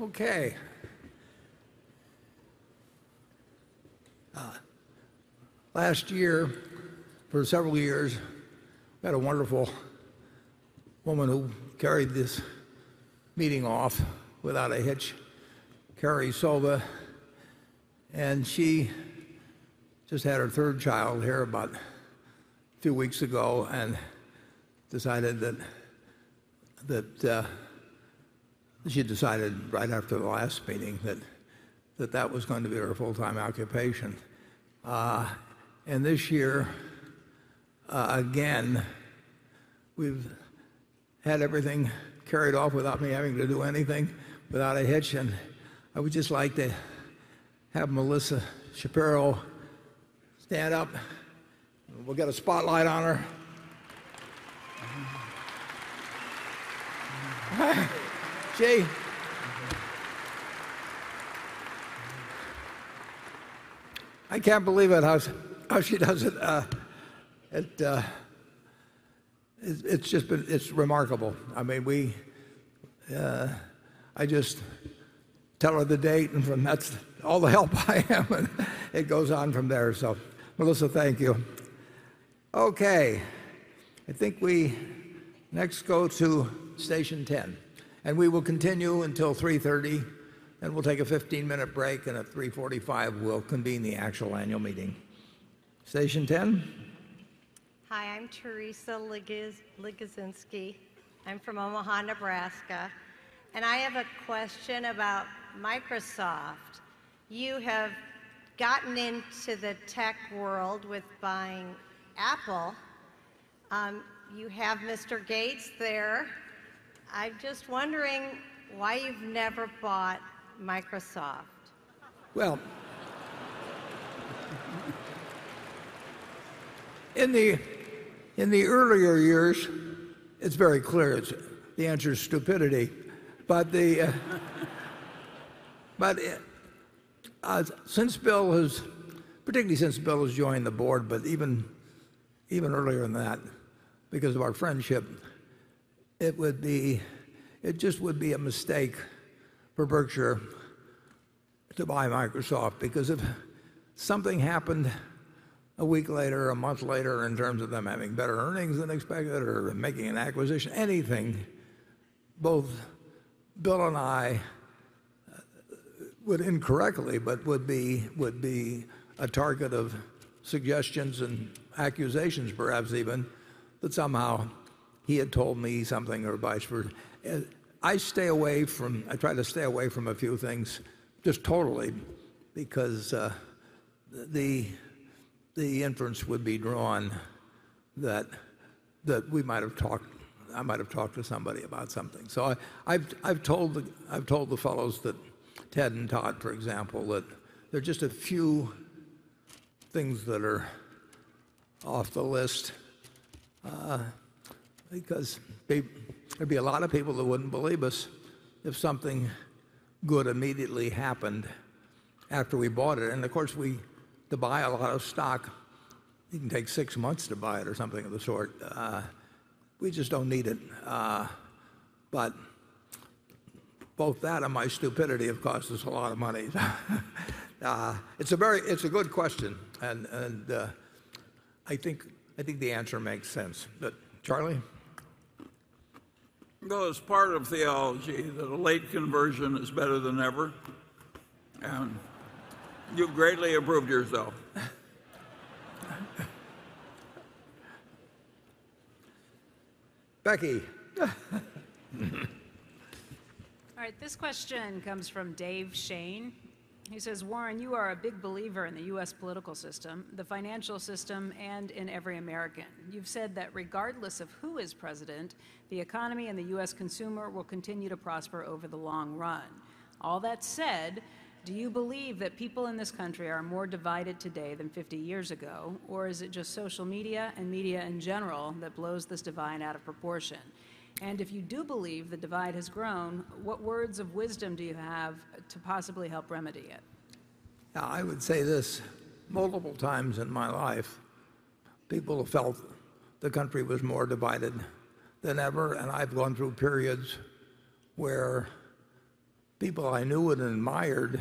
Okay. Last year, for several years, we had a wonderful woman who carried this meeting off without a hitch, Carrie Sova. She just had her third child here about 2 weeks ago, and she decided right after the last meeting that that was going to be her full-time occupation. This year, again, we've had everything carried off without me having to do anything, without a hitch, and I would just like to have Melissa Shapiro stand up. We'll get a spotlight on her. Gee. I can't believe it, how she does it. It's remarkable. I just tell her the date, and that's all the help I am and it goes on from there. Melissa, thank you. Okay. I think we next go to station 10, and we will continue until 3:30 P.M., then we'll take a 15-minute break, and at 3:45 P.M., we'll convene the actual annual meeting. Station 10? Hi, I'm Theresa Lukasinski. I'm from Omaha, Nebraska, and I have a question about Microsoft. You have gotten into the tech world with buying Apple. You have Mr. Gates there. I'm just wondering why you've never bought Microsoft. In the earlier years, it's very clear. The answer is stupidity. Particularly since Bill has joined the board, but even earlier than that because of our friendship, it just would be a mistake for Berkshire to buy Microsoft because if something happened 1 week later, 1 month later in terms of them having better earnings than expected or making an acquisition, anything, both Bill and I would incorrectly, but would be a target of suggestions and accusations perhaps even, that somehow he had told me something or vice versa. I try to stay away from a few things just totally because the inference would be drawn that I might have talked to somebody about something. I've told the fellows, Ted and Todd, for example, that there are just a few things that are off the list, because there'd be a lot of people that wouldn't believe us if something good immediately happened after we bought it. Of course, to buy a lot of stock, it can take 6 months to buy it or something of the sort. We just don't need it. Both that and my stupidity have cost us a lot of money. It's a good question, and I think the answer makes sense. Charlie? Well, it's part of theology that a late conversion is better than ever. You greatly improved yourself. Becky. All right. This question comes from Dave Shane. He says: Warren, you are a big believer in the U.S. political system, the financial system, and in every American. You've said that regardless of who is president, the economy and the U.S. consumer will continue to prosper over the long run. All that said, do you believe that people in this country are more divided today than 50 years ago? Is it just social media and media in general that blows this divide out of proportion? If you do believe the divide has grown, what words of wisdom do you have to possibly help remedy it? I would say this. Multiple times in my life, people have felt the country was more divided than ever, I've gone through periods where people I knew and admired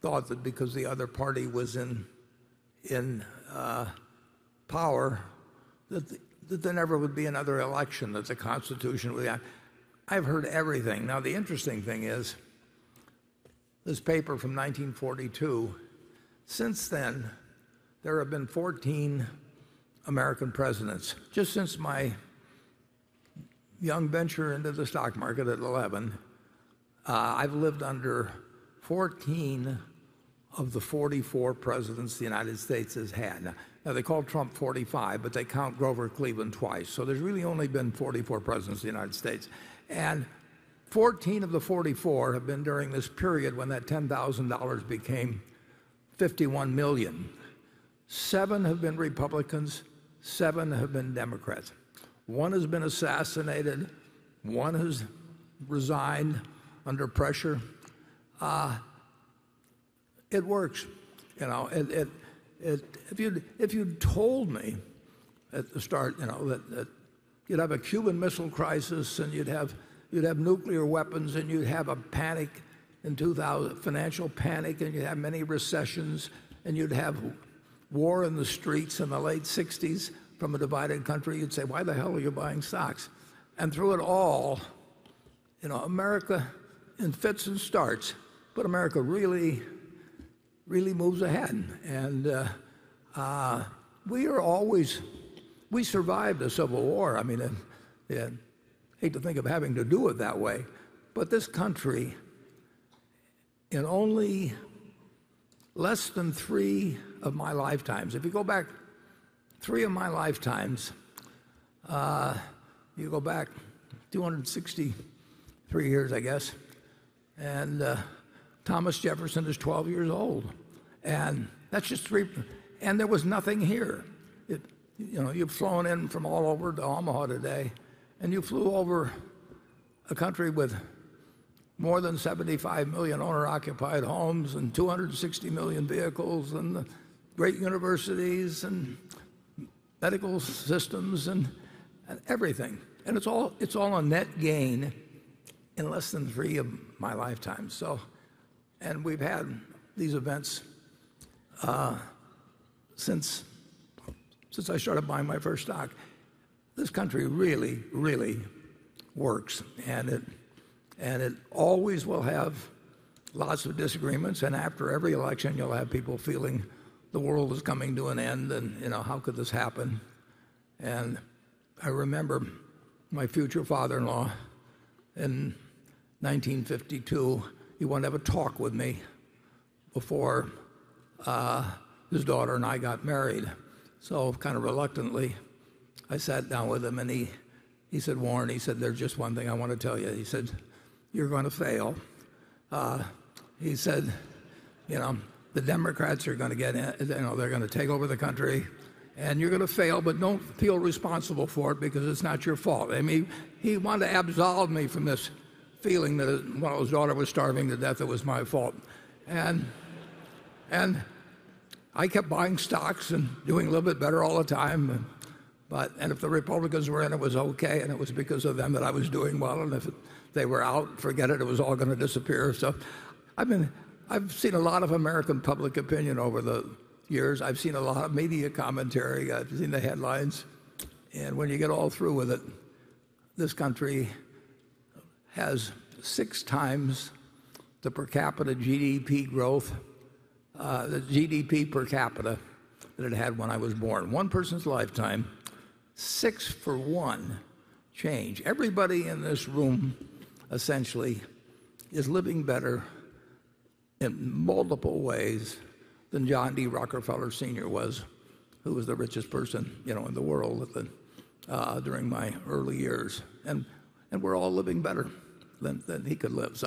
thought that because the other party was in power, that there never would be another election, that the Constitution would I've heard everything. The interesting thing is this paper from 1942, since then, there have been 14 American presidents. Just since my young venture into the stock market at 11, I've lived under 14 of the 44 presidents the United States has had. They call Trump 45, but they count Grover Cleveland twice. There's really only been 44 presidents of the United States, and 14 of the 44 have been during this period when that $10,000 became $51 million. Seven have been Republicans, seven have been Democrats. One has been assassinated, one has resigned under pressure. It works. If you'd told me at the start that you'd have a Cuban missile crisis, and you'd have nuclear weapons, and you'd have a financial panic, and you'd have many recessions, and you'd have war in the streets in the late '60s from a divided country, you'd say, "Why the hell are you buying stocks?" Through it all, America, in fits and starts, but America really moves ahead. We survived a civil war. I hate to think of having to do it that way, but this country, in only less than three of my lifetimes. If you go back three of my lifetimes, you go back 263 years, I guess, and Thomas Jefferson is 12 years old. That's just three. There was nothing here. You've flown in from all over to Omaha today, and you flew over a country with more than 75 million owner-occupied homes, and 260 million vehicles, and great universities, and medical systems, and everything. It's all a net gain in less than three of my lifetimes. We've had these events since I started buying my first stock. This country really works. It always will have lots of disagreements, and after every election, you'll have people feeling the world is coming to an end, and how could this happen? I remember my future father-in-law in 1952, he wanted to have a talk with me before his daughter and I got married. Kind of reluctantly, I sat down with him and he said, "Warren," he said, "there's just one thing I want to tell you." He said, "You're going to fail." He said, "The Democrats, they're going to take over the country, and you're going to fail, but don't feel responsible for it because it's not your fault." He wanted to absolve me from this feeling that when his daughter was starving to death, it was my fault. I kept buying stocks and doing a little bit better all the time. If the Republicans were in, it was okay, and it was because of them that I was doing well. If they were out, forget it was all going to disappear. I've seen a lot of American public opinion over the years. I've seen a lot of media commentary. I've seen the headlines. When you get all through with it, this country has six times the GDP per capita than it had when I was born. One person's lifetime, six for one change. Everybody in this room, essentially, is living better in multiple ways than John D. Rockefeller Sr. was, who was the richest person in the world during my early years. We're all living better than he could live.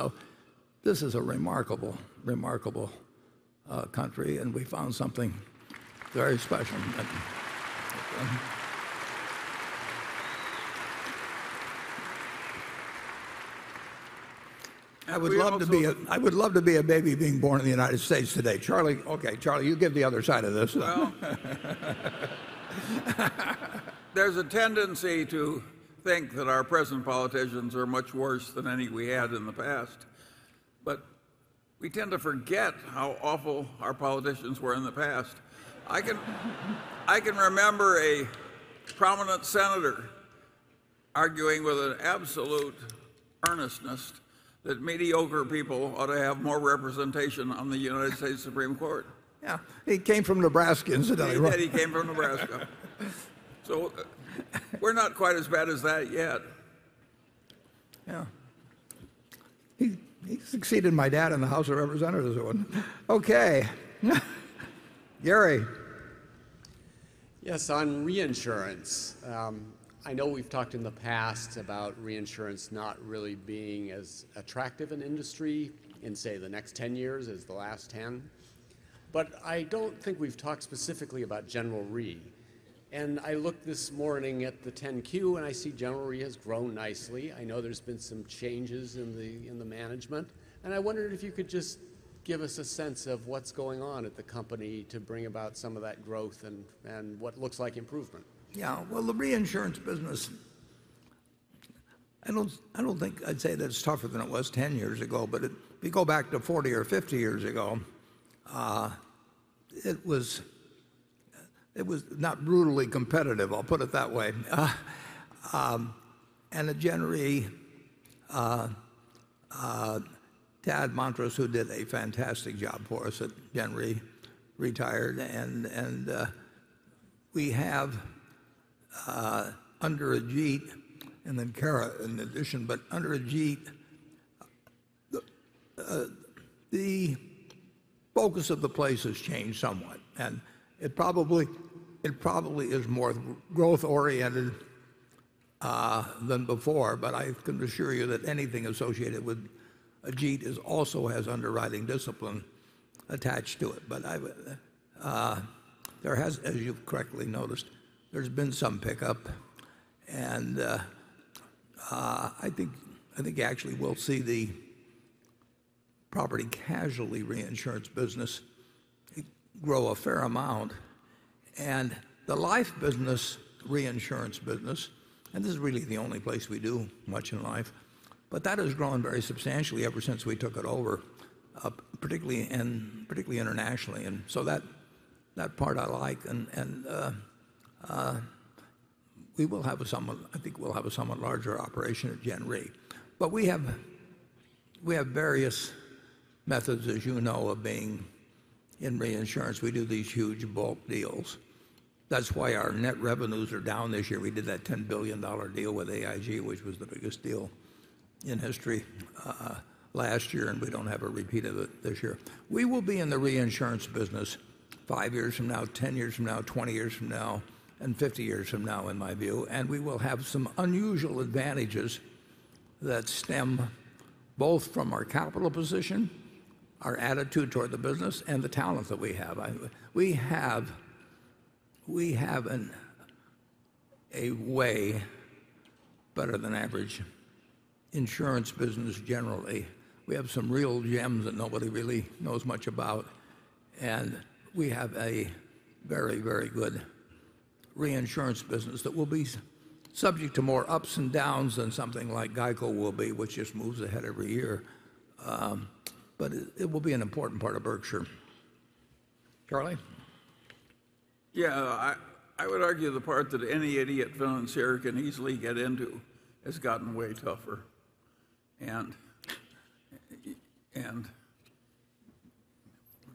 This is a remarkable country, and we found something very special. I would love to be a baby being born in the United States today. Charlie, okay, Charlie, you give the other side of this. There's a tendency to think that our present politicians are much worse than any we had in the past. We tend to forget how awful our politicians were in the past. I can remember a prominent senator arguing with an absolute earnestness that mediocre people ought to have more representation on the United States Supreme Court. Yeah. He came from Nebraska, incidentally, right? He did. He came from Nebraska. We're not quite as bad as that yet. Yeah. He succeeded my dad in the House of Representatives. Okay. Gary. Yes, on reinsurance. I know we've talked in the past about reinsurance not really being as attractive an industry in, say, the next 10 years as the last 10. I don't think we've talked specifically about General Re. I looked this morning at the 10-Q. I see General Re has grown nicely. I know there's been some changes in the management. I wondered if you could just give us a sense of what's going on at the company to bring about some of that growth and what looks like improvement. Yeah. Well, the reinsurance business, I don't think I'd say that it's tougher than it was 10 years ago. If you go back to 40 or 50 years ago, it was not brutally competitive, I'll put it that way. At General Re, Tad Montross, who did a fantastic job for us at General Re, retired. We have under Ajit, and then [Cara] in addition, the focus of the place has changed somewhat. It probably is more growth oriented than before. I can assure you that anything associated with Ajit also has underwriting discipline attached to it. As you've correctly noticed, there's been some pickup. I think actually we'll see the property casualty reinsurance business grow a fair amount. The life business reinsurance business, this is really the only place we do much in life. That has grown very substantially ever since we took it over, particularly internationally. That part I like. I think we'll have a somewhat larger operation at Gen Re. We have various methods, as you know, of being in reinsurance. We do these huge bulk deals. That's why our net revenues are down this year. We did that $10 billion deal with AIG, which was the biggest deal in history last year. We don't have a repeat of it this year. We will be in the reinsurance business 5 years from now, 10 years from now, 20 years from now, and 50 years from now, in my view. We will have some unusual advantages that stem both from our capital position, our attitude toward the business, and the talent that we have. We have a way better than average insurance business generally. We have some real gems that nobody really knows much about. We have a very, very good reinsurance business that will be subject to more ups and downs than something like GEICO will be, which just moves ahead every year. It will be an important part of Berkshire. Charlie? I would argue the part that any idiot value investor can easily get into has gotten way tougher.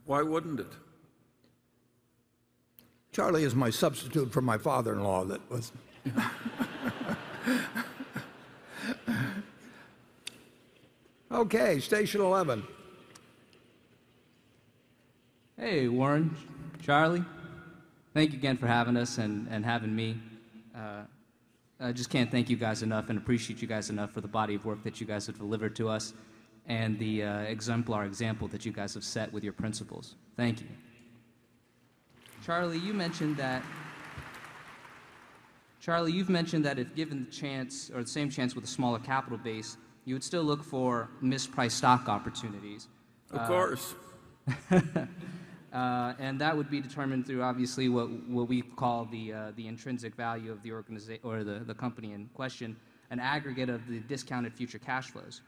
Why wouldn't it? Charlie is my substitute for my father-in-law. Hey, Warren, Charlie. Thank you again for having us and having me. I just can't thank you guys enough and appreciate you guys enough for the body of work that you guys have delivered to us and the exemplar example that you guys have set with your principles. Thank you. Charlie, you've mentioned that if given the chance or the same chance with a smaller capital base, you would still look for mispriced stock opportunities. Of course. That would be determined through obviously what we call the intrinsic value of the company in question, an aggregate of the discounted future cash flows.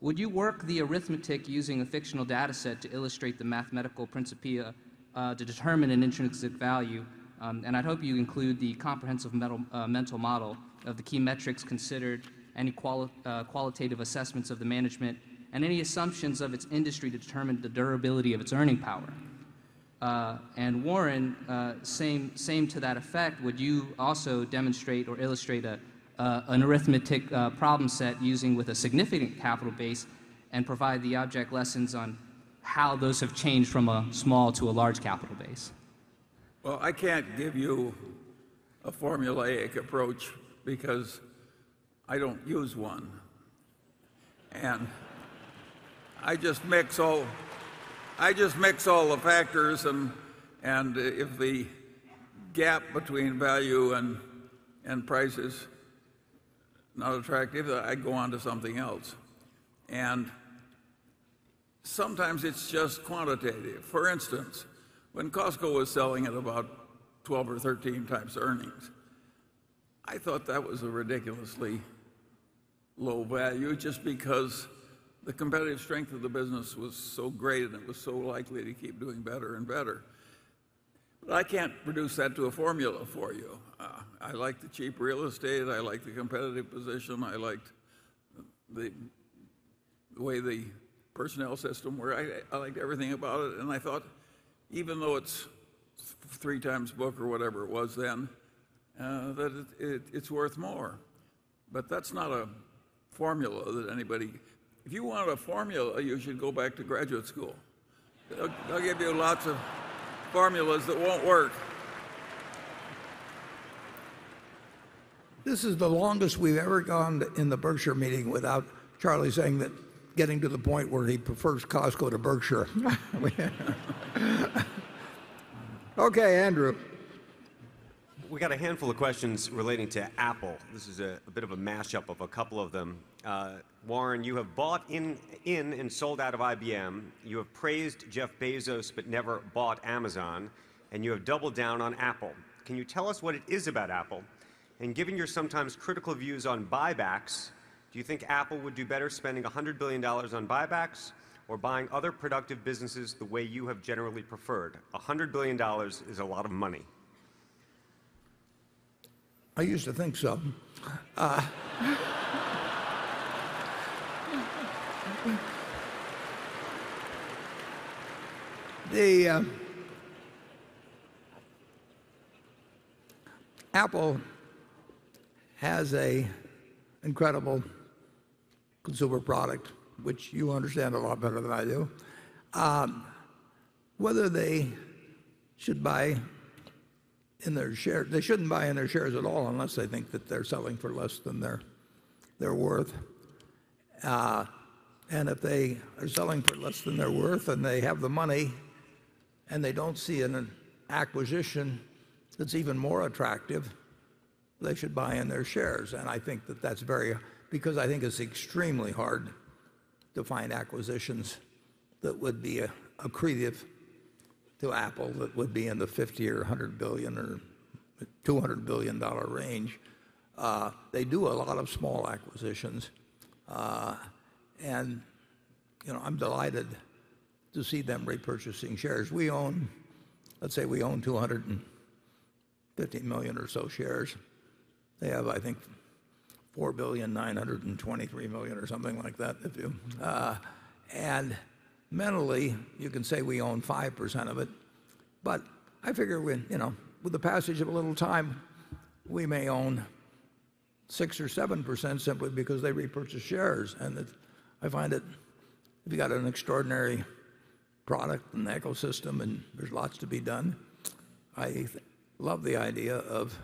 Would you work the arithmetic using a fictional data set to illustrate the mathematical principia to determine an intrinsic value? I'd hope you include the comprehensive mental model of the key metrics considered, any qualitative assessments of the management, and any assumptions of its industry to determine the durability of its earning power. Warren, same to that effect. Would you also demonstrate or illustrate an arithmetic problem set using with a significant capital base and provide the object lessons on how those have changed from a small to a large capital base? I can't give you a formulaic approach because I don't use one. I just mix all the factors and if the gap between value and price is not attractive, I go on to something else. Sometimes it's just quantitative. For instance, when Costco was selling at about 12 or 13 times earnings, I thought that was a ridiculously low value just because the competitive strength of the business was so great and it was so likely to keep doing better and better. I can't reduce that to a formula for you. I liked the cheap real estate. I liked the competitive position. I liked the way the personnel system worked. I liked everything about it, and I thought even though it's three times book or whatever it was then, that it's worth more. That's not a formula that anybody. If you want a formula, you should go back to graduate school. They'll give you lots of formulas that won't work. This is the longest we've ever gone in the Berkshire meeting without Charlie saying that getting to the point where he prefers Costco to Berkshire. Okay, Andrew. We got a handful of questions relating to Apple. This is a bit of a mashup of a couple of them. Warren, you have bought in and sold out of IBM. You have praised Jeff Bezos, but never bought Amazon, and you have doubled down on Apple. Can you tell us what it is about Apple? Given your sometimes critical views on buybacks, do you think Apple would do better spending $100 billion on buybacks or buying other productive businesses the way you have generally preferred? $100 billion is a lot of money. I used to think so. Apple has a incredible consumer product, which you understand a lot better than I do. They shouldn't buy in their shares at all unless they think that they're selling for less than they're worth. If they are selling for less than they're worth and they have the money, and they don't see an acquisition that's even more attractive, they should buy in their shares. I think it's extremely hard to find acquisitions that would be accretive to Apple, that would be in the $50 billion or $100 billion or $200 billion range. They do a lot of small acquisitions. I'm delighted to see them repurchasing shares. Let's say we own 250 million or so shares. They have, I think, 4.923 billion or something like that. Mentally, you can say we own 5% of it, but I figure with the passage of a little time, we may own 6% or 7%, simply because they repurchase shares. They got an extraordinary product and ecosystem, and there's lots to be done. I love the idea of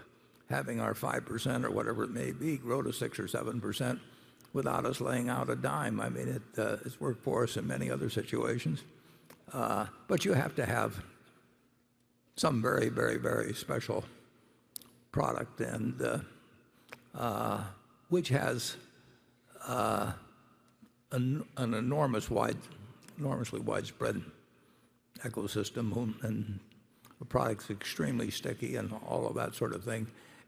having our 5% or whatever it may be, grow to 6% or 7% without us laying out a dime. It's worked for us in many other situations. You have to have some very special product, which has an enormously widespread ecosystem, and the product's extremely sticky and all of that sort of thing.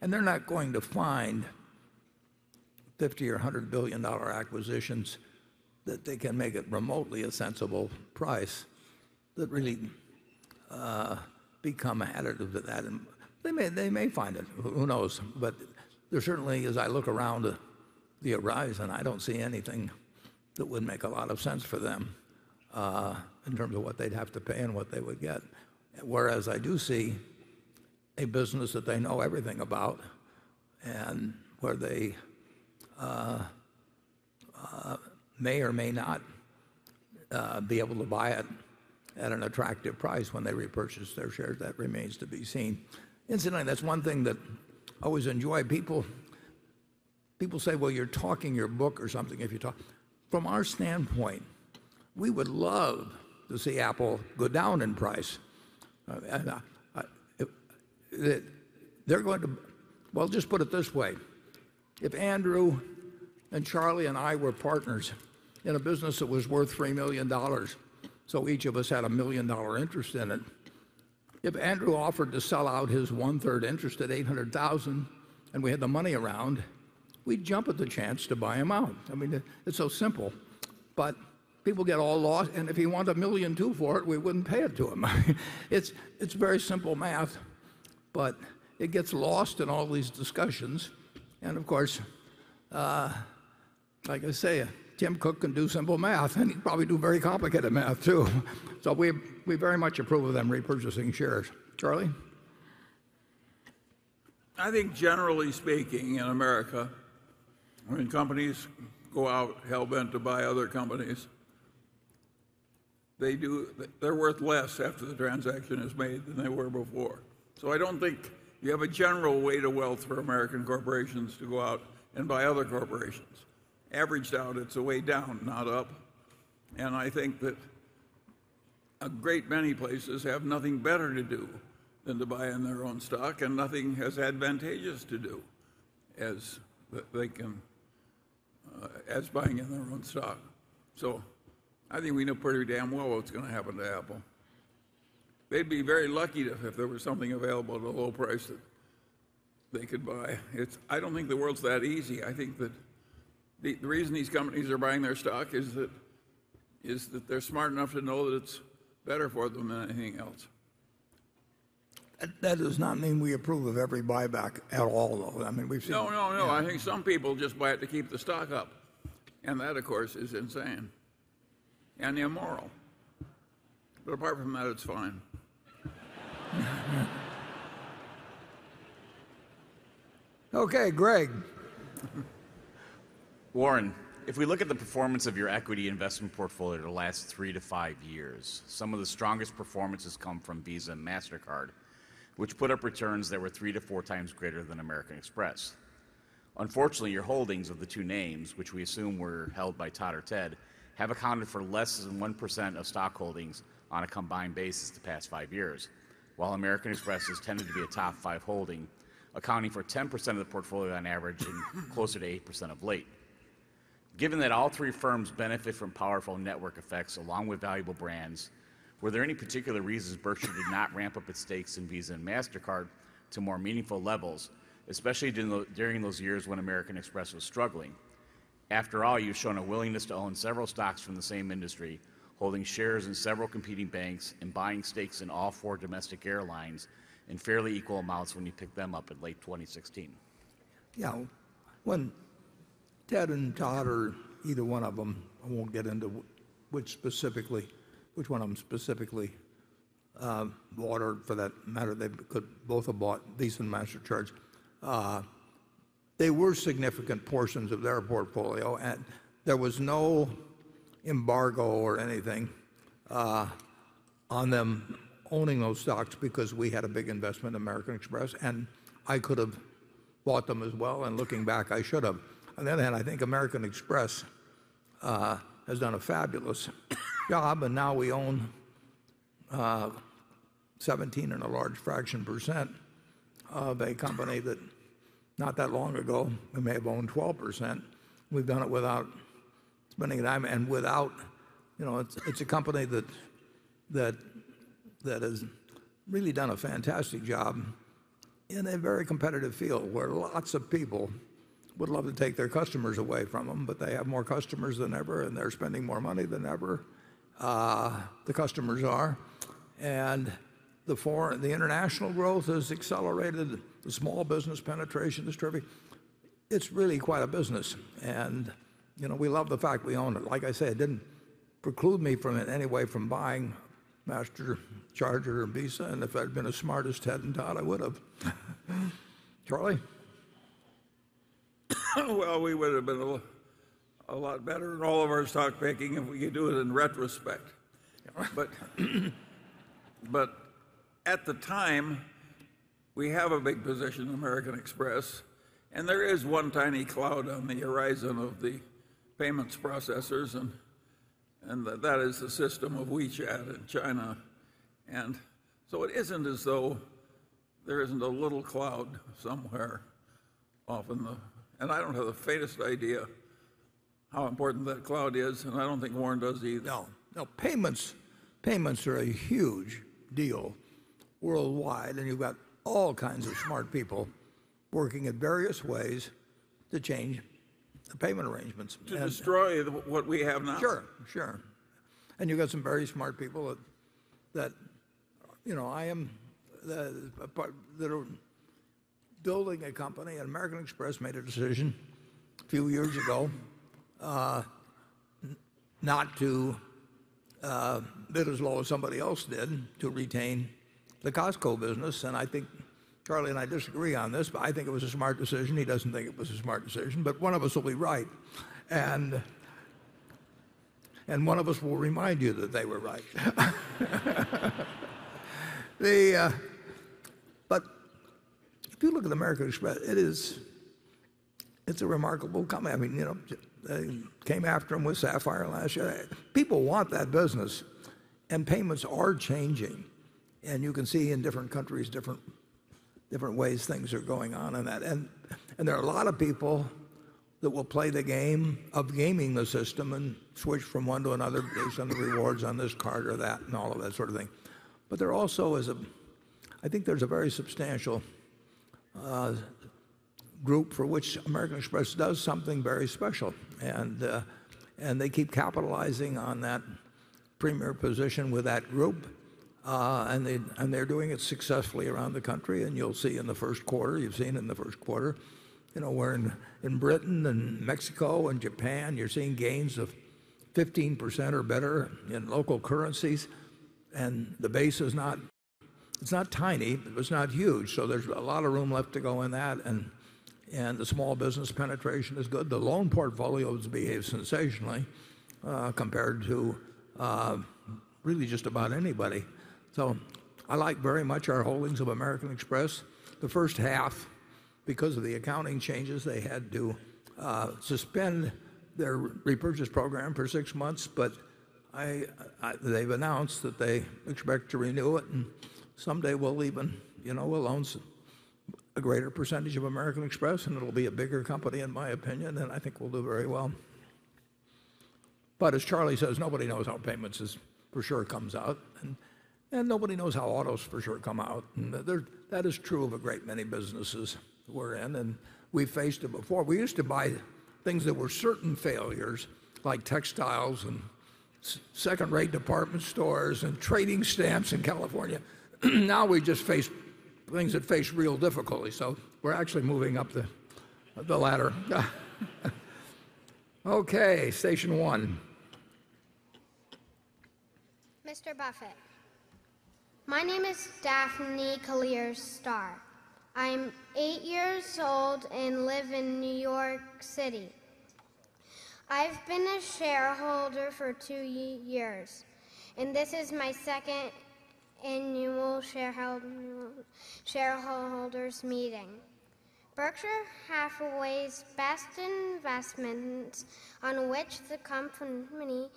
They're not going to find $50 billion or $100 billion acquisitions that they can make at remotely a sensible price that really become additive to that. They may find it, who knows? There certainly, as I look around the horizon, I don't see anything that would make a lot of sense for them, in terms of what they'd have to pay and what they would get. Whereas I do see a business that they know everything about, and where they may or may not be able to buy it at an attractive price when they repurchase their shares. That remains to be seen. Incidentally, that's one thing that I always enjoy. People say, "Well, you're talking your book or something if you talk" From our standpoint, we would love to see Apple go down in price. Well, just put it this way. If Andrew and Charlie and I were partners in a business that was worth $3 million, so each of us had a $1 million interest in it, if Andrew offered to sell out his one-third interest at $800,000 and we had the money around, we'd jump at the chance to buy him out. It's so simple, but people get all lost. If he wanted $1.2 million for it, we wouldn't pay it to him. It's very simple math, but it gets lost in all these discussions. Of course, like I say, Tim Cook can do simple math, and he can probably do very complicated math, too. We very much approve of them repurchasing shares. Charlie? I think generally speaking in America, when companies go out hell-bent to buy other companies, they're worth less after the transaction is made than they were before. I don't think you have a general way to wealth for American corporations to go out and buy other corporations. Averaged out, it's a way down, not up. I think that a great many places have nothing better to do than to buy in their own stock, and nothing as advantageous to do as buying in their own stock. I think we know pretty damn well what's going to happen to Apple. They'd be very lucky if there was something available at a low price that they could buy. I don't think the world's that easy. I think that the reason these companies are buying their stock is that they're smart enough to know that it's better for them than anything else. That does not mean we approve of every buyback at all, though. No. I think some people just buy it to keep the stock up, that of course, is insane and immoral. Apart from that, it's fine. Okay, Greg. Warren, if we look at the performance of your equity investment portfolio the last 3-5 years, some of the strongest performances come from Visa and Mastercard, which put up returns that were 3-4 times greater than American Express. Unfortunately, your holdings of the two names, which we assume were held by Todd or Ted, have accounted for less than 1% of stock holdings on a combined basis the past five years, while American Express has tended to be a top five holding, accounting for 10% of the portfolio on average and closer to 8% of late. Given that all three firms benefit from powerful network effects along with valuable brands, were there any particular reasons Berkshire did not ramp up its stakes in Visa and Mastercard to more meaningful levels, especially during those years when American Express was struggling? After all, you've shown a willingness to own several stocks from the same industry, holding shares in several competing banks and buying stakes in all four domestic airlines in fairly equal amounts when you picked them up in late 2016. Yeah. When Ted and Todd or either one of them, I won't get into which one of them specifically bought, or for that matter, they could both have bought Visa and Mastercard. They were significant portions of their portfolio, and there was no embargo or anything on them owning those stocks because we had a big investment in American Express, and I could have bought them as well, and looking back, I should have. On the other hand, I think American Express has done a fabulous job, and now we own 17 and a large fraction percent of a company that not that long ago we may have owned 12%. We've done it without spending a dime, it's a company that has really done a fantastic job in a very competitive field, where lots of people would love to take their customers away from them, but they have more customers than ever, and they're spending more money than ever, the customers are. The international growth has accelerated. The small business penetration is terrific. It's really quite a business, and we love the fact we own it. Like I say, it didn't preclude me from it in any way from buying Master Charge or Visa, and if I'd been a smarter Ted and Todd, I would have. Charlie? Well, we would have been a lot better in all of our stock picking if we could do it in retrospect. Yeah, right. At the time, we have a big position in American Express, there is one tiny cloud on the horizon of the payments processors, and that is the system of WeChat in China. It isn't as though there isn't a little cloud somewhere off in the. I don't have the faintest idea how important that cloud is, and I don't think Warren does either. No. Payments are a huge deal worldwide, and you've got all kinds of smart people working in various ways to change the payment arrangements. To destroy what we have now. Sure. You've got some very smart people that are building a company, and American Express made a decision a few years ago not to bid as low as somebody else did to retain the Costco business. I think Charlie and I disagree on this, but I think it was a smart decision. He doesn't think it was a smart decision, but one of us will be right. One of us will remind you that they were right. If you look at American Express, it's a remarkable company. They came after them with Sapphire last year. People want that business, and payments are changing. You can see in different countries, different ways things are going on in that. There are a lot of people that will play the game of gaming the system and switch from one to another based on the rewards on this card or that and all of that sort of thing. There also is a very substantial group for which American Express does something very special, and they keep capitalizing on that premier position with that group. They're doing it successfully around the country, and you'll see in the first quarter, you've seen in the first quarter, where in Britain and Mexico and Japan, you're seeing gains of 15% or better in local currencies. The base is not tiny, but it's not huge, so there's a lot of room left to go in that, and the small business penetration is good. The loan portfolio has behaved sensationally compared to really just about anybody. I like very much our holdings of American Express. The first half, because of the accounting changes, they had to suspend their repurchase program for six months, but they've announced that they expect to renew it. Someday we'll own a greater percentage of American Express, and it'll be a bigger company, in my opinion, and I think we'll do very well. As Charlie says, nobody knows how payments for sure comes out, and nobody knows how autos for sure come out, and that is true of a great many businesses we're in, and we've faced it before. We used to buy things that were certain failures, like textiles and second-rate department stores and trading stamps in California. Now we just face things that face real difficulty, so we're actually moving up the ladder. Okay, station one. Mr. Buffett, my name is [Daphne Callear Star]. I'm eight years old and live in New York City. I've been a shareholder for two years, and this is my second annual shareholders' meeting. Berkshire Hathaway's best investments on which the company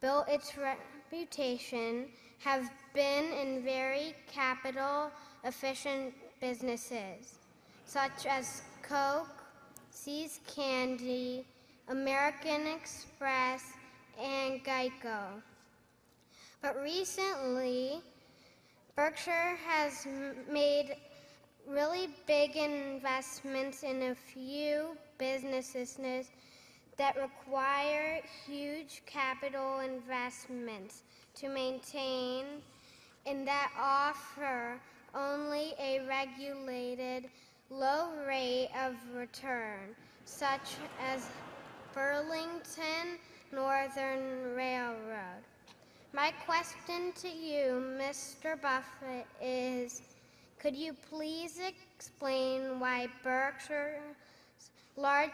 built its reputation have been in very capital-efficient businesses, such as Coke, See's Candies, American Express, and GEICO. Recently, Berkshire has made really big investments in a few businesses that require huge capital investments to maintain and that offer only a regulated low rate of return, such as Burlington Northern Railroad. My question to you, Mr. Buffett, is could you please explain why Berkshire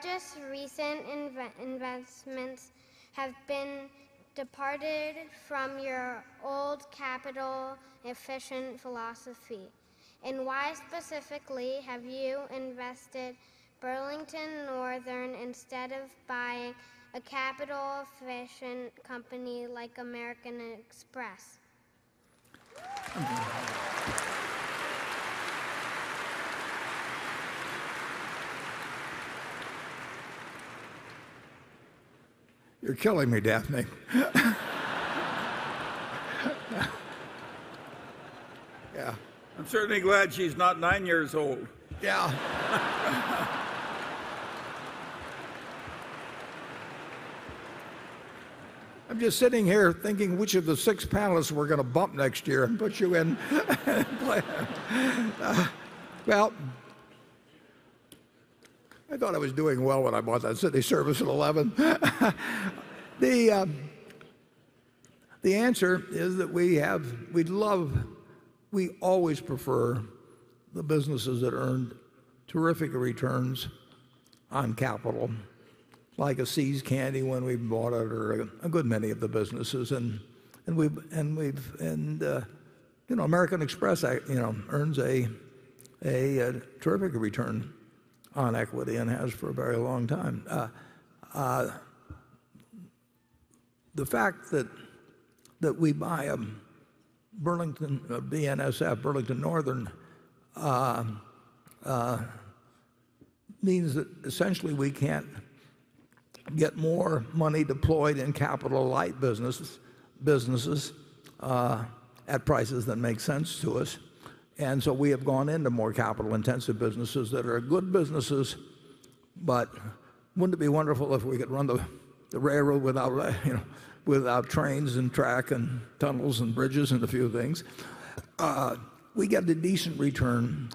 Just recent investments have been departed from your old capital efficient philosophy. Why specifically have you invested Burlington Northern instead of buying a capital efficient company like American Express? You're killing me, Daphne. Yeah. I'm certainly glad she's not nine years old. Yeah. I'm just sitting here thinking which of the six panelists we're going to bump next year and put you in their place. I thought I was doing well when I bought that Cities Service at 11. The answer is that we always prefer the businesses that earned terrific returns on capital, like a See's Candies when we bought it, or a good many of the businesses. American Express earns a terrific return on equity and has for a very long time. The fact that we buy a BNSF, Burlington Northern Railroad, means that essentially we can't get more money deployed in capital light businesses at prices that make sense to us. We have gone into more capital intensive businesses that are good businesses, but wouldn't it be wonderful if we could run the railroad without trains and track and tunnels and bridges and a few things? We get a decent return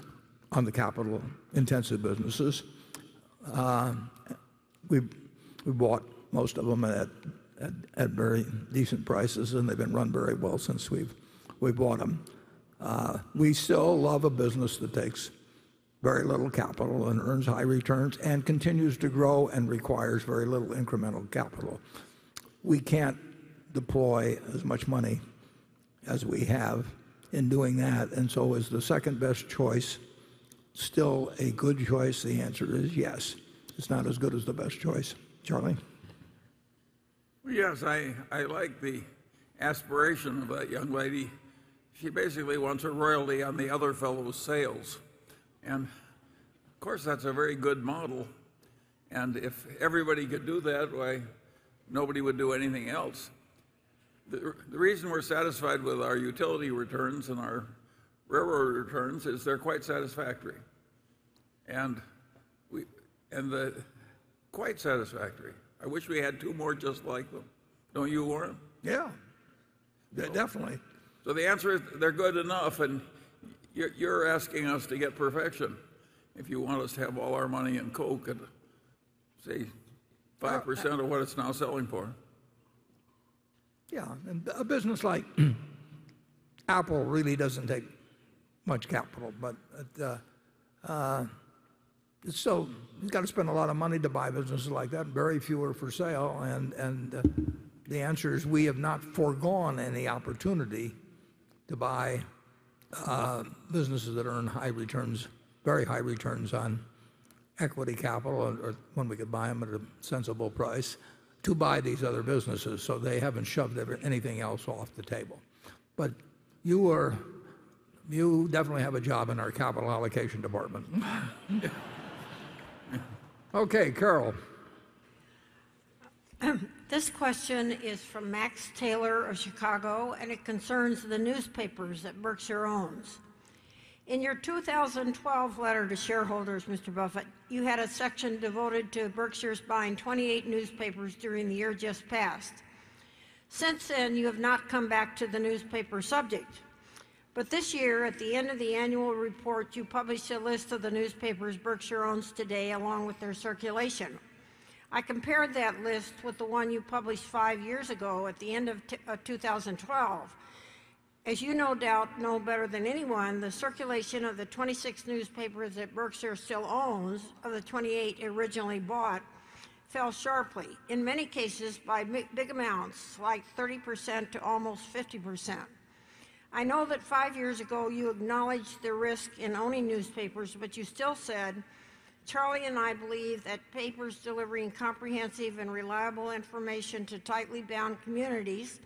on the capital intensive businesses. We bought most of them at very decent prices, and they've been run very well since we've bought them. We still love a business that takes very little capital and earns high returns and continues to grow and requires very little incremental capital. We can't deploy as much money as we have in doing that. Is the second-best choice still a good choice? The answer is yes. It's not as good as the best choice. Charlie? Yes, I like the aspiration of that young lady. She basically wants a royalty on the other fellow's sales. Of course, that's a very good model, and if everybody could do that, why, nobody would do anything else. The reason we're satisfied with our utility returns and our railroad returns is they're quite satisfactory. Quite satisfactory. I wish we had two more just like them. Don't you, Warren? Yeah. Definitely. The answer is they're good enough, and you're asking us to get perfection if you want us to have all our money in Coke at, say, 5% of what it's now selling for. Yeah. A business like Apple really doesn't take much capital. You got to spend a lot of money to buy businesses like that. Very few are for sale, and the answer is we have not foregone any opportunity to buy businesses that earn very high returns on equity capital, or when we could buy them at a sensible price to buy these other businesses. They haven't shoved anything else off the table. You definitely have a job in our capital allocation department. Okay, Carol. This question is from Max Taylor of Chicago, and it concerns the newspapers that Berkshire owns. In your 2012 letter to shareholders, Mr. Buffett, you had a section devoted to Berkshire's buying 28 newspapers during the year just passed. Since then, you have not come back to the newspaper subject. This year, at the end of the annual report, you published a list of the newspapers Berkshire owns today, along with their circulation. I compared that list with the one you published five years ago at the end of 2012. As you no doubt know better than anyone, the circulation of the 26 newspapers that Berkshire still owns of the 28 it originally bought fell sharply, in many cases by big amounts, like 30% to almost 50%. I know that five years ago you acknowledged the risk in owning newspapers, but you still said, "Charlie and I believe that papers delivering comprehensive and reliable information to tightly bound communities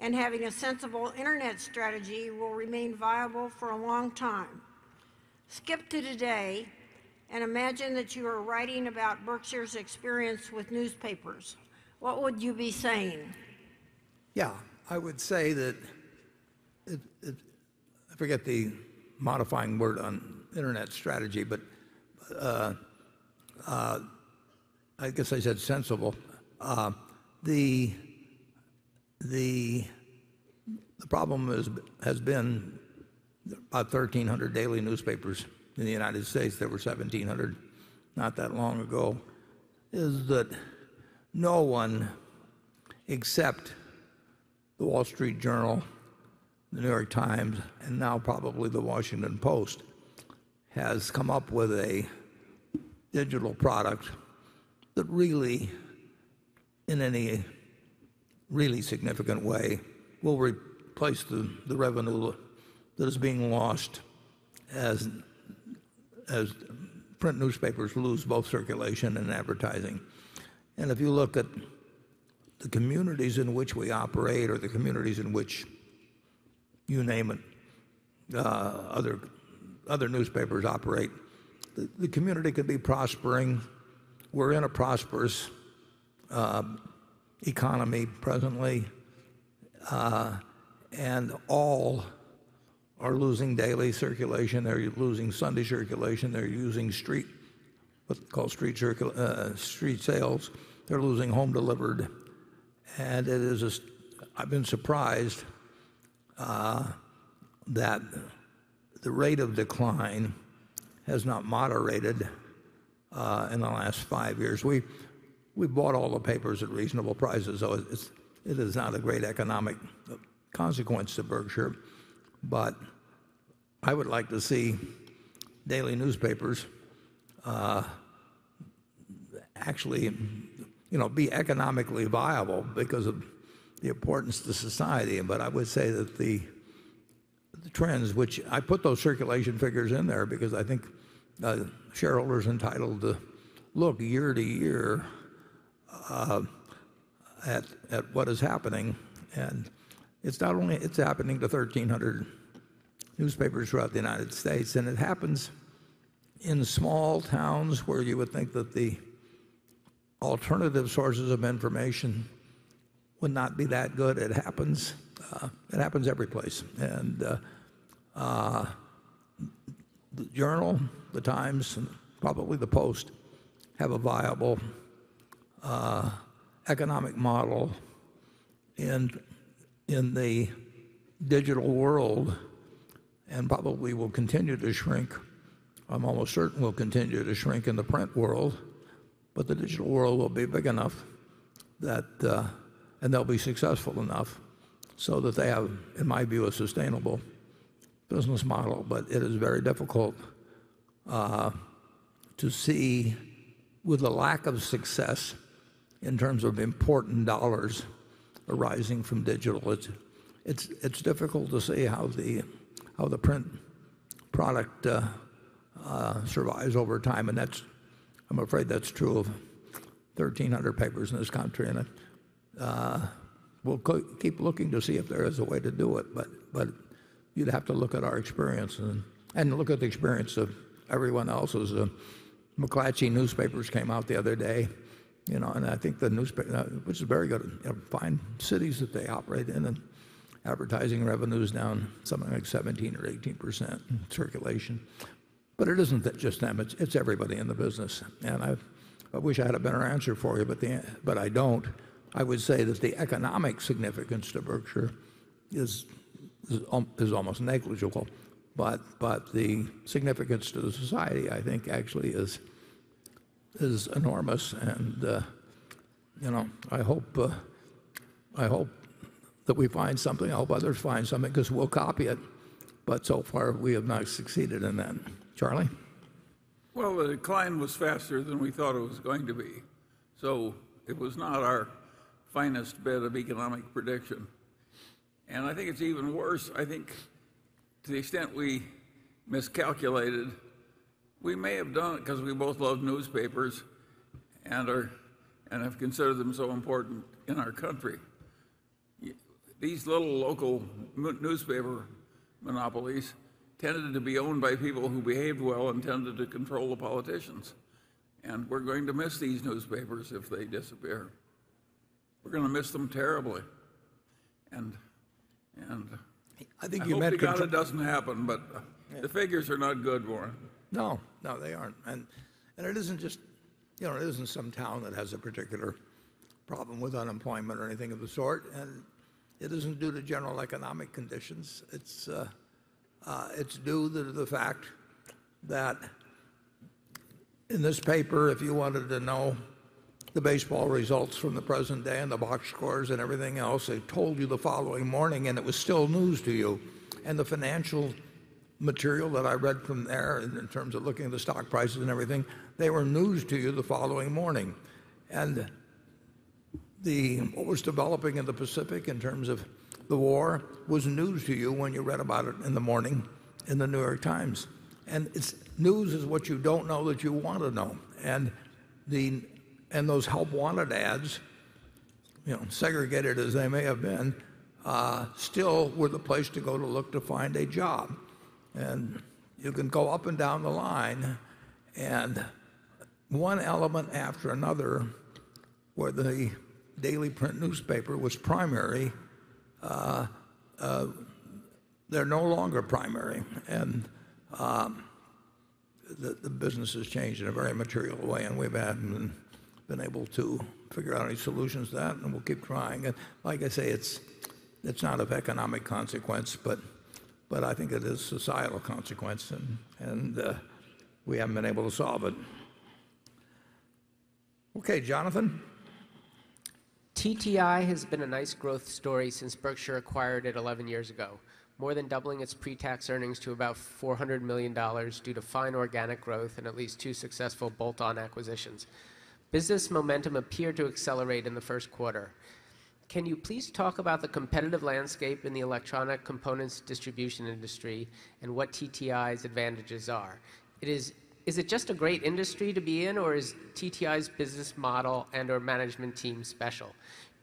and having a sensible internet strategy will remain viable for a long time." Skip to today and imagine that you are writing about Berkshire's experience with newspapers. What would you be saying? Yeah. I would say that I forget the modifying word on internet strategy, but I guess I said sensible. The problem has been about 1,300 daily newspapers in the United States, there were 1,700 not that long ago, is that no one except The Wall Street Journal, The New York Times, and now probably The Washington Post, have come up with a digital product that really, in any really significant way, will replace the revenue that is being lost as print newspapers lose both circulation and advertising. If you look at the communities in which we operate or the communities in which, you name it, other newspapers operate, the community could be prospering. We're in a prosperous economy presently, and all are losing daily circulation. They're losing Sunday circulation. They're losing what they call street sales. They're losing home delivered. I've been surprised that the rate of decline has not moderated in the last five years. We bought all the papers at reasonable prices, so it is not of great economic consequence to Berkshire. I would like to see daily newspapers actually be economically viable because of the importance to society. I would say that the trends which I put those circulation figures in there because I think shareholders are entitled to look year to year at what is happening, and it's happening to 1,300 newspapers throughout the United States. It happens in small towns where you would think that the alternative sources of information would not be that good. It happens every place. The Journal, The Times, and probably The Post have a viable economic model in the digital world, and probably will continue to shrink. I'm almost certain will continue to shrink in the print world, but the digital world will be big enough, and they'll be successful enough so that they have, in my view, a sustainable business model. It is very difficult to see, with the lack of success in terms of important dollars arising from digital, it's difficult to see how the print product survives over time, and I'm afraid that's true of 1,300 papers in this country. We'll keep looking to see if there is a way to do it, but you'd have to look at our experience and look at the experience of everyone else's. McClatchy newspapers came out the other day, which is very good, fine cities that they operate in, and advertising revenue is down something like 17% or 18% in circulation. It isn't just them. It's everybody in the business. I wish I had a better answer for you, but I don't. I would say that the economic significance to Berkshire is almost negligible, but the significance to the society, I think, actually is enormous. I hope that we find something. I hope others find something because we'll copy it. So far, we have not succeeded in that. Charlie? The decline was faster than we thought it was going to be, so it was not our finest bit of economic prediction. I think it's even worse, to the extent we miscalculated, we may have done it because we both love newspapers and have considered them so important in our country. These little local newspaper monopolies tended to be owned by people who behaved well and tended to control the politicians. We're going to miss these newspapers if they disappear. We're going to miss them terribly. I think you hope. May to God it doesn't happen, but the figures are not good, Warren. No, they aren't. It isn't some town that has a particular problem with unemployment or anything of the sort. It isn't due to general economic conditions. It's due to the fact that in this paper, if you wanted to know the baseball results from the present day and the box scores and everything else, they told you the following morning, and it was still news to you. The financial material that I read from there in terms of looking at the stock prices and everything, they were news to you the following morning. What was developing in the Pacific in terms of the war was news to you when you read about it in the morning in The New York Times. News is what you don't know that you want to know. Those help wanted ads, segregated as they may have been, still were the place to go to look to find a job. You can go up and down the line and one element after another where the daily print newspaper was primary, they're no longer primary. The business has changed in a very material way, and we haven't been able to figure out any solutions to that, and we'll keep trying. Like I say, it's not of economic consequence, but I think it is societal consequence, and we haven't been able to solve it. Okay, Jonathan. TTI has been a nice growth story since Berkshire acquired it 11 years ago, more than doubling its pre-tax earnings to about $400 million due to fine organic growth and at least two successful bolt-on acquisitions. Business momentum appeared to accelerate in the first quarter. Can you please talk about the competitive landscape in the electronic components distribution industry and what TTI's advantages are? Is it just a great industry to be in, or is TTI's business model and/or management team special?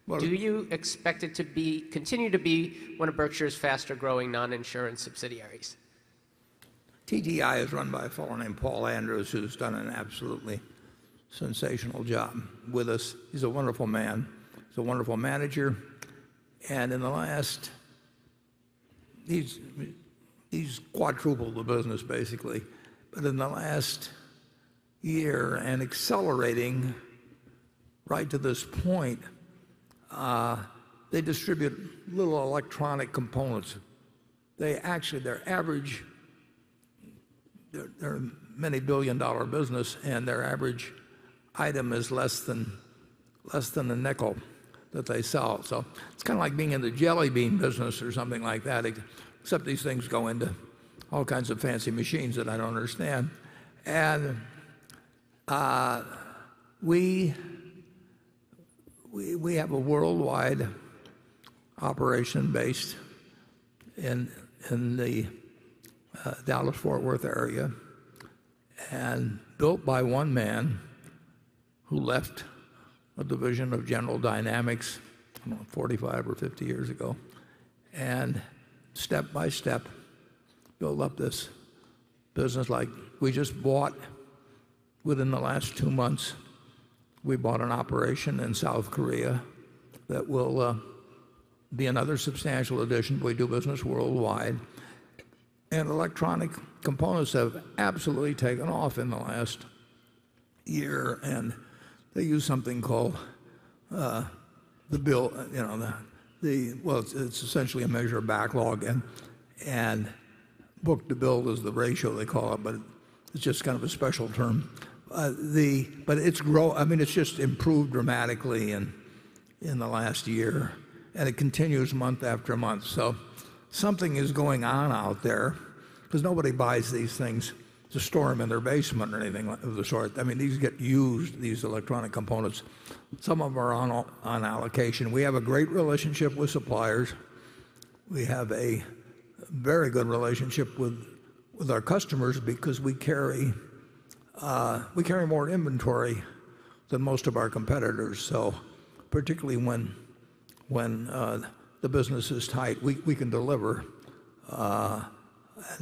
Well- Do you expect it to continue to be one of Berkshire's faster-growing non-insurance subsidiaries? TTI is run by a fellow named Paul Andrews, who's done an absolutely sensational job with us. He's a wonderful man. He's a wonderful manager. He's quadrupled the business, basically. In the last year, and accelerating right to this point, they distribute little electronic components. They're a many billion-dollar business, and their average item is less than $0.05 that they sell. It's kind of like being in the jelly bean business or something like that, except these things go into all kinds of fancy machines that I don't understand. We have a worldwide operation based in the Dallas-Fort Worth area, built by one man who left a division of General Dynamics, I don't know, 45 or 50 years ago, and step by step built up this business. Within the last two months, we bought an operation in South Korea that will be another substantial addition. We do business worldwide. Electronic components have absolutely taken off in the last year, and they use something called the bill. Well, it's essentially a measure of backlog, book-to-bill is the ratio they call it, but it's just kind of a special term. It's just improved dramatically in the last year, and it continues month after month. Something is going on out there because nobody buys these things to store them in their basement or anything of the sort. These get used, these electronic components. Some of them are on allocation. We have a great relationship with suppliers. We have a very good relationship with our customers because we carry more inventory than most of our competitors. Particularly when the business is tight, we can deliver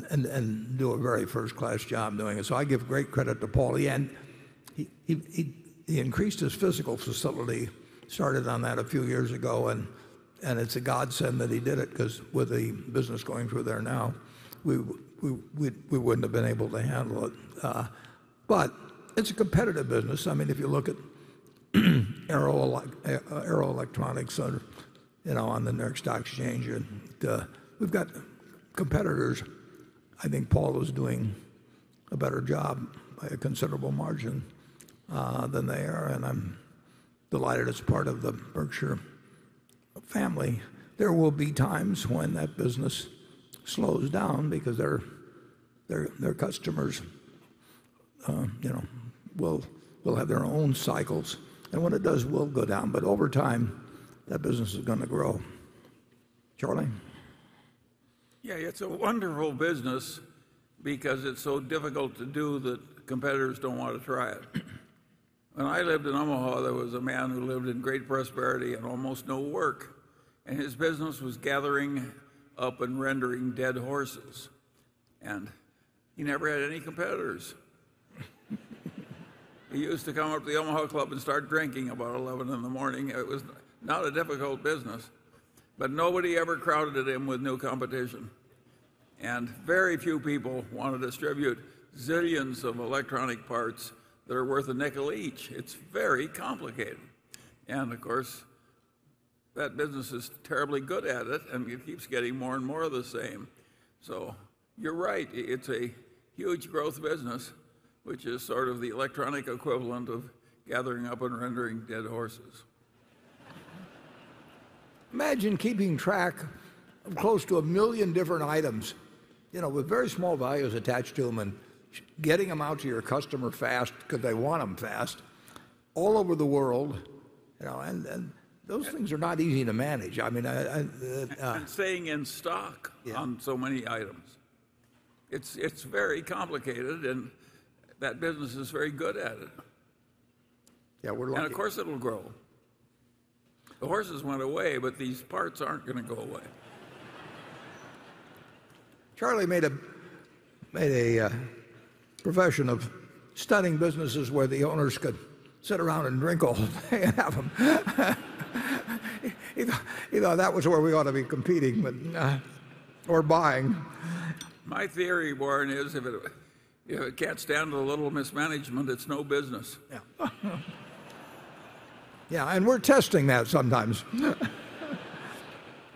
and do a very first-class job doing it. I give great credit to Paul. He increased his physical facility, started on that a few years ago, it's a godsend that he did it because with the business going through there now, we wouldn't have been able to handle it. It's a competitive business. If you look at Arrow Electronics on the New York Stock Exchange, we've got competitors. I think Paul is doing a better job by a considerable margin than they are, and I'm delighted it's part of the Berkshire family. There will be times when that business slows down because their customers will have their own cycles. When it does, we'll go down. Over time, that business is going to grow. Charlie? Yeah, it's a wonderful business because it's so difficult to do that competitors don't want to try it. When I lived in Omaha, there was a man who lived in great prosperity and almost no work, his business was gathering up and rendering dead horses, he never had any competitors. He used to come up to the Omaha Club and start drinking about 11:00 A.M. It was not a difficult business. Nobody ever crowded him with new competition, very few people want to distribute zillions of electronic parts that are worth $0.05 each. It's very complicated. Of course, that business is terribly good at it, and it keeps getting more and more of the same. You're right. It's a huge growth business, which is sort of the electronic equivalent of gathering up and rendering dead horses. Imagine keeping track of close to a million different items with very small values attached to them and getting them out to your customer fast because they want them fast, all over the world. Those things are not easy to manage. Staying in stock. Yeah On so many items. It's very complicated, and that business is very good at it. Yeah, we're lucky. Of course, it'll grow. The horses went away, but these parts aren't going to go away. Charlie made a profession of studying businesses where the owners could sit around and drink all day. That was where we ought to be competing or buying. My theory, Warren, is if it can't stand a little mismanagement, it's no business. Yeah, we're testing that sometimes.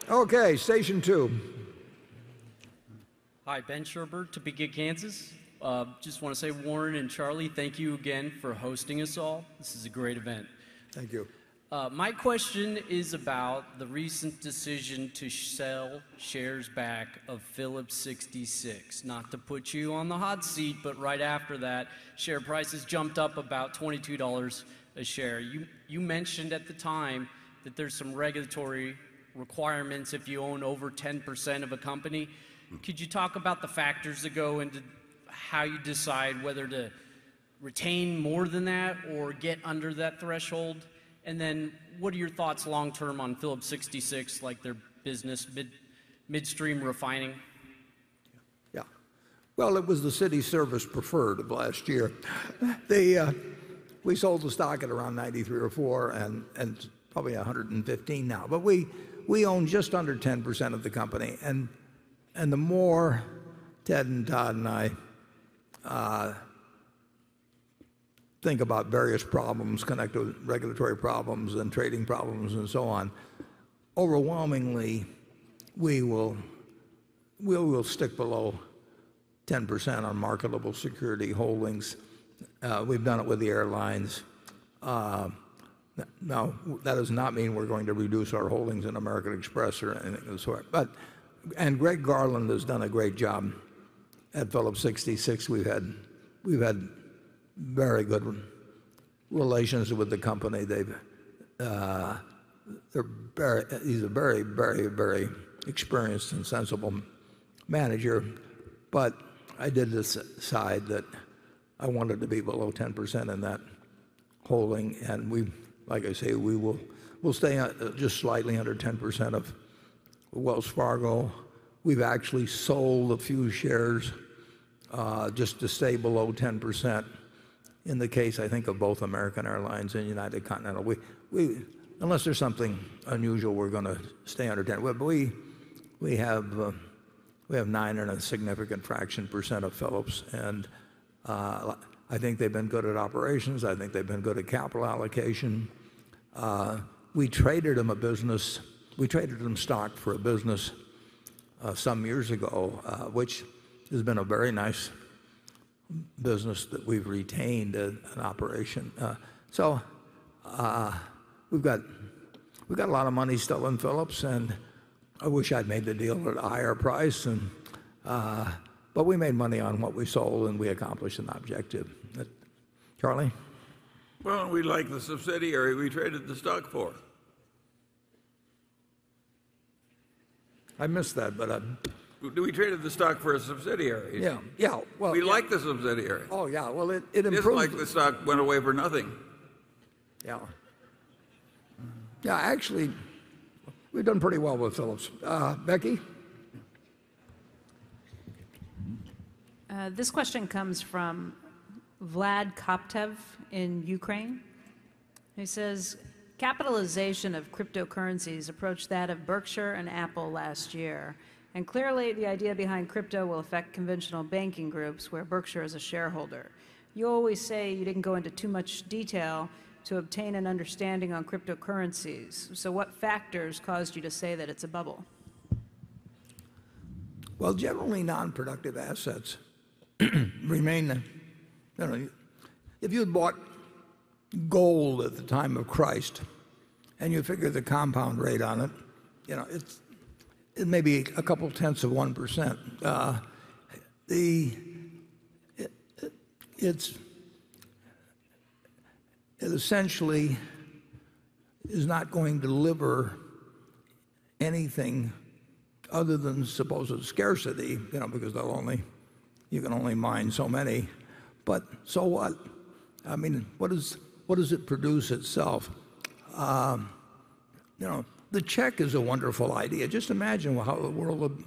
Okay, station two. Hi, Ben Scherber, Topeka, Kansas. Just want to say, Warren and Charlie, thank you again for hosting us all. This is a great event. Thank you. My question is about the recent decision to sell shares back of Phillips 66. Right after that, share prices jumped up about $22 a share. You mentioned at the time that there is some regulatory requirements if you own over 10% of a company. Could you talk about the factors that go into how you decide whether to retain more than that or get under that threshold? What are your thoughts long term on Phillips 66, like their business midstream refining? Yeah. Well, it was the Cities Service preferred of last year. We sold the stock at around $93 or $94, and it's probably $115 now. We own just under 10% of the company, and the more Ted and Todd and I think about various problems connected with regulatory problems and trading problems and so on, overwhelmingly, we will stick below 10% on marketable security holdings. We've done it with the airlines. Now, that does not mean we're going to reduce our holdings in American Express or anything of the sort. Greg Garland has done a great job at Phillips 66. We've had very good relations with the company. He's a very experienced and sensible manager. I did decide that I wanted to be below 10% in that holding, and like I say, we'll stay just slightly under 10% of Wells Fargo. We've actually sold a few shares, just to stay below 10% in the case, I think, of both American Airlines and United Continental. Unless there's something unusual, we're going to stay under 10. We have nine and a significant fraction percent of Phillips, and I think they've been good at operations. I think they've been good at capital allocation. We traded them stock for a business some years ago, which has been a very nice business that we've retained an operation. We've got a lot of money still in Phillips, and I wish I'd made the deal at a higher price. We made money on what we sold, and we accomplished an objective. Charlie? Well, we like the subsidiary we traded the stock for. I missed that, but I. We traded the stock for a subsidiary. Yeah. We like the subsidiary. Oh, yeah. It's like the stock went away for nothing. Yeah. Yeah, actually, we've done pretty well with Phillips. Becky? This question comes from Vlad Koptev in Ukraine. He says, "Capitalization of cryptocurrencies approached that of Berkshire and Apple last year, and clearly the idea behind crypto will affect conventional banking groups where Berkshire is a shareholder. What factors caused you to say that it's a bubble? Well, generally non-productive assets remain the If you had bought gold at the time of Christ, and you figure the compound rate on it may be a couple tenths of 1%. It essentially is not going to deliver anything other than supposed scarcity, because you can only mine so many. So what? What does it produce itself? The check is a wonderful idea. Just imagine how the world would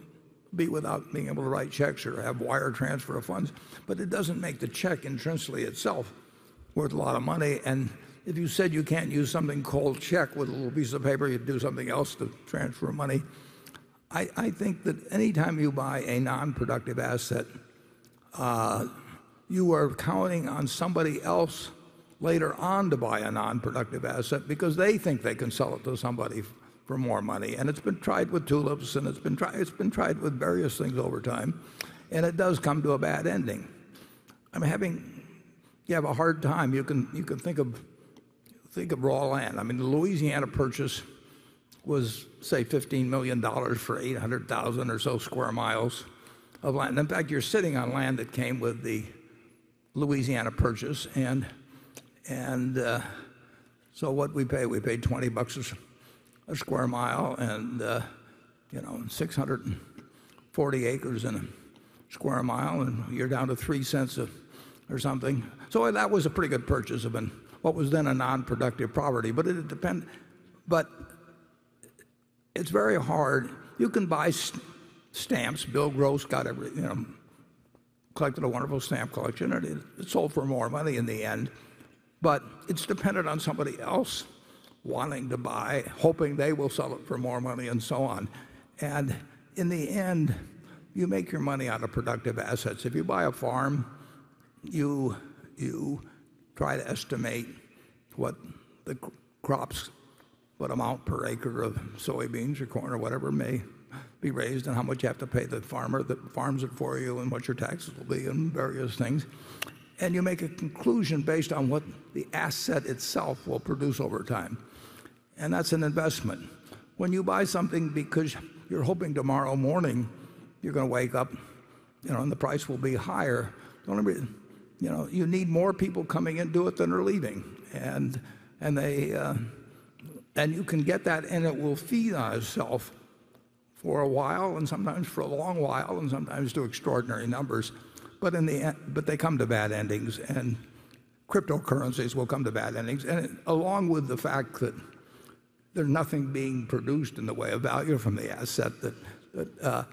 be without being able to write checks or have wire transfer of funds. It doesn't make the check intrinsically itself worth a lot of money, and if you said you can't use something called check with a little piece of paper, you'd do something else to transfer money. I think that any time you buy a non-productive asset, you are counting on somebody else later on to buy a non-productive asset because they think they can sell it to somebody for more money. It's been tried with tulips, and it's been tried with various things over time, and it does come to a bad ending. If you have a hard time, you can think of raw land. The Louisiana Purchase was, say, $15 million for 800,000 or so square miles of land. In fact, you're sitting on land that came with the Louisiana Purchase. What'd we pay? We paid $20 a square mile, and 640 acres in a square mile, and you're down to $0.03 or something. That was a pretty good purchase of what was then a non-productive property. It's very hard. You can buy stamps. Bill Gross collected a wonderful stamp collection, and it sold for more money in the end. It's dependent on somebody else wanting to buy, hoping they will sell it for more money, and so on. In the end, you make your money out of productive assets. If you buy a farm, you try to estimate what the crops, what amount per acre of soybeans or corn or whatever may be raised, and how much you have to pay the farmer that farms it for you, and what your taxes will be, and various things. You make a conclusion based on what the asset itself will produce over time. That's an investment. When you buy something because you're hoping tomorrow morning you're going to wake up and the price will be higher, the only reason you need more people coming into it than are leaving. You can get that, and it will feed on itself for a while, and sometimes for a long while, and sometimes to extraordinary numbers. They come to bad endings, cryptocurrencies will come to bad endings. Along with the fact that there's nothing being produced in the way of value from the asset, that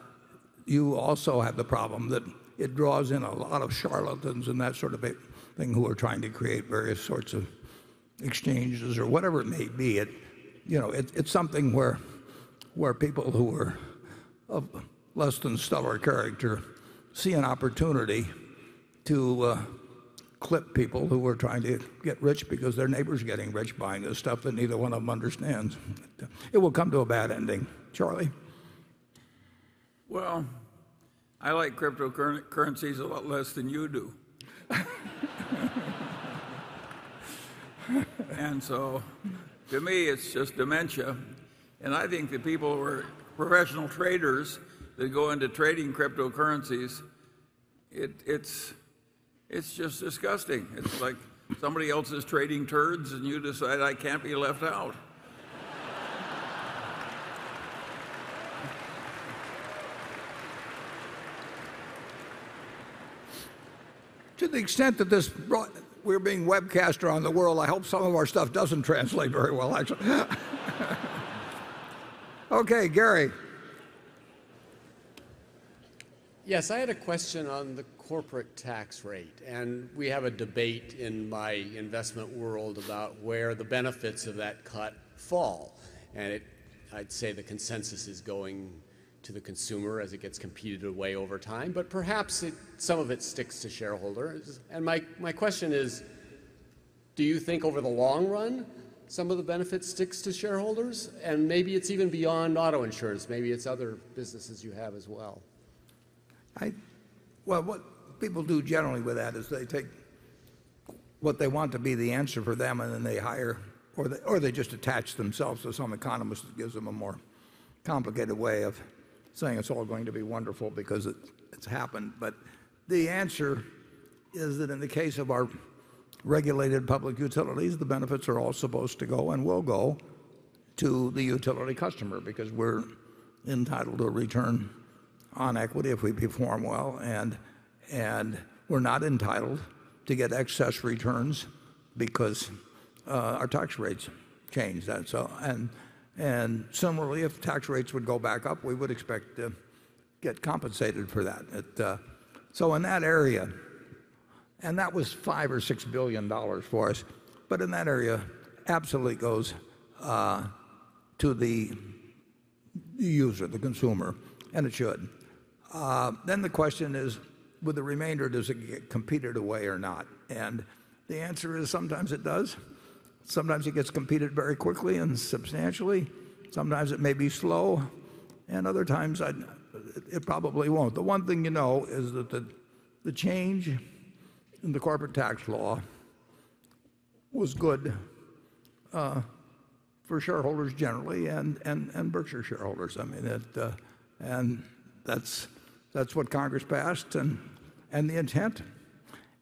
you also have the problem that it draws in a lot of charlatans and that sort of thing, who are trying to create various sorts of exchanges or whatever it may be. It's something where people who are of less than stellar character see an opportunity to clip people who are trying to get rich because their neighbor's getting rich buying this stuff that neither one of them understands. It will come to a bad ending. Charlie? Well, I like cryptocurrencies a lot less than you do. To me, it's just dementia. I think the people who are professional traders that go into trading cryptocurrencies, it's just disgusting. It's like somebody else is trading turds and you decide, "I can't be left out. To the extent that we're being webcasted around the world, I hope some of our stuff doesn't translate very well, actually. Okay, Gary. Yes, I had a question on the corporate tax rate. We have a debate in my investment world about where the benefits of that cut fall. I'd say the consensus is going to the consumer as it gets competed away over time, but perhaps some of it sticks to shareholders. My question is, do you think over the long run, some of the benefit sticks to shareholders? Maybe it's even beyond auto insurance. Maybe it's other businesses you have as well. Well, what people do generally with that is they take what they want to be the answer for them, then they hire or they just attach themselves to some economist that gives them a more complicated way of saying it's all going to be wonderful because it's happened. The answer is that in the case of our regulated public utilities, the benefits are all supposed to go and will go to the utility customer because we're entitled to a return on equity if we perform well. We're not entitled to get excess returns because our tax rates change. Similarly, if tax rates would go back up, we would expect to get compensated for that. In that area, and that was $5 or $6 billion for us, but in that area, absolutely goes to the user, the consumer, and it should. The question is with the remainder, does it get competed away or not? The answer is sometimes it does. Sometimes it gets competed very quickly and substantially. Sometimes it may be slow, and other times it probably won't. The one thing you know is that the change in the corporate tax law was good for shareholders generally and Berkshire shareholders. I mean, that's what Congress passed, and the intent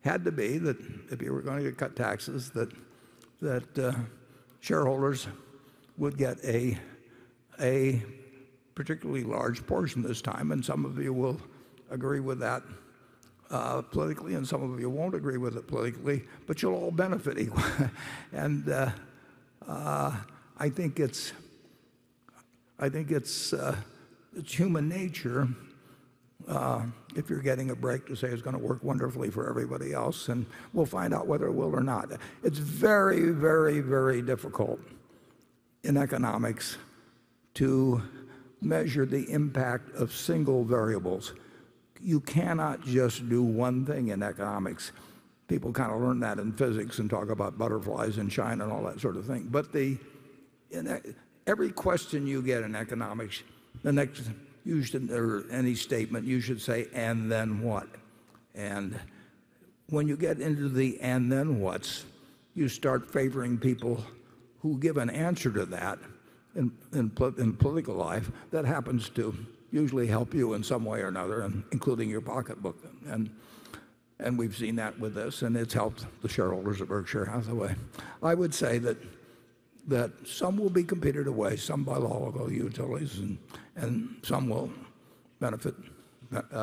had to be that if you were going to cut taxes, that shareholders would get a particularly large portion this time. Some of you will agree with that politically, and some of you won't agree with it politically, but you'll all benefit anyway. I think it's human nature if you're getting a break to say it's going to work wonderfully for everybody else, and we'll find out whether it will or not. It's very difficult in economics to measure the impact of single variables. You cannot just do one thing in economics. People kind of learn that in physics and talk about butterflies in China and all that sort of thing. Every question you get in economics or any statement, you should say, "And then what?" When you get into the "and then what's," you start favoring people who give an answer to that in political life that happens to usually help you in some way or another, including your pocketbook. We've seen that with this, and it's helped the shareholders of Berkshire Hathaway. I would say that some will be competed away, some by law because of the utilities, and some will benefit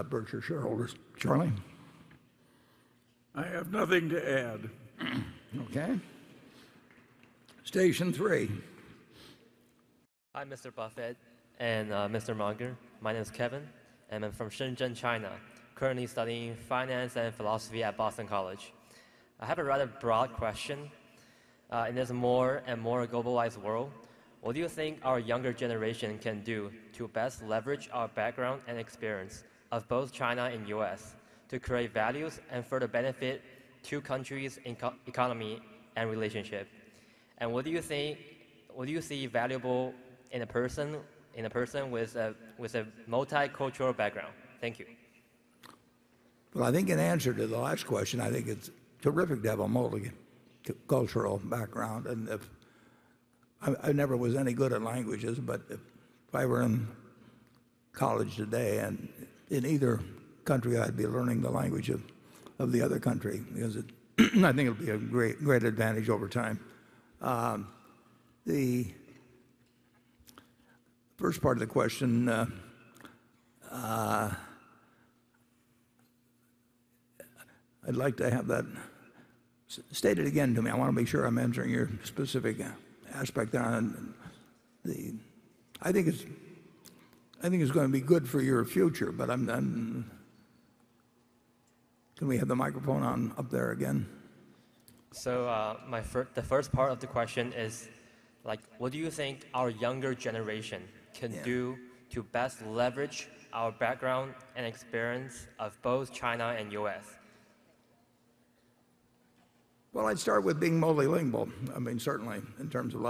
Berkshire shareholders. Charlie? I have nothing to add. Okay. Station three. Hi, Mr. Buffett and Mr. Munger. My name is Kevin, and I'm from Shenzhen, China, currently studying finance and philosophy at Boston College. I have a rather broad question. In this more and more globalized world, what do you think our younger generation can do to best leverage our background and experience of both China and U.S. to create values and further benefit two countries' economy and relationship? What do you see valuable in a person with a multicultural background? Thank you. I think in answer to the last question, I think it's terrific to have a multicultural background. I never was any good at languages, but if I were in college today, in either country, I'd be learning the language of the other country because I think it would be a great advantage over time. The first part of the question, I'd like to have that stated again to me. I want to make sure I'm answering your specific aspect on the. I think it's going to be good for your future, but. Can we have the microphone on up there again? The first part of the question is what do you think our younger generation- Yeah can do to best leverage our background and experience of both China and U.S.? I'd start with being multilingual. Certainly, in terms of,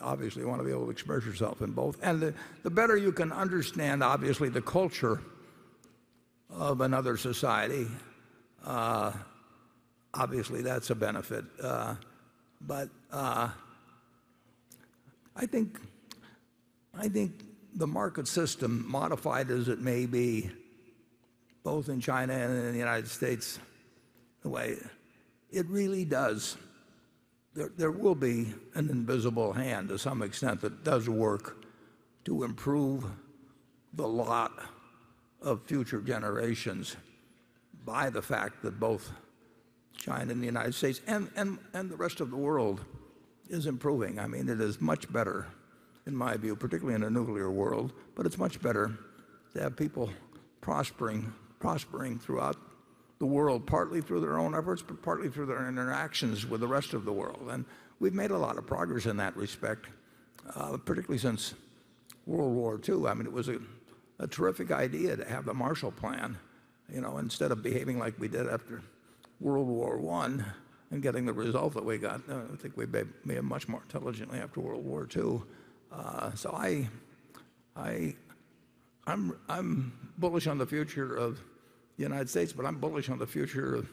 obviously you want to be able to express yourself in both. The better you can understand, obviously, the culture of another society, obviously that's a benefit. I think the market system, modified as it may be, both in China and in the United States. It really does. There will be an invisible hand to some extent that does work to improve the lot of future generations by the fact that both China and the United States, and the rest of the world, is improving. It is much better, in my view, particularly in a nuclear world, but it's much better to have people prospering throughout the world, partly through their own efforts, but partly through their interactions with the rest of the world. We've made a lot of progress in that respect, particularly since World War II. It was a terrific idea to have the Marshall Plan, instead of behaving like we did after World War I and getting the result that we got. I think we behaved much more intelligently after World War II. I'm bullish on the future of the U.S., but I'm bullish on the future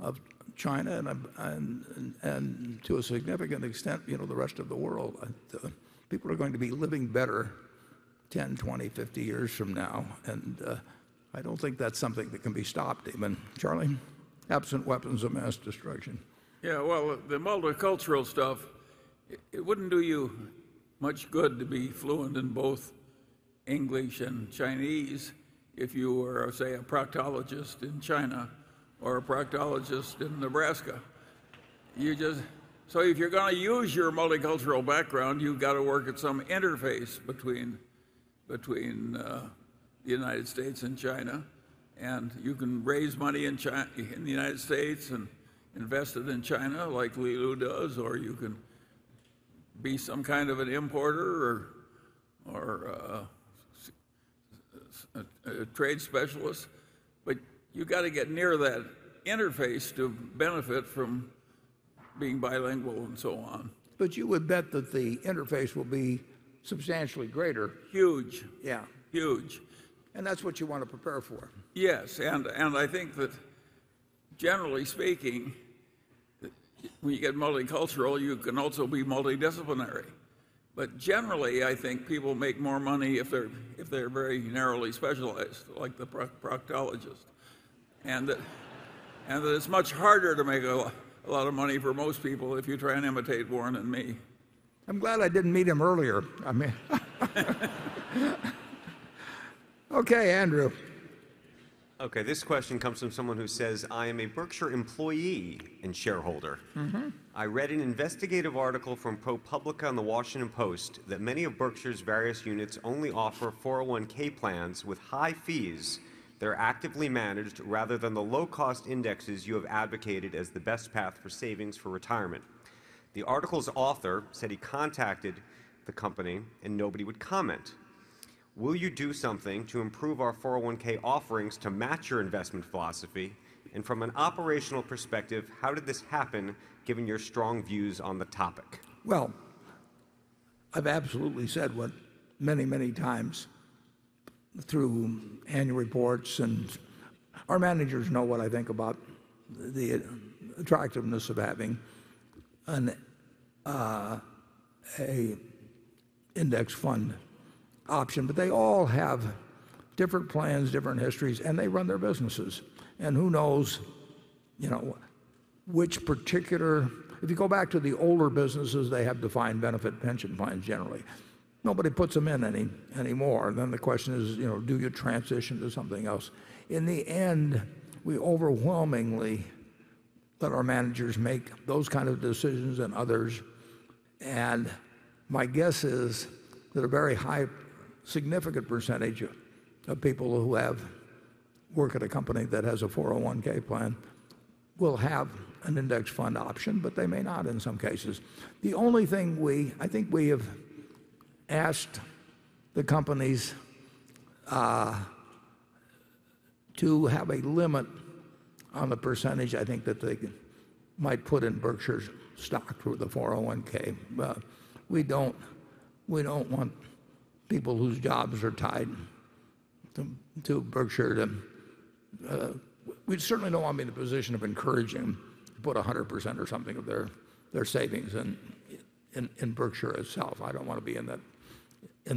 of China and, to a significant extent, the rest of the world. People are going to be living better 10, 20, 50 years from now, and I don't think that's something that can be stopped, Charlie? Absent weapons of mass destruction. Yeah, well, the multicultural stuff, it wouldn't do you much good to be fluent in both English and Chinese if you were, say, a proctologist in China or a proctologist in Nebraska. If you're going to use your multicultural background, you've got to work at some interface between the U.S. and China. You can raise money in the U.S. and invest it in China, like Li Lu does, or you can be some kind of an importer or a trade specialist, you got to get near that interface to benefit from being bilingual and so on. You would bet that the interface will be substantially greater. Huge. Yeah. Huge. That's what you want to prepare for. I think that generally speaking, when you get multicultural, you can also be multidisciplinary. Generally, I think people make more money if they're very narrowly specialized, like the proctologist. That it's much harder to make a lot of money for most people if you try and imitate Warren and me. I'm glad I didn't meet him earlier. Okay, Andrew. Okay, this question comes from someone who says, "I am a Berkshire employee and shareholder. I read an investigative article from ProPublica on The Washington Post that many of Berkshire's various units only offer 401 plans with high fees that are actively managed rather than the low-cost indexes you have advocated as the best path for savings for retirement. The article's author said he contacted the company, and nobody would comment. Will you do something to improve our 401 offerings to match your investment philosophy? From an operational perspective, how did this happen, given your strong views on the topic? I've absolutely said many times through annual reports, and our managers know what I think about the attractiveness of having an index fund option. They all have different plans, different histories, and they run their businesses. Who knows which particular. If you go back to the older businesses, they have defined benefit pension plans, generally. Nobody puts them in anymore. The question is, do you transition to something else? In the end, we overwhelmingly let our managers make those kind of decisions and others. My guess is that a very high significant percentage of people who work at a company that has a 401 plan will have an index fund option, but they may not in some cases. The only thing, I think, we have asked the companies to have a limit on the percentage, I think, that they might put in Berkshire's stock through the 401. We don't want people whose jobs are tied to Berkshire to. We certainly don't want to be in the position of encouraging to put 100% or something of their savings in Berkshire itself. I don't want to be in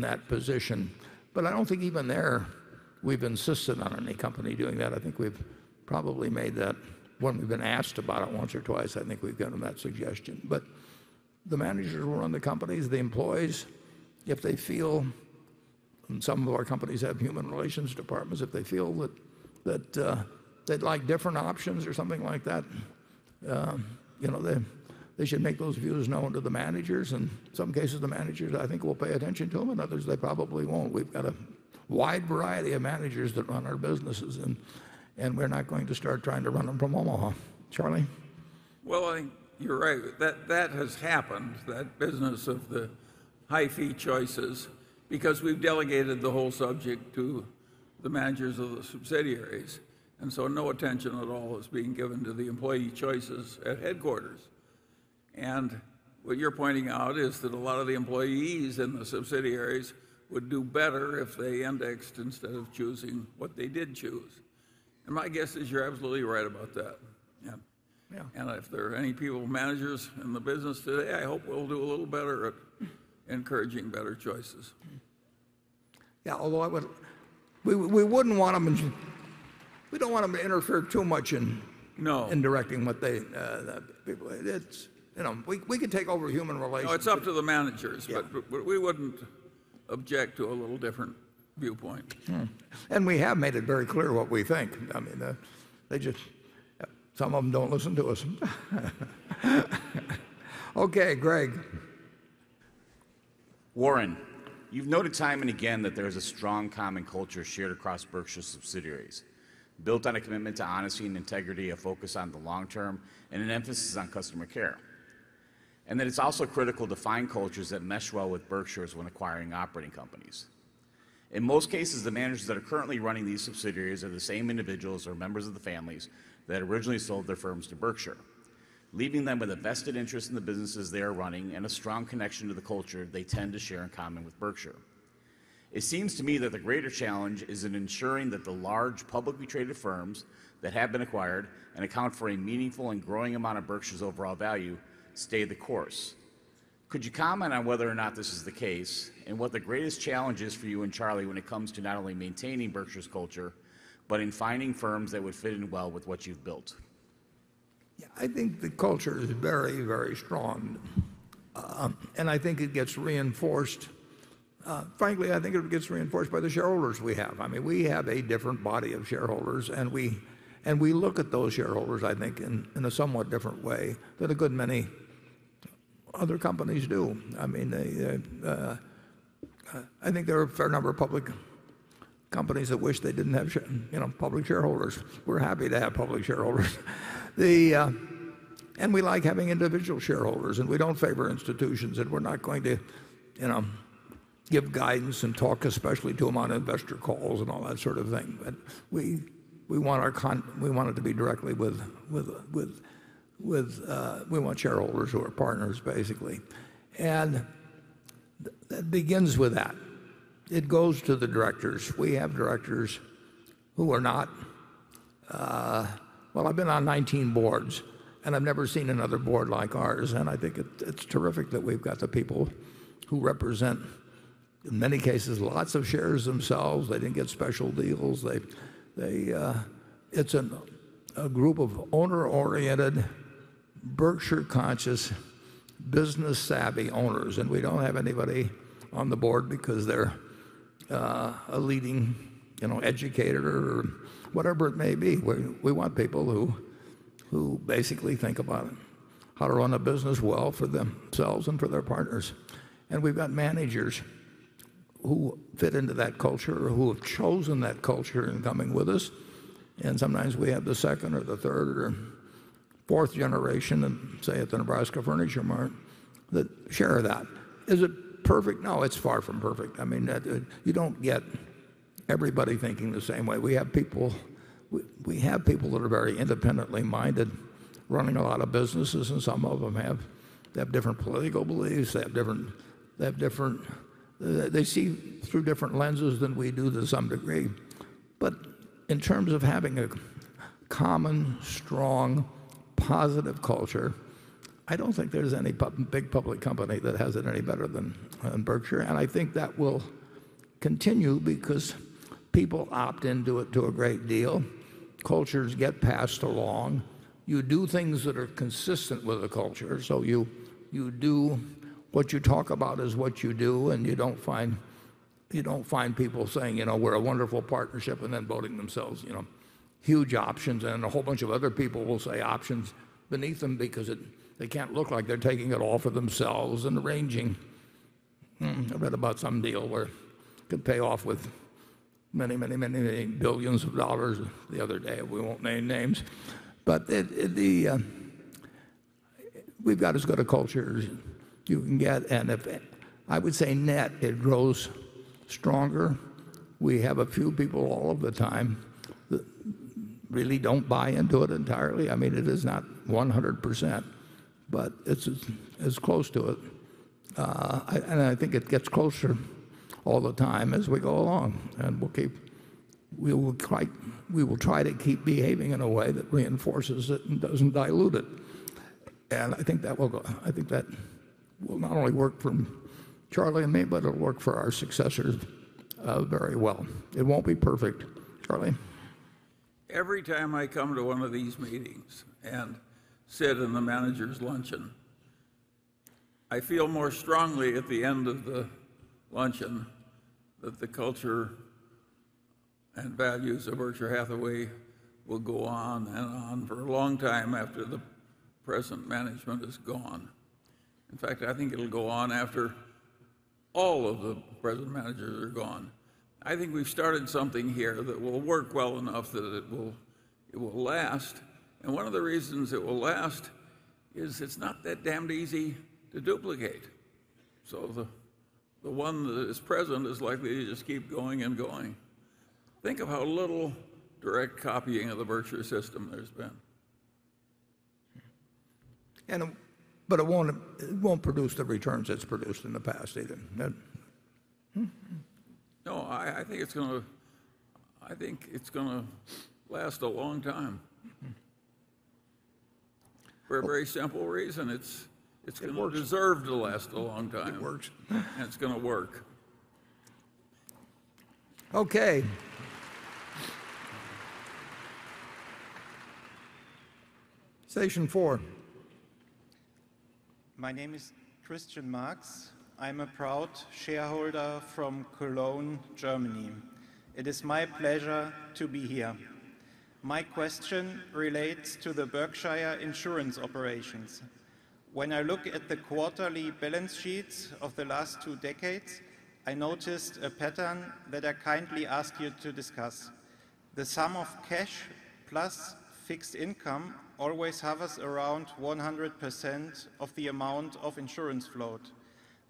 that position. I don't think even there we've insisted on any company doing that. I think we've probably made that when we've been asked about it once or twice. I think we've given that suggestion. The managers who run the companies, the employees, if they feel, and some of our companies have human relations departments, if they feel that they'd like different options or something like that, they should make those views known to the managers. In some cases, the managers, I think, will pay attention to them. In others, they probably won't. We've got a wide variety of managers that run our businesses, and we're not going to start trying to run them from Omaha. Charlie? I think you're right. That has happened, that business of the high-fee choices, because we've delegated the whole subject to the managers of the subsidiaries. No attention at all is being given to the employee choices at headquarters. What you're pointing out is that a lot of the employees in the subsidiaries would do better if they indexed instead of choosing what they did choose. My guess is you're absolutely right about that. Yeah. If there are any people, managers in the business today, I hope we'll do a little better at encouraging better choices. Yeah. Although we don't want to interfere too much in- No in directing what the We can take over human relations but- No, it's up to the managers. Yeah. We wouldn't object to a little different viewpoint. We have made it very clear what we think. Some of them don't listen to us. Okay, Greg. Warren, you've noted time and again that there is a strong common culture shared across Berkshire's subsidiaries, built on a commitment to honesty and integrity, a focus on the long term, and an emphasis on customer care. That it's also critical to find cultures that mesh well with Berkshire's when acquiring operating companies. In most cases, the managers that are currently running these subsidiaries are the same individuals or members of the families that originally sold their firms to Berkshire, leaving them with a vested interest in the businesses they are running and a strong connection to the culture they tend to share in common with Berkshire. It seems to me that the greater challenge is in ensuring that the large publicly traded firms that have been acquired and account for a meaningful and growing amount of Berkshire's overall value stay the course. Could you comment on whether or not this is the case, and what the greatest challenge is for you and Charlie when it comes to not only maintaining Berkshire's culture, but in finding firms that would fit in well with what you've built? Yeah. I think the culture is very, very strong. I think it gets reinforced. Frankly, I think it gets reinforced by the shareholders we have. We have a different body of shareholders, and we look at those shareholders, I think, in a somewhat different way than a good many other companies do. I think there are a fair number of public companies that wish they didn't have public shareholders. We're happy to have public shareholders. We like having individual shareholders, and we don't favor institutions, and we're not going to give guidance and talk especially to them on investor calls and all that sort of thing. We want it to be directly with. We want shareholders who are partners, basically. That begins with that. It goes to the directors. Well, I've been on 19 boards, and I've never seen another board like ours, and I think it's terrific that we've got the people who represent, in many cases, lots of shares themselves. They didn't get special deals. It's a group of owner-oriented, Berkshire-conscious, business-savvy owners. We don't have anybody on the board because they're a leading educator or whatever it may be. We want people who basically think about how to run a business well for themselves and for their partners. We've got managers who fit into that culture or who have chosen that culture in coming with us. Sometimes we have the second or the third, or fourth generation, say at the Nebraska Furniture Mart, that share that. Is it perfect? No, it's far from perfect. You don't get everybody thinking the same way. We have people that are very independently minded running a lot of businesses, and some of them have different political beliefs. They see through different lenses than we do to some degree. In terms of having a common, strong, positive culture, I don't think there's any big public company that has it any better than Berkshire. I think that will continue because people opt into it to a great deal. Cultures get passed along. You do things that are consistent with the culture. What you talk about is what you do, and you don't find people saying, "We're a wonderful partnership," and then voting themselves huge options. A whole bunch of other people will say options beneath them because they can't look like they're taking it all for themselves and arranging I read about some deal where it could pay off with many, many, many, many billions of dollars the other day. We won't name names. We've got as good a culture as you can get, and I would say net, it grows stronger. We have a few people all of the time that really don't buy into it entirely. It is not 100%, but it's as close to it. I think it gets closer all the time as we go along. We will try to keep behaving in a way that reinforces it and doesn't dilute it. I think that will not only work for Charlie and me, but it'll work for our successors very well. It won't be perfect. Charlie? Every time I come to one of these meetings and sit in the managers' luncheon, I feel more strongly at the end of the luncheon that the culture and values of Berkshire Hathaway will go on and on for a long time after the present management is gone. In fact, I think it'll go on after all of the present managers are gone. I think we've started something here that will work well enough that it will last, and one of the reasons it will last is it's not that damned easy to duplicate. The one that is present is likely to just keep going and going. Think of how little direct copying of the Berkshire system there's been. It won't produce the returns it's produced in the past either. I think it's going to last a long time for a very simple reason. It's- It works going to deserve to last a long time. It works. It's going to work. Okay. Station 4. My name is Christian Marks. I'm a proud shareholder from Cologne, Germany. It is my pleasure to be here. My question relates to the Berkshire insurance operations. When I look at the quarterly balance sheets of the last two decades, I noticed a pattern that I kindly ask you to discuss. The sum of cash plus fixed income always hovers around 100% of the amount of insurance float.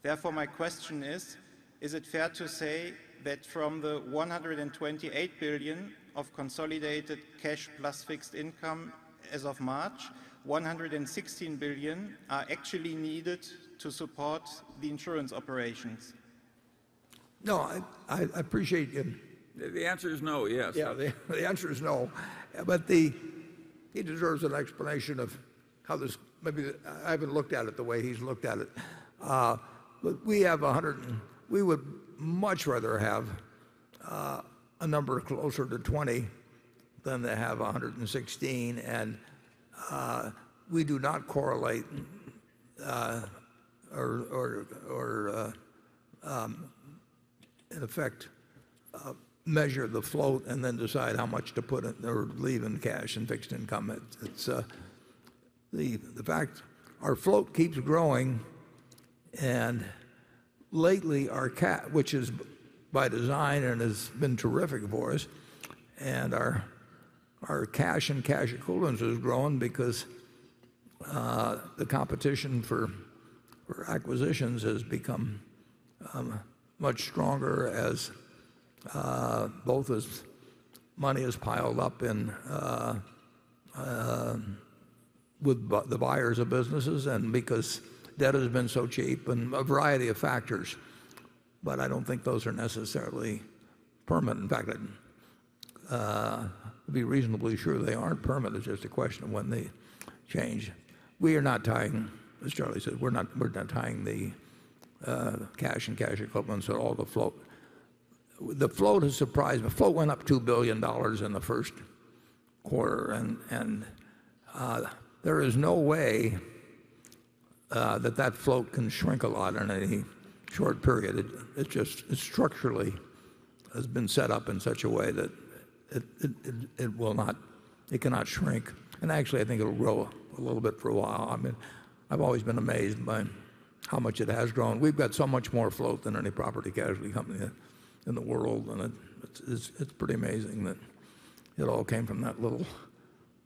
Therefore, my question is: Is it fair to say that from the $128 billion of consolidated cash plus fixed income as of March, $116 billion are actually needed to support the insurance operations? No, I appreciate you- The answer is no, yes Yeah, the answer is no. He deserves an explanation. Maybe I haven't looked at it the way he's looked at it. We would much rather have a number closer to 20 than to have 116, and we do not correlate or in effect measure the float and then decide how much to put in or leave in cash and fixed income. Our float keeps growing, which is by design and has been terrific for us. Our cash and cash equivalents has grown because the competition for acquisitions has become much stronger both as money has piled up with the buyers of businesses and because debt has been so cheap and a variety of factors. I don't think those are necessarily permanent. In fact, I'd be reasonably sure they aren't permanent. It's just a question of when they change. As Charlie said, we're not tying the cash and cash equivalents or all the float. The float is a surprise. The float went up $2 billion in the first quarter. There is no way that float can shrink a lot in any short period. It structurally has been set up in such a way that it cannot shrink. Actually, I think it'll grow a little bit for a while. I've always been amazed by how much it has grown. We've got so much more float than any property casualty company in the world. It's pretty amazing that it all came from that little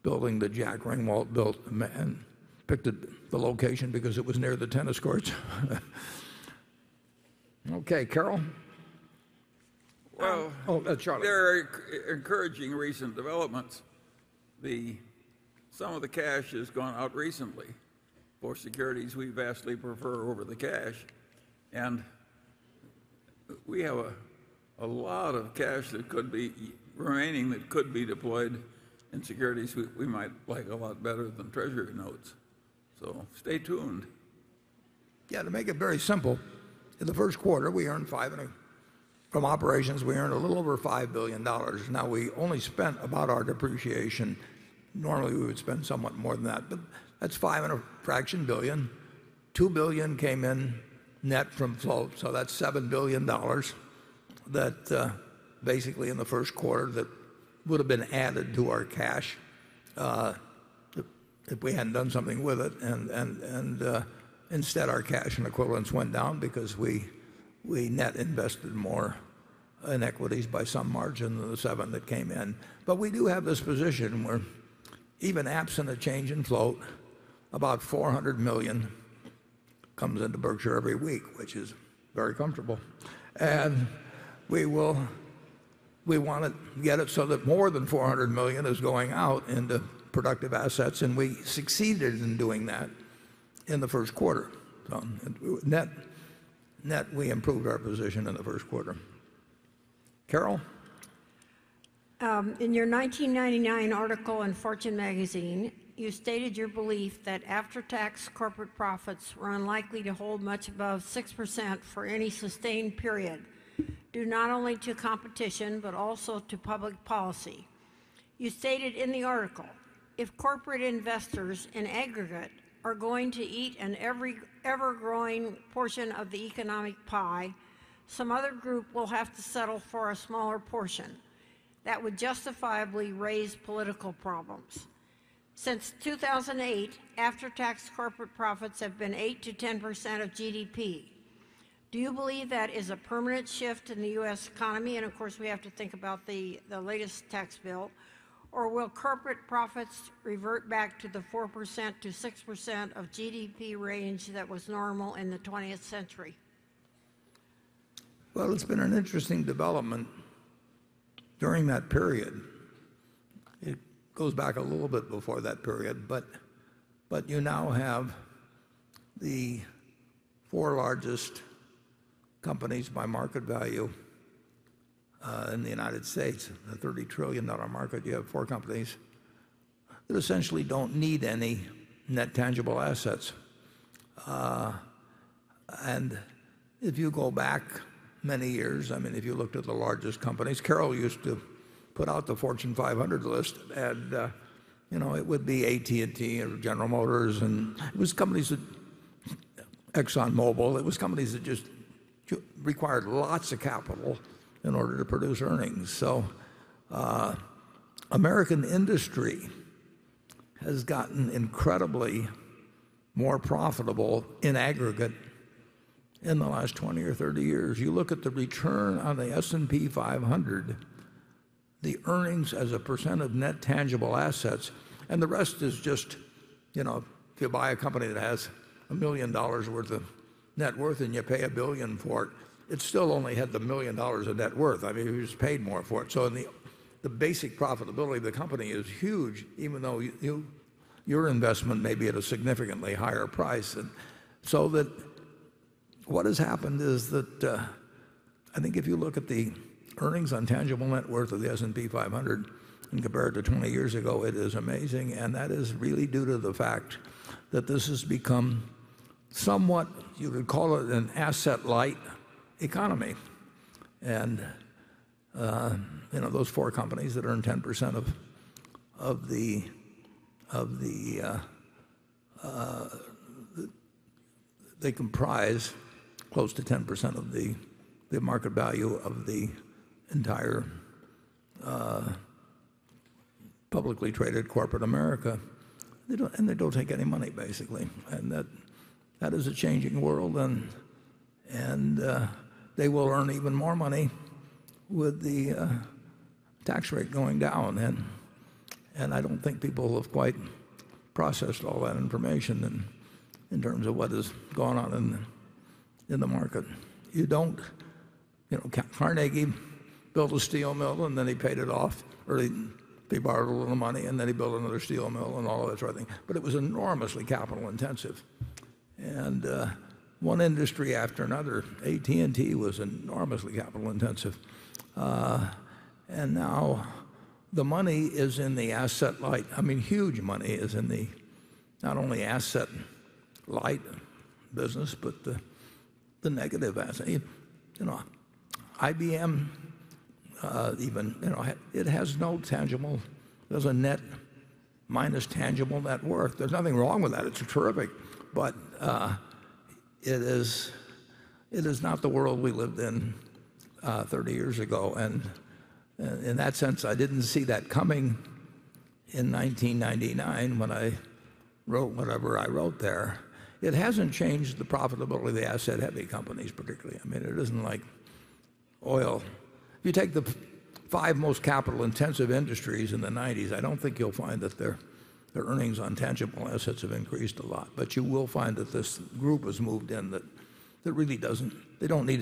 building that Jack Ringwalt built and picked the location because it was near the tennis courts. Okay, Carol? Well- Charlie There are encouraging recent developments. Some of the cash has gone out recently for securities we vastly prefer over the cash. We have a lot of cash remaining that could be deployed in securities we might like a lot better than Treasury notes. Stay tuned. To make it very simple, in the first quarter, from operations we earned a little over $5 billion. We only spent about our depreciation. Normally, we would spend somewhat more than that, but that's five and a fraction billion. $2 billion came in net from float, so that's $7 billion. That basically in the first quarter that would have been added to our cash if we hadn't done something with it. Instead our cash and equivalents went down because we net invested more in equities by some margin than the $7 billion that came in. We do have this position where even absent a change in float, about $400 million comes into Berkshire every week, which is very comfortable. We want to get it so that more than $400 million is going out into productive assets, and we succeeded in doing that in the first quarter. Net, we improved our position in the first quarter. Carol? In your 1999 article in Fortune, you stated your belief that after-tax corporate profits were unlikely to hold much above 6% for any sustained period, due not only to competition, but also to public policy. You stated in the article, "If corporate investors in aggregate are going to eat an ever-growing portion of the economic pie, some other group will have to settle for a smaller portion. That would justifiably raise political problems." Since 2008, after-tax corporate profits have been 8%-10% of GDP. Do you believe that is a permanent shift in the U.S. economy, and of course we have to think about the latest tax bill, or will corporate profits revert back to the 4%-6% of GDP range that was normal in the 20th century? It's been an interesting development during that period. It goes back a little bit before that period, but you now have the four largest companies by market value in the U.S., a $30 trillion market. You have four companies that essentially don't need any net tangible assets. If you go back many years, if you looked at the largest companies, Carol used to put out the Fortune 500 list, and it would be AT&T or General Motors. ExxonMobil. It was companies that just required lots of capital in order to produce earnings. American industry has gotten incredibly more profitable in aggregate in the last 20 or 30 years. You look at the return on the S&P 500, the earnings as a % of net tangible assets, and the rest is just if you buy a company that has $1 million worth of net worth and you pay a billion for it still only had the million dollars of net worth. You just paid more for it. What has happened is that I think if you look at the earnings on tangible net worth of the S&P 500 and compare it to 20 years ago, it is amazing. That is really due to the fact that this has become somewhat, you could call it an asset-light economy. Those four companies that earn 10%, they comprise close to 10% of the market value of the entire publicly traded corporate America. They don't take any money, basically. That is a changing world, and they will earn even more money with the tax rate going down. I don't think people have quite processed all that information in terms of what is going on in the market. Carnegie built a steel mill, then he paid it off, or he borrowed a little money, then he built another steel mill and all that sort of thing. It was enormously capital intensive. One industry after another, AT&T was enormously capital intensive. Now the money is in the asset-light. Huge money is in the not only asset-light business, but the negative asset. IBM even it has no tangible There's a net minus tangible net worth. There's nothing wrong with that. It's terrific, but it is not the world we lived in 30 years ago. In that sense, I didn't see that coming in 1999 when I wrote whatever I wrote there. It hasn't changed the profitability of the asset-heavy companies, particularly. It isn't like oil. If you take the five most capital-intensive industries in the '90s, I don't think you'll find that their earnings on tangible assets have increased a lot. You will find that this group has moved in that really they don't need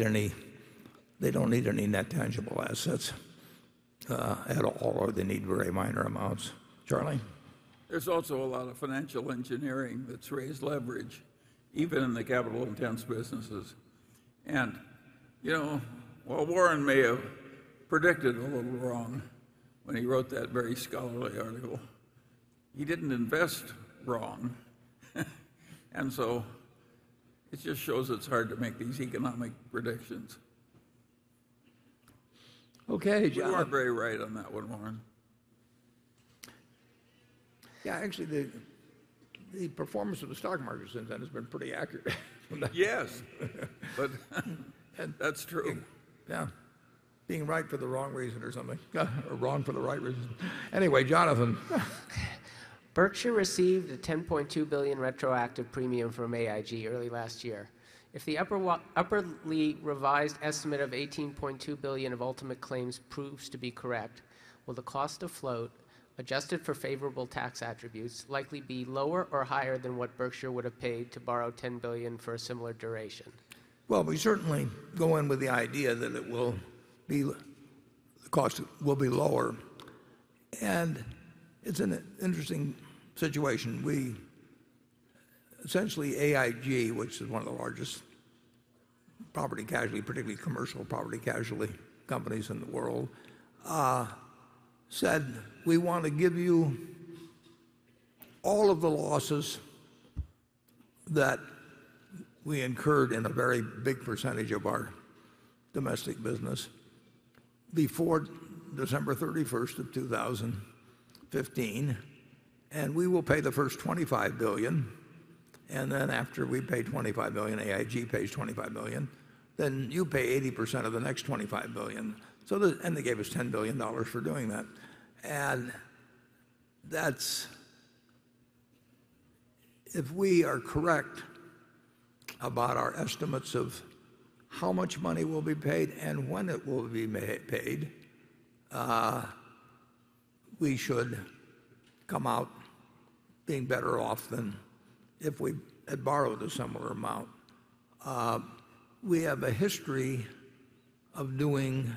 any net tangible assets at all, or they need very minor amounts. Charlie? There's also a lot of financial engineering that's raised leverage, even in the capital-intense businesses. While Warren may have predicted a little wrong when he wrote that very scholarly article, he didn't invest wrong. It just shows it's hard to make these economic predictions. Okay, Jon. You are very right on that one, Warren. Yeah, actually, the performance of the stock market since then has been pretty accurate. Yes. That's true. Yeah. Being right for the wrong reason or something, or wrong for the right reason. Anyway, Jonathan. Berkshire received a $10.2 billion retroactive premium from AIG early last year. If the upwardly revised estimate of $18.2 billion of ultimate claims proves to be correct, will the cost of float, adjusted for favorable tax attributes, likely be lower or higher than what Berkshire would have paid to borrow $10 billion for a similar duration? We certainly go in with the idea that the cost will be lower, and it's an interesting situation. Essentially AIG, which is one of the largest property casualty, particularly commercial property casualty companies in the world said, "We want to give you all of the losses that we incurred in a very big percentage of our domestic business before December 31st of 2015, we will pay the first $25 billion. After we pay $25 billion, AIG pays $25 billion, you pay 80% of the next $25 billion." They gave us $10 billion for doing that. If we are correct about our estimates of how much money will be paid and when it will be paid, we should come out being better off than if we had borrowed a similar amount. We have a history of doing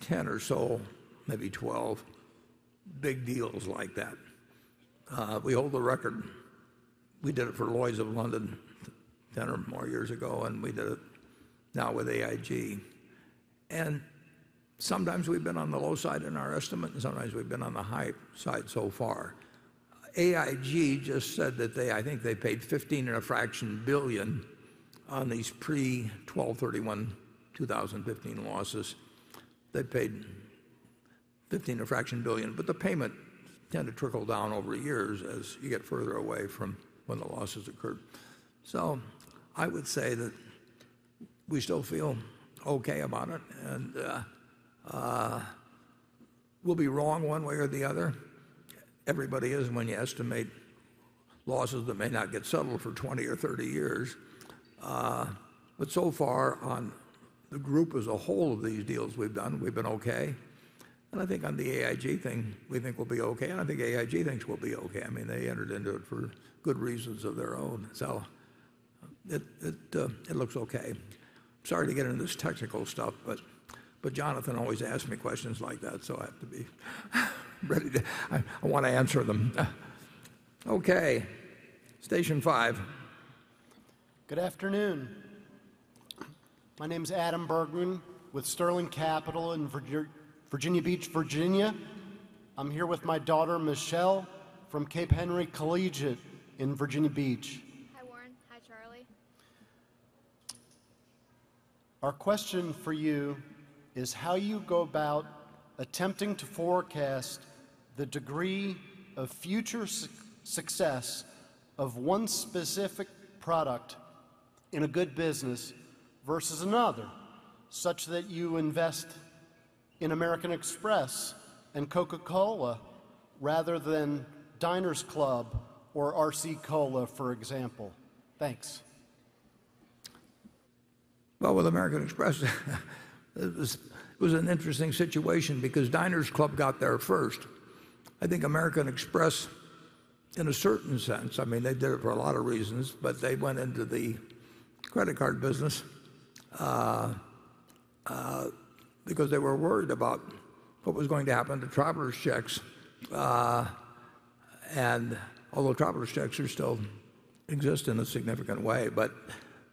10 or so, maybe 12 big deals like that. We hold the record. We did it for Lloyd's of London 10 or more years ago, we did it now with AIG. Sometimes we've been on the low side in our estimate, sometimes we've been on the high side so far. AIG just said that I think they paid 15 and a fraction billion on these pre-12/31/2015 losses. They paid 15 and a fraction billion, but the payments tend to trickle down over years as you get further away from when the losses occurred. I would say that we still feel okay about it, we'll be wrong one way or the other. Everybody is when you estimate losses that may not get settled for 20 or 30 years. So far on the group as a whole of these deals we've done, we've been okay, I think on the AIG thing, we think we'll be okay, I think AIG thinks we'll be okay. They entered into it for good reasons of their own. It looks okay. Sorry to get into this technical stuff, Jonathan always asks me questions like that, I have to be ready to. I want to answer them. Okay, station five. Good afternoon. My name's Adam Bergman with Sterling Capital in Virginia Beach, Virginia. I'm here with my daughter, Michelle, from Cape Henry Collegiate in Virginia Beach. Hi, Warren. Hi, Charlie. Our question for you is how you go about attempting to forecast the degree of future success of one specific product in a good business versus another, such that you invest in American Express and Coca-Cola rather than Diners Club or RC Cola, for example. Thanks. Well, with American Express, it was an interesting situation because Diners Club got there first. I think American Express in a certain sense, they did it for a lot of reasons, but they went into the credit card business because they were worried about what was going to happen to traveler's checks, although traveler's checks still exist in a significant way.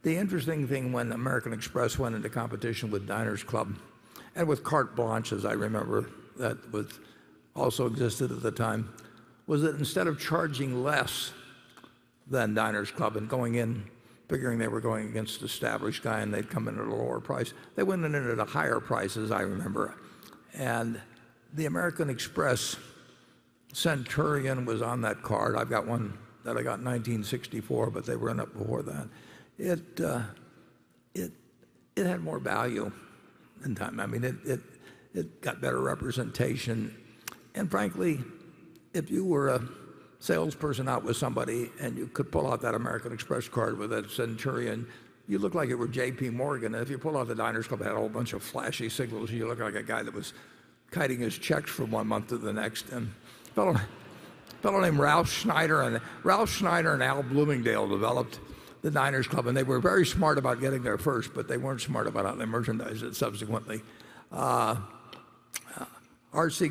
The interesting thing when American Express went into competition with Diners Club and with Carte Blanche, as I remember, that also existed at the time, was that instead of charging less than Diners Club and going in figuring they were going against established guy and they'd come in at a lower price, they went in at a higher price, as I remember. The American Express Centurion was on that card. I've got one that I got in 1964, but they were in it before that. It had more value in time. It got better representation. Frankly, if you were a salesperson out with somebody and you could pull out that American Express card with that Centurion, you looked like you were J.P. Morgan. If you pulled out the Diners Club, it had a whole bunch of flashy signals, you looked like a guy that was kiting his checks from one month to the next. A fellow named Ralph Schneider and Al Bloomingdale developed the Diners Club, they were very smart about getting there first, they weren't smart about how they merchandised it subsequently. RC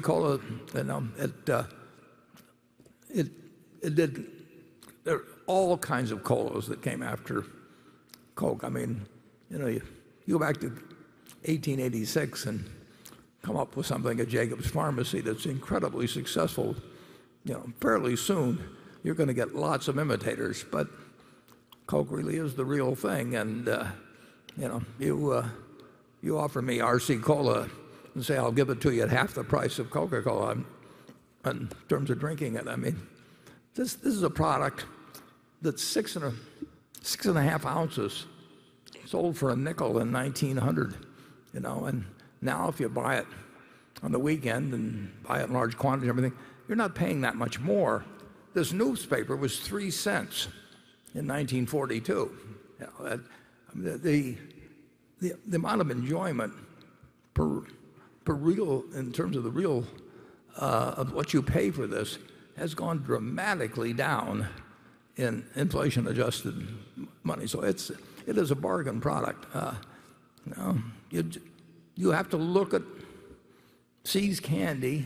Cola, there are all kinds of colas that came after Coke. You go back to 1886 and come up with something at Jacobs' Pharmacy that's incredibly successful, fairly soon you're going to get lots of imitators. Coke really is the real thing. You offer me RC Cola and say, "I'll give it to you at half the price of Coca-Cola," in terms of drinking it, I mean. This is a product that's six and a half ounces, sold for $0.05 in 1900. Now if you buy it on the weekend and buy it in large quantities and everything, you're not paying that much more. This newspaper was $0.03 in 1942. The amount of enjoyment in terms of the real of what you pay for this has gone dramatically down in inflation-adjusted money. It is a bargain product. You have to look at See's Candies.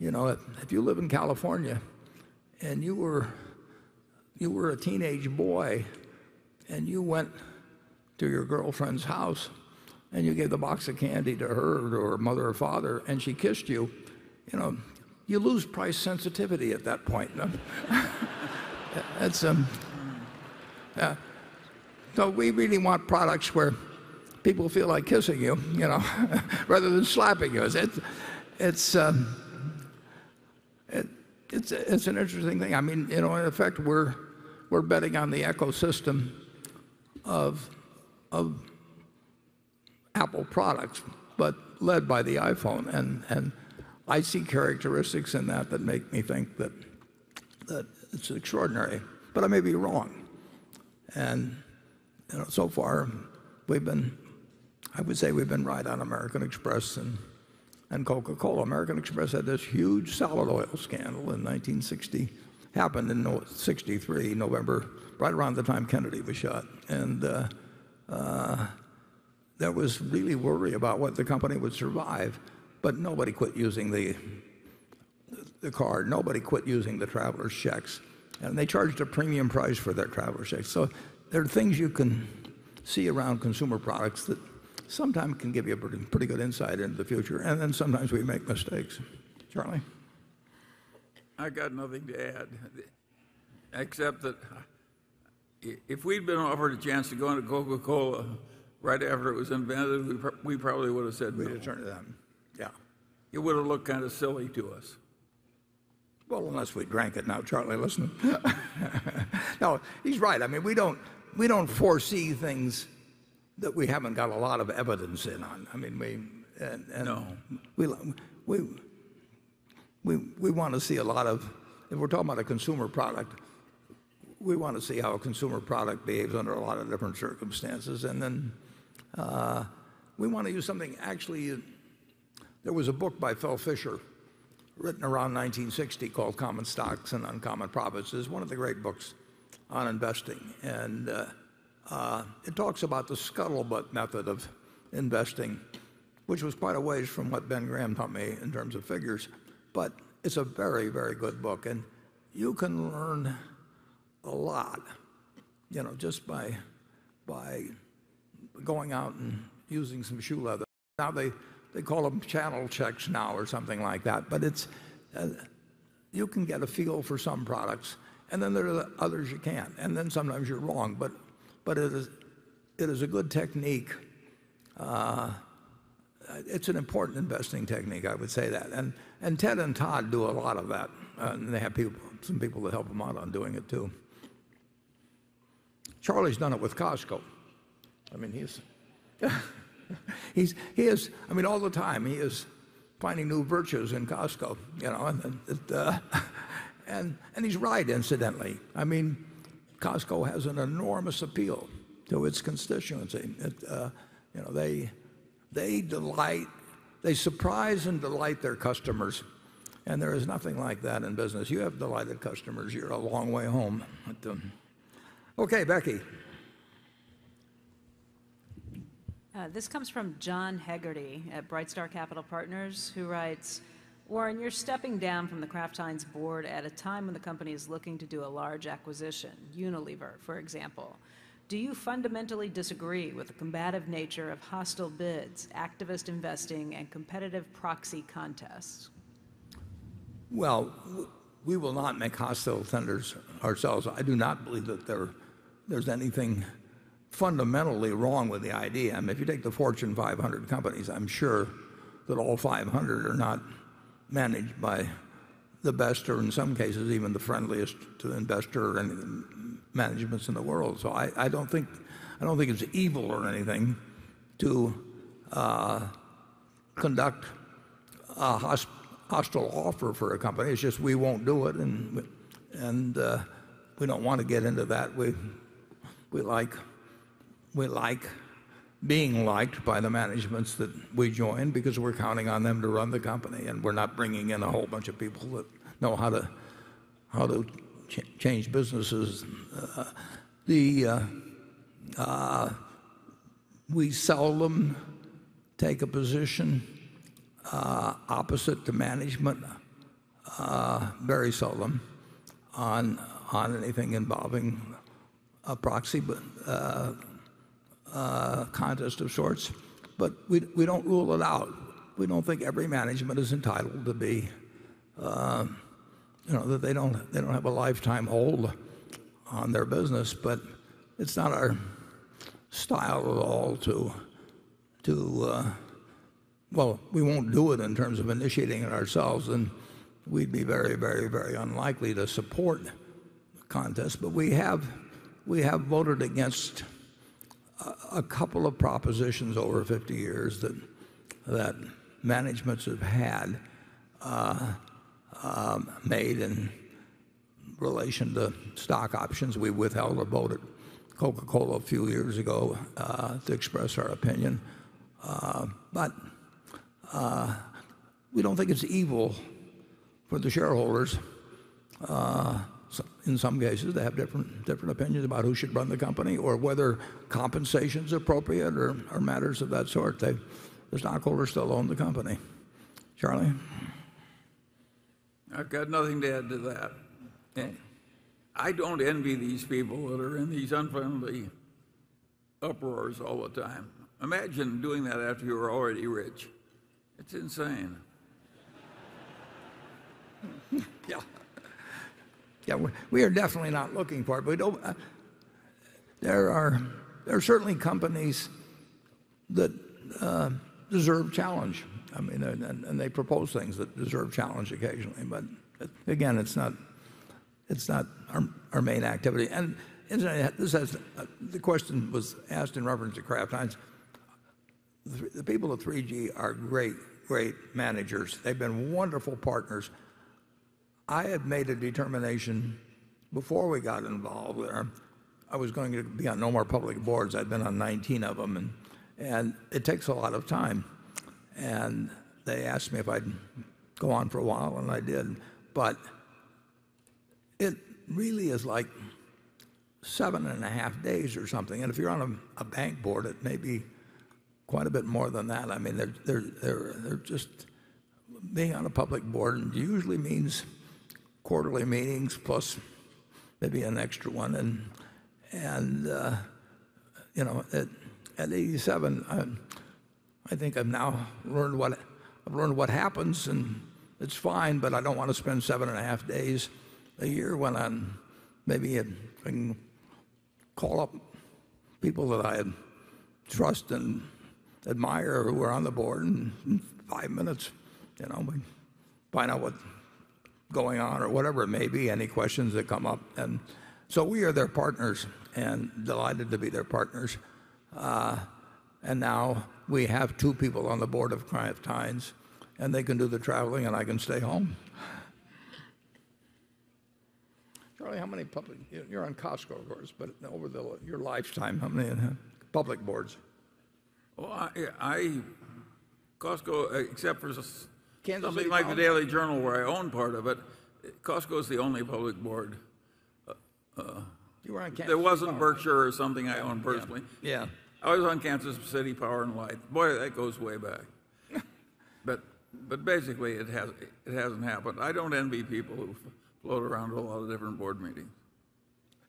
If you live in California, you were a teenage boy, you went to your girlfriend's house, you gave the box of candy to her or her mother or father, she kissed you lose price sensitivity at that point, no? We really want products where people feel like kissing you rather than slapping you. It's an interesting thing. In effect, we're betting on the ecosystem of Apple products, led by the iPhone. I see characteristics in that that make me think that it's extraordinary, I may be wrong. So far I would say we've been right on American Express and Coca-Cola. American Express had this huge salad oil scandal in 1960, happened in 1963, November, right around the time Kennedy was shot. There was really worry about what the company would survive, nobody quit using the card. Nobody quit using the traveler's checks, they charged a premium price for their traveler's checks. There are things you can see around consumer products that sometime can give you a pretty good insight into the future. Sometimes we make mistakes. Charlie? I got nothing to add except that if we'd been offered a chance to go into Coca-Cola right after it was invented, we probably would've said no. We'd have turned it down. Yeah. It would've looked silly to us. Well, unless we drank it. Now, Charlie, listen. No, he's right. We don't foresee things that we haven't got a lot of evidence in on. No. If we're talking about a consumer product, we want to see how a consumer product behaves under a lot of different circumstances. Actually, there was a book by Philip Fisher written around 1960 called "Common Stocks and Uncommon Profits." It's one of the great books on investing. It talks about the scuttlebutt method of investing, which was quite a ways from what Benjamin Graham taught me in terms of figures. It's a very, very good book, and you can learn a lot just by going out and using some shoe leather. They call them channel checks now or something like that. You can get a feel for some products, and then there are others you can't. Sometimes you're wrong, but it is a good technique. It's an important investing technique, I would say that. Ted and Todd do a lot of that. They have some people to help them out on doing it, too. Charlie's done it with Costco. All the time he is finding new virtues in Costco, and he's right incidentally. Costco has an enormous appeal to its constituency. They surprise and delight their customers, and there is nothing like that in business. You have delighted customers, you're a long way home. Okay, Becky. This comes from John Hegarty at Brightstar Capital Partners who writes, "Warren, you're stepping down from The Kraft Heinz board at a time when the company is looking to do a large acquisition, Unilever, for example. Do you fundamentally disagree with the combative nature of hostile bids, activist investing, and competitive proxy contests? Well, we will not make hostile tenders ourselves. I do not believe that there's anything fundamentally wrong with the idea. If you take the Fortune 500 companies, I'm sure that all 500 are not managed by the best or in some cases even the friendliest to the investor and managements in the world. I don't think it's evil or anything to conduct a hostile offer for a company. It's just we won't do it, and we don't want to get into that. We like being liked by the managements that we join because we're counting on them to run the company, and we're not bringing in a whole bunch of people that know how to change businesses. We seldom take a position opposite to management, very seldom on anything involving a proxy. A contest of sorts, but we don't rule it out. We don't think every management is entitled to be that they don't have a lifetime hold on their business. It's not our style at all to. We won't do it in terms of initiating it ourselves, and we'd be very unlikely to support contests. We have voted against a couple of propositions over 50 years that managements have had made in relation to stock options. We withheld our vote at Coca-Cola a few years ago to express our opinion. We don't think it's evil for the shareholders, in some cases, they have different opinions about who should run the company or whether compensation's appropriate or matters of that sort. The stockholders still own the company. Charlie? I've got nothing to add to that. I don't envy these people that are in these unfriendly uproars all the time. Imagine doing that after you were already rich. It's insane. Yeah. We are definitely not looking for it. There are certainly companies that deserve challenge, and they propose things that deserve challenge occasionally. Again, it's not our main activity. Incidentally, the question was asked in reference to Kraft Heinz. The people of 3G are great managers. They've been wonderful partners. I had made a determination before we got involved there, I was going to be on no more public boards. I'd been on 19 of them, and it takes a lot of time. They asked me if I'd go on for a while, and I did. It really is like seven and a half days or something, and if you're on a bank board, it may be quite a bit more than that. Being on a public board usually means quarterly meetings plus maybe an extra one. At 87, I think I've now learned what happens, and it's fine, but I don't want to spend seven and a half days a year when I maybe can call up people that I trust and admire who are on the board, and in five minutes, we find out what's going on or whatever it may be, any questions that come up. We are their partners and delighted to be their partners. Now we have two people on the board of Kraft Heinz, and they can do the traveling, and I can stay home. Charlie, you're on Costco, of course. Over your lifetime, how many public boards? Costco, except for something like- Kansas City Power the Daily Journal where I own part of it, Costco is the only public board- You were on Kansas City Power That wasn't Berkshire or something I own personally. Yeah. I was on Kansas City Power & Light. Boy, that goes way back. Yeah. Basically, it hasn't happened. I don't envy people who float around to a lot of different board meetings.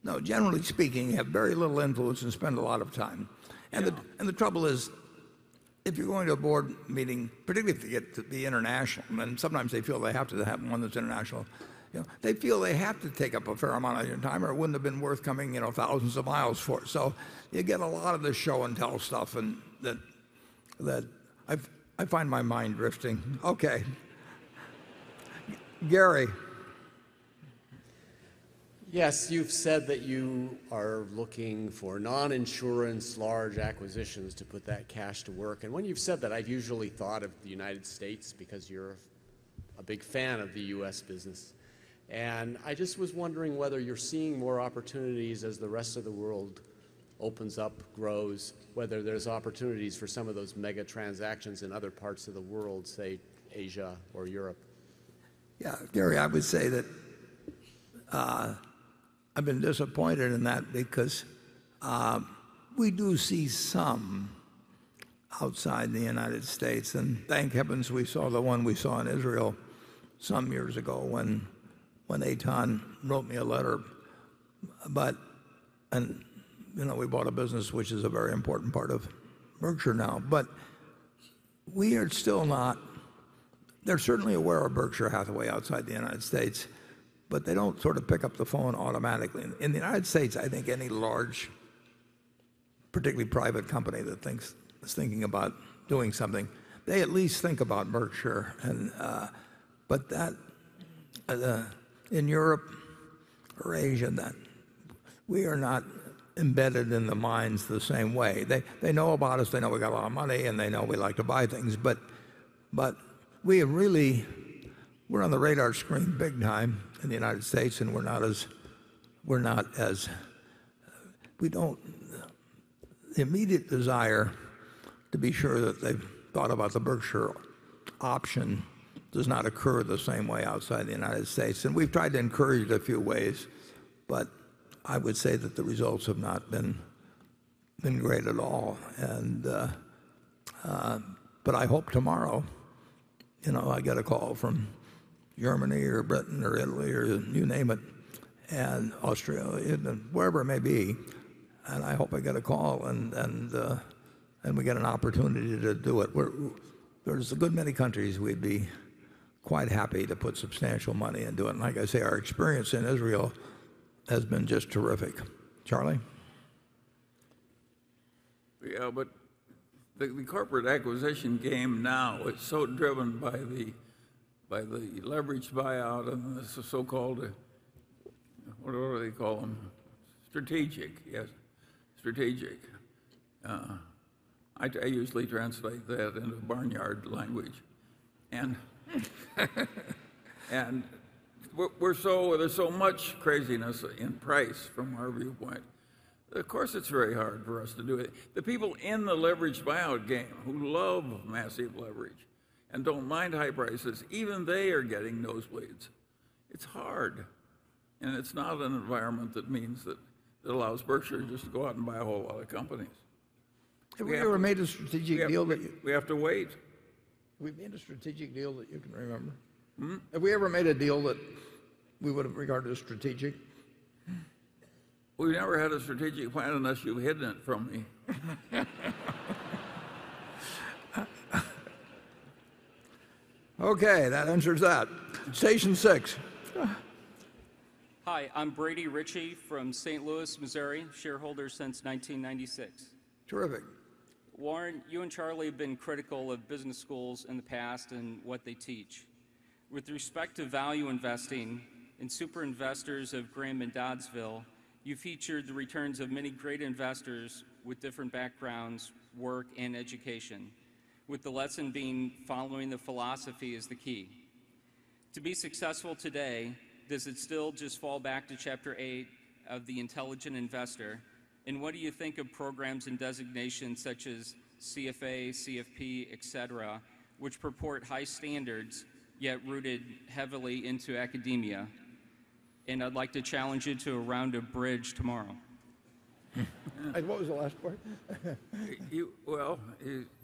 No, generally speaking, you have very little influence and spend a lot of time. Yeah. The trouble is, if you're going to a board meeting, particularly if it's international, and sometimes they feel they have to have one that's international. They feel they have to take up a fair amount of your time, or it wouldn't have been worth coming thousands of miles for. You get a lot of the show and tell stuff, and that I find my mind drifting. Okay. Gary. Yes, you've said that you are looking for non-insurance large acquisitions to put that cash to work. When you've said that, I've usually thought of the U.S. because you're a big fan of the U.S. business. I just was wondering whether you're seeing more opportunities as the rest of the world opens up, grows, whether there's opportunities for some of those mega transactions in other parts of the world, say Asia or Europe. Yeah, Gary, I would say that I've been disappointed in that because we do see some outside the United States, and thank heavens we saw the one we saw in Israel some years ago when Eitan wrote me a letter. We bought a business which is a very important part of Berkshire now. They're certainly aware of Berkshire Hathaway outside the United States, but they don't sort of pick up the phone automatically. In the United States, I think any large, particularly private company that is thinking about doing something, they at least think about Berkshire. In Europe or Asia, we are not embedded in the minds the same way. They know about us, they know we got a lot of money, and they know we like to buy things. We're on the radar screen big time in the United States, and the immediate desire to be sure that they've thought about the Berkshire option does not occur the same way outside the United States. We've tried to encourage it a few ways, but I would say that the results have not been great at all. I hope tomorrow I get a call from Germany or Britain or Italy or you name it, and Australia, wherever it may be, and I hope I get a call and we get an opportunity to do it. There are a good many countries we'd be quite happy to put substantial money into it. Like I say, our experience in Israel has been just terrific. Charlie? The corporate acquisition game now is so driven by the leveraged buyout and the so-called, whatever they call them, strategic. Yes, strategic. I usually translate that into barnyard language. There's so much craziness in price from our viewpoint. Of course, it's very hard for us to do it. The people in the leveraged buyout game who love massive leverage and don't mind high prices, even they are getting nosebleeds. It's hard, and it's not an environment that means that it allows Berkshire to just go out and buy a whole lot of companies. Have we ever made a strategic deal that you- We have to wait. Have we made a strategic deal that you can remember? Have we ever made a deal that we would have regarded as strategic? We've never had a strategic plan unless you've hidden it from me. Okay, that answers that. Station six. Hi, I'm Brady Ritchie from St. Louis, Missouri, shareholder since 1996. Terrific. Warren, you and Charlie have been critical of business schools in the past and what they teach. With respect to value investing, in "The Superinvestors of Graham-and-Doddsville," you featured the returns of many great investors with different backgrounds, work, and education, with the lesson being following the philosophy is the key. To be successful today, does it still just fall back to chapter eight of "The Intelligent Investor"? What do you think of programs and designations such as CFA, CFP, et cetera, which purport high standards, yet rooted heavily into academia? I'd like to challenge you to a round of bridge tomorrow. What was the last part?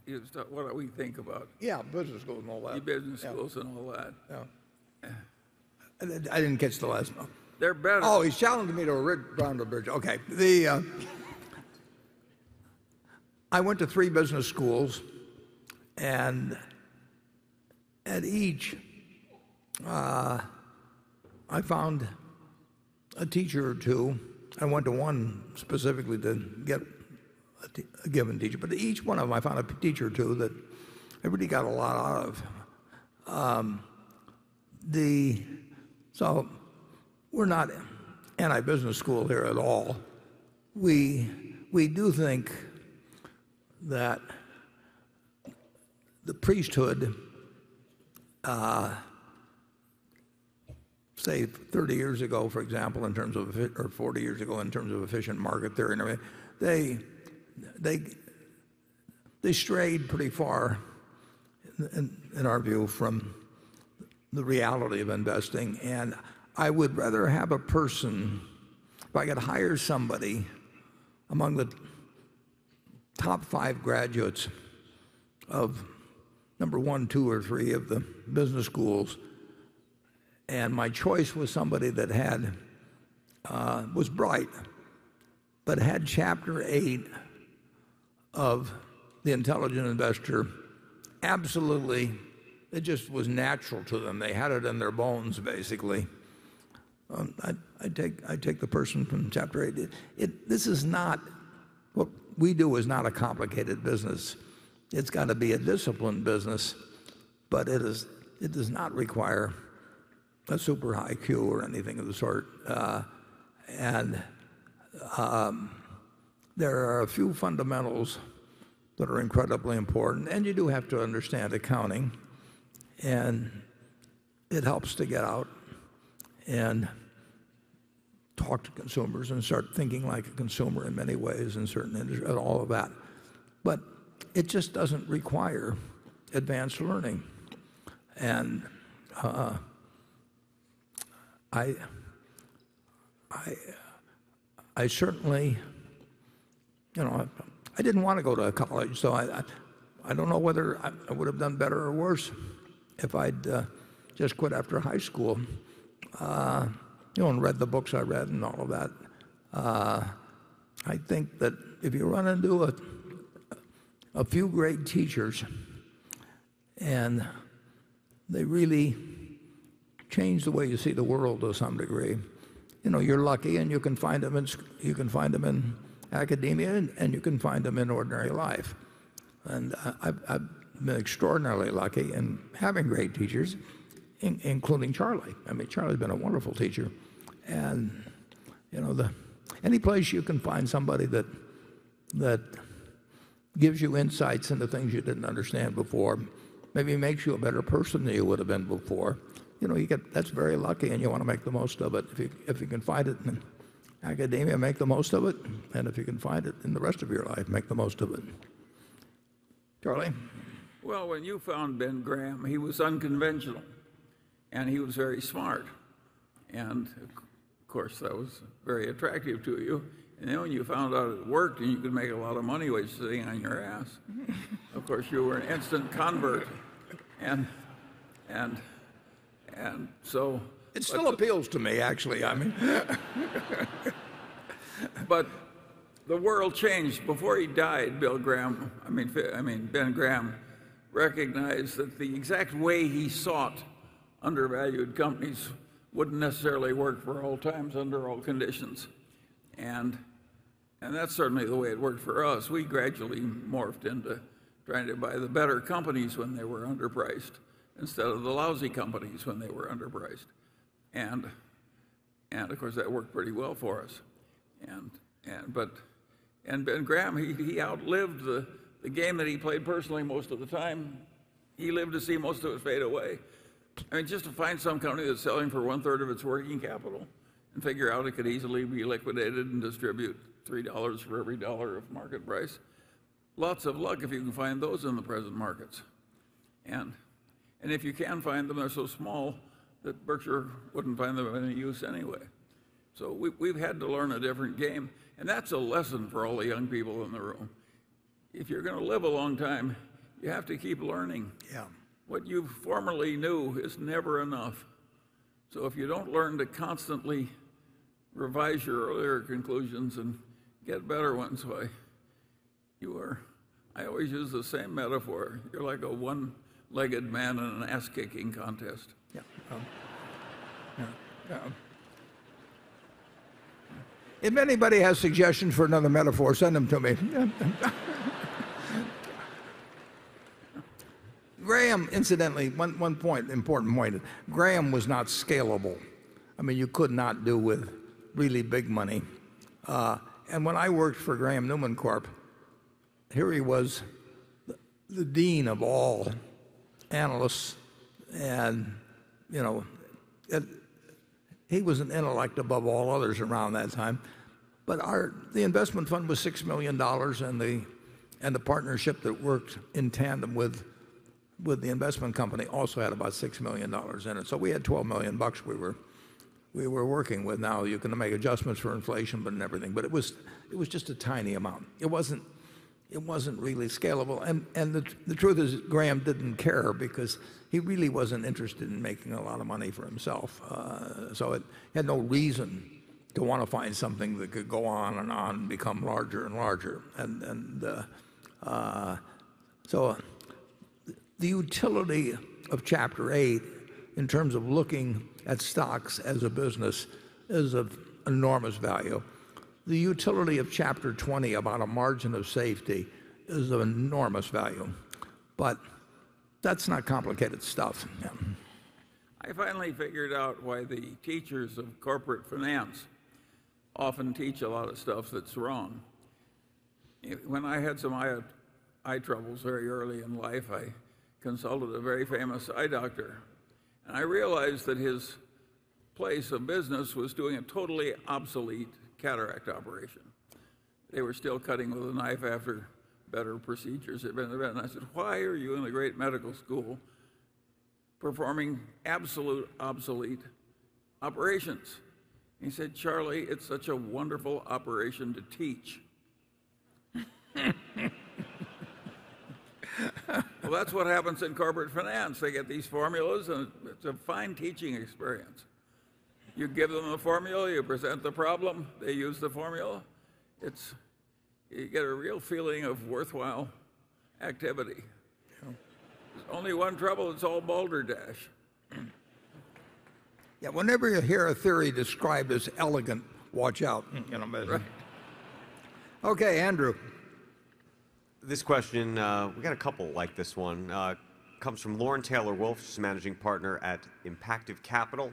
Well, what do we think about- Yeah, business schools and all that business schools and all that. Yeah. I didn't catch the last part. They're. Oh, he's challenging me to a round of bridge. Okay. I went to three business schools, and at each, I found a teacher or two. I went to one specifically to get a given teacher, but at each one of them, I found a teacher or two that I really got a lot out of. We're not anti-business school here at all. We do think that the priesthood say 30 years ago, for example, or 40 years ago, in terms of efficient market theory, they strayed pretty far, in our view, from the reality of investing. I would rather have a person, if I could hire somebody among the top five graduates of number one, two, or three of the business schools, and my choice was somebody that was bright but had chapter eight of "The Intelligent Investor," absolutely, it just was natural to them. They had it in their bones, basically. I'd take the person from chapter eight. What we do is not a complicated business. It's got to be a disciplined business, but it does not require a super high IQ or anything of the sort. There are a few fundamentals that are incredibly important, and you do have to understand accounting, and it helps to get out and talk to consumers and start thinking like a consumer in many ways, in certain industries, and all of that. But it just doesn't require advanced learning. I didn't want to go to college, so I don't know whether I would have done better or worse if I'd just quit after high school and read the books I read and all of that. I think that if you run into a few great teachers, and they really change the way you see the world to some degree, you're lucky, and you can find them in academia and you can find them in ordinary life. I've been extraordinarily lucky in having great teachers, including Charlie. Charlie's been a wonderful teacher. Any place you can find somebody that gives you insights into things you didn't understand before, maybe makes you a better person than you would have been before, that's very lucky, and you want to make the most of it. If you can find it in academia, make the most of it, and if you can find it in the rest of your life, make the most of it. Charlie? When you found Benjamin Graham, he was unconventional. He was very smart. Of course, that was very attractive to you. When you found out it worked and you could make a lot of money while you're sitting on your ass. Of course, you were an instant convert. It still appeals to me, actually. The world changed. Before he died, Bill Graham, I mean Ben Graham, recognized that the exact way he sought undervalued companies wouldn't necessarily work for all times under all conditions. That's certainly the way it worked for us. We gradually morphed into trying to buy the better companies when they were underpriced, instead of the lousy companies when they were underpriced. Of course, that worked pretty well for us. Ben Graham, he outlived the game that he played personally most of the time. He lived to see most of it fade away. Just to find some company that's selling for one third of its working capital and figure out it could easily be liquidated and distribute $3 for every dollar of market price, lots of luck if you can find those in the present markets. If you can find them, they're so small that Berkshire wouldn't find them of any use anyway. We've had to learn a different game. That's a lesson for all the young people in the room. If you're going to live a long time, you have to keep learning. Yeah. What you formerly knew is never enough. If you don't learn to constantly revise your earlier conclusions and get better ones, why, I always use the same metaphor. You're like a one-legged man in an ass-kicking contest. Yeah. Yeah. If anybody has suggestions for another metaphor, send them to me. Graham, incidentally, one important point is Graham was not scalable. You could not do with really big money. When I worked for Graham-Newman Corporation, here he was, the dean of all analysts, and he was an intellect above all others around that time. The investment fund was $6 million, and the partnership that worked in tandem with the investment company also had about $6 million in it. We had $12 million we were working with. Now, you can make adjustments for inflation and everything, but it was just a tiny amount. It wasn't really scalable. The truth is Graham didn't care because he really wasn't interested in making a lot of money for himself. He had no reason to want to find something that could go on and on, become larger and larger. The utility of chapter eight, in terms of looking at stocks as a business, is of enormous value. The utility of chapter 20 about a margin of safety is of enormous value. That's not complicated stuff. Yeah. I finally figured out why the teachers of corporate finance often teach a lot of stuff that's wrong. When I had some eye troubles very early in life, I consulted a very famous eye doctor, I realized that his place of business was doing a totally obsolete cataract operation. They were still cutting with a knife after better procedures had been invented. I said, "Why are you in a great medical school performing absolute obsolete operations?" He said, "Charlie, it's such a wonderful operation to teach." Well, that's what happens in corporate finance. They get these formulas and it's a fine teaching experience. You give them a formula, you present the problem, they use the formula. You get a real feeling of worthwhile activity. There's only one trouble, it's all balderdash. Yeah. Whenever you hear a theory described as elegant, watch out. You know best. Right. Okay, Andrew. This question, we got a couple like this one. Comes from Lauren Taylor Wolfe, who's managing partner at Impactive Capital.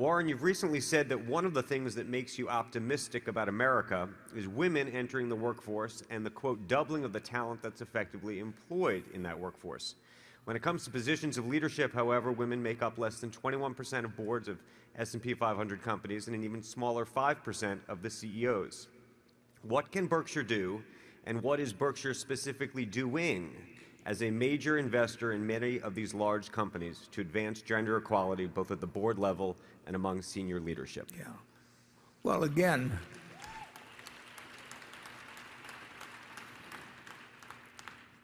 "Warren, you've recently said that one of the things that makes you optimistic about America is women entering the workforce and the, quote, 'doubling of the talent that's effectively employed in that workforce.' When it comes to positions of leadership, however, women make up less than 21% of boards of S&P 500 companies, and an even smaller 5% of the CEOs. What can Berkshire do, and what is Berkshire specifically doing as a major investor in many of these large companies to advance gender equality, both at the board level and among senior leadership? Well, again,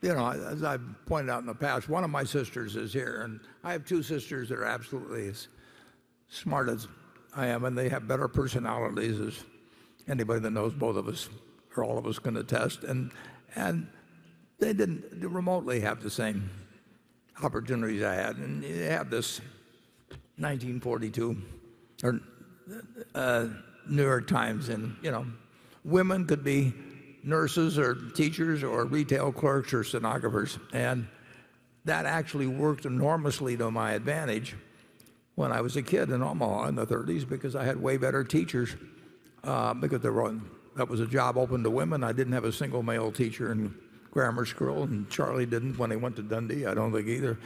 as I've pointed out in the past, one of my sisters is here, and I have two sisters that are absolutely as smart as I am, and they have better personalities as anybody that knows both of us or all of us can attest. They didn't remotely have the same opportunities I had. You have this 1942 "New York Times" and women could be nurses or teachers or retail clerks or stenographers. That actually worked enormously to my advantage when I was a kid in Omaha in the 30s because I had way better teachers, because that was a job open to women. I didn't have a single male teacher in grammar school, and Charlie didn't when he went to Dundee, I don't think either.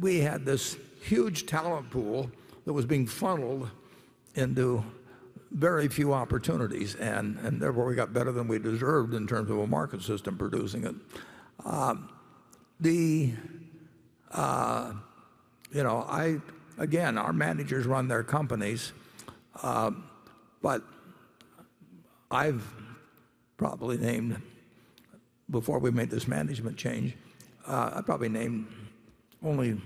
We had this huge talent pool that was being funneled into. Very few opportunities. Therefore, we got better than we deserved in terms of a market system producing it. Again, our managers run their companies. Before we made this management change, I probably named only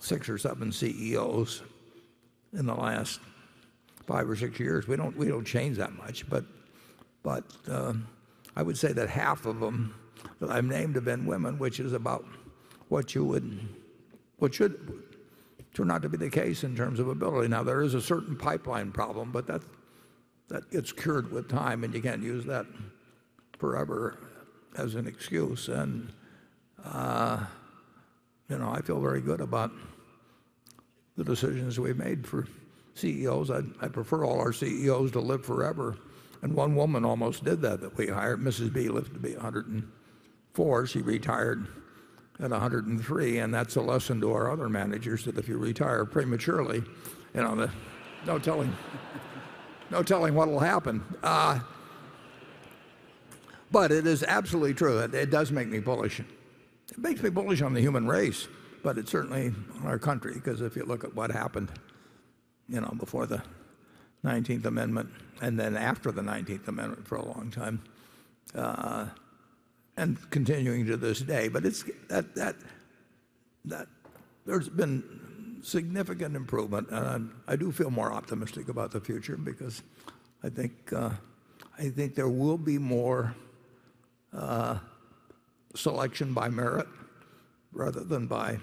six or seven CEOs in the last five or six years. We don't change that much. I would say that half of them that I've named have been women, which is about what should turn out to be the case in terms of ability. There is a certain pipeline problem, but that gets cured with time, and you can't use that forever as an excuse. I feel very good about the decisions we've made for CEOs. I'd prefer all our CEOs to live forever, and one woman almost did that we hired. Mrs. B lived to be 104. She retired at 103. That's a lesson to our other managers, that if you retire prematurely, no telling what will happen. It is absolutely true. It does make me bullish. It makes me bullish on the human race, certainly on our country, because if you look at what happened before the 19th Amendment, then after the 19th Amendment for a long time, continuing to this day. There's been significant improvement. I do feel more optimistic about the future because I think there will be more selection by merit rather than by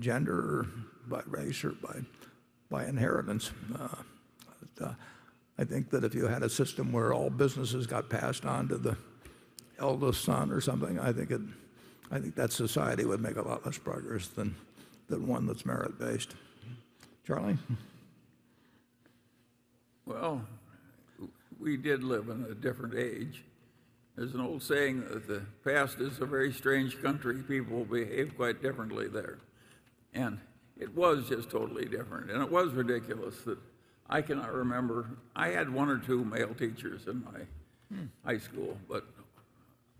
gender or by race or by inheritance. I think that if you had a system where all businesses got passed on to the eldest son or something, I think that society would make a lot less progress than one that's merit-based. Charlie? We did live in a different age. There's an old saying that the past is a very strange country, people behaved quite differently there. It was just totally different. It was ridiculous that I cannot remember. I had one or two male teachers in my high school, but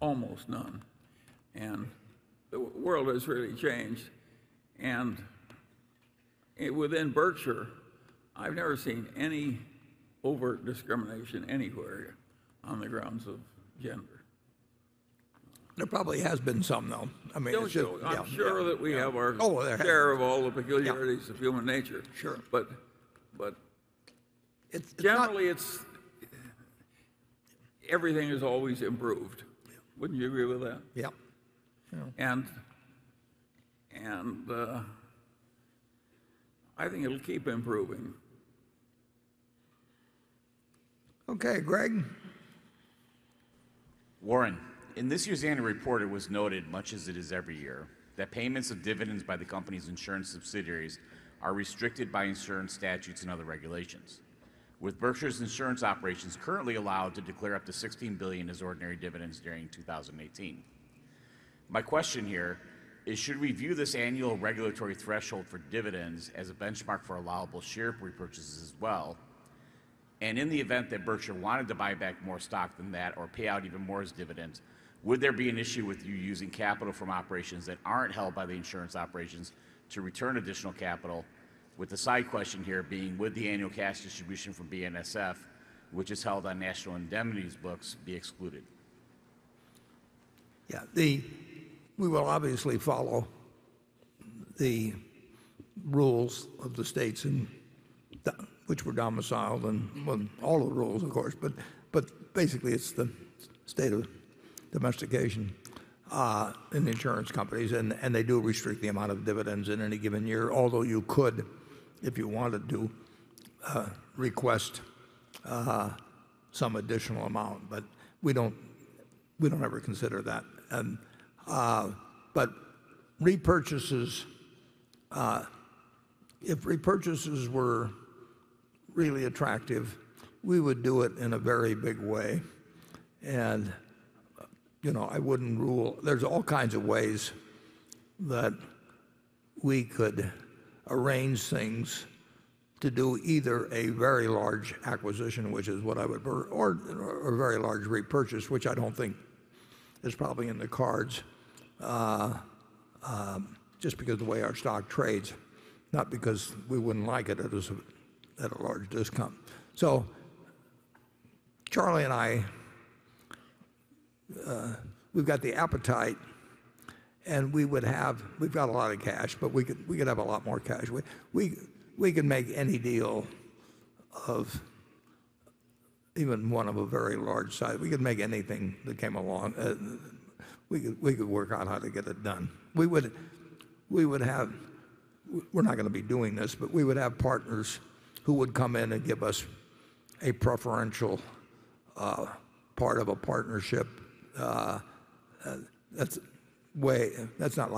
almost none. The world has really changed. Within Berkshire, I've never seen any overt discrimination anywhere on the grounds of gender. There probably has been some, though. I mean. Oh, sure. Yeah. I'm sure that we have our- Oh, there has. share of all the peculiarities- Yeah of human nature. Sure. But- It's not. Generally, everything is always improved. Yeah. Wouldn't you agree with that? Yeah. I think it'll keep improving. Okay, Greg. Warren, in this year's annual report, it was noted, much as it is every year, that payments of dividends by the company's insurance subsidiaries are restricted by insurance statutes and other regulations. With Berkshire's insurance operations currently allowed to declare up to $16 billion as ordinary dividends during 2018. My question here is should we view this annual regulatory threshold for dividends as a benchmark for allowable share repurchases as well? In the event that Berkshire wanted to buy back more stock than that or pay out even more as dividends, would there be an issue with you using capital from operations that aren't held by the insurance operations to return additional capital? With the side question here being, would the annual cash distribution from BNSF, which is held on National Indemnity's books, be excluded? Yeah. We will obviously follow the rules of the states in which we're domiciled and, well, all the rules, of course. Basically, it's the state of domestication in the insurance companies, and they do restrict the amount of dividends in any given year. Although you could, if you wanted to, request some additional amount, but we don't ever consider that. If repurchases were really attractive, we would do it in a very big way. There's all kinds of ways that we could arrange things to do either a very large acquisition, which is what I would prefer, or a very large repurchase, which I don't think is probably in the cards, just because of the way our stock trades, not because we wouldn't like it at a large discount. Charlie and I, we've got the appetite, we've got a lot of cash, but we could have a lot more cash. We can make any deal of even one of a very large size. We could make anything that came along. We could work out how to get it done. We're not going to be doing this, but we would have partners who would come in and give us a preferential part of a partnership. That's not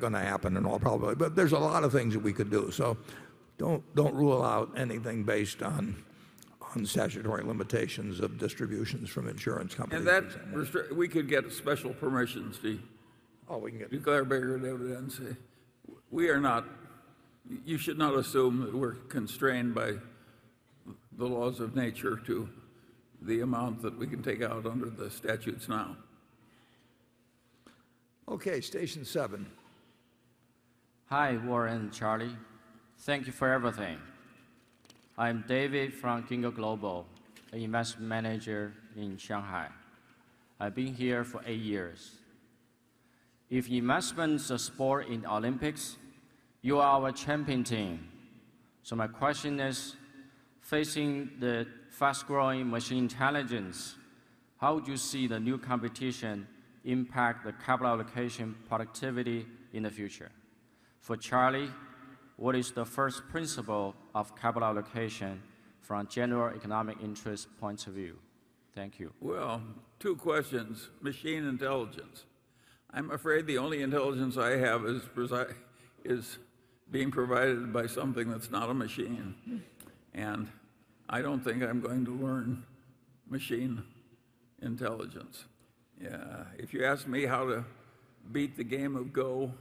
going to happen in all probability, but there's a lot of things that we could do. Don't rule out anything based on statutory limitations of distributions from insurance companies. That, we could get special permissions, see. Oh, we can. Declaratory evidence, see. You should not assume that we're constrained by the laws of nature to the amount that we can take out under the statutes now. Okay. Station seven. Hi, Warren and Charlie. Thank you for everything. I'm David from Kingo Global, an investment manager in Shanghai. I've been here for eight years. If investment is a sport in Olympics, you are a champion team. My question is, facing the fast-growing machine intelligence, how do you see the new competition impact the capital allocation productivity in the future? For Charlie, what is the first principle of capital allocation from general economic interest points of view? Thank you. Two questions. Machine intelligence. I'm afraid the only intelligence I have is being provided by something that's not a machine, and I don't think I'm going to learn machine intelligence. If you ask me how to beat the game of Go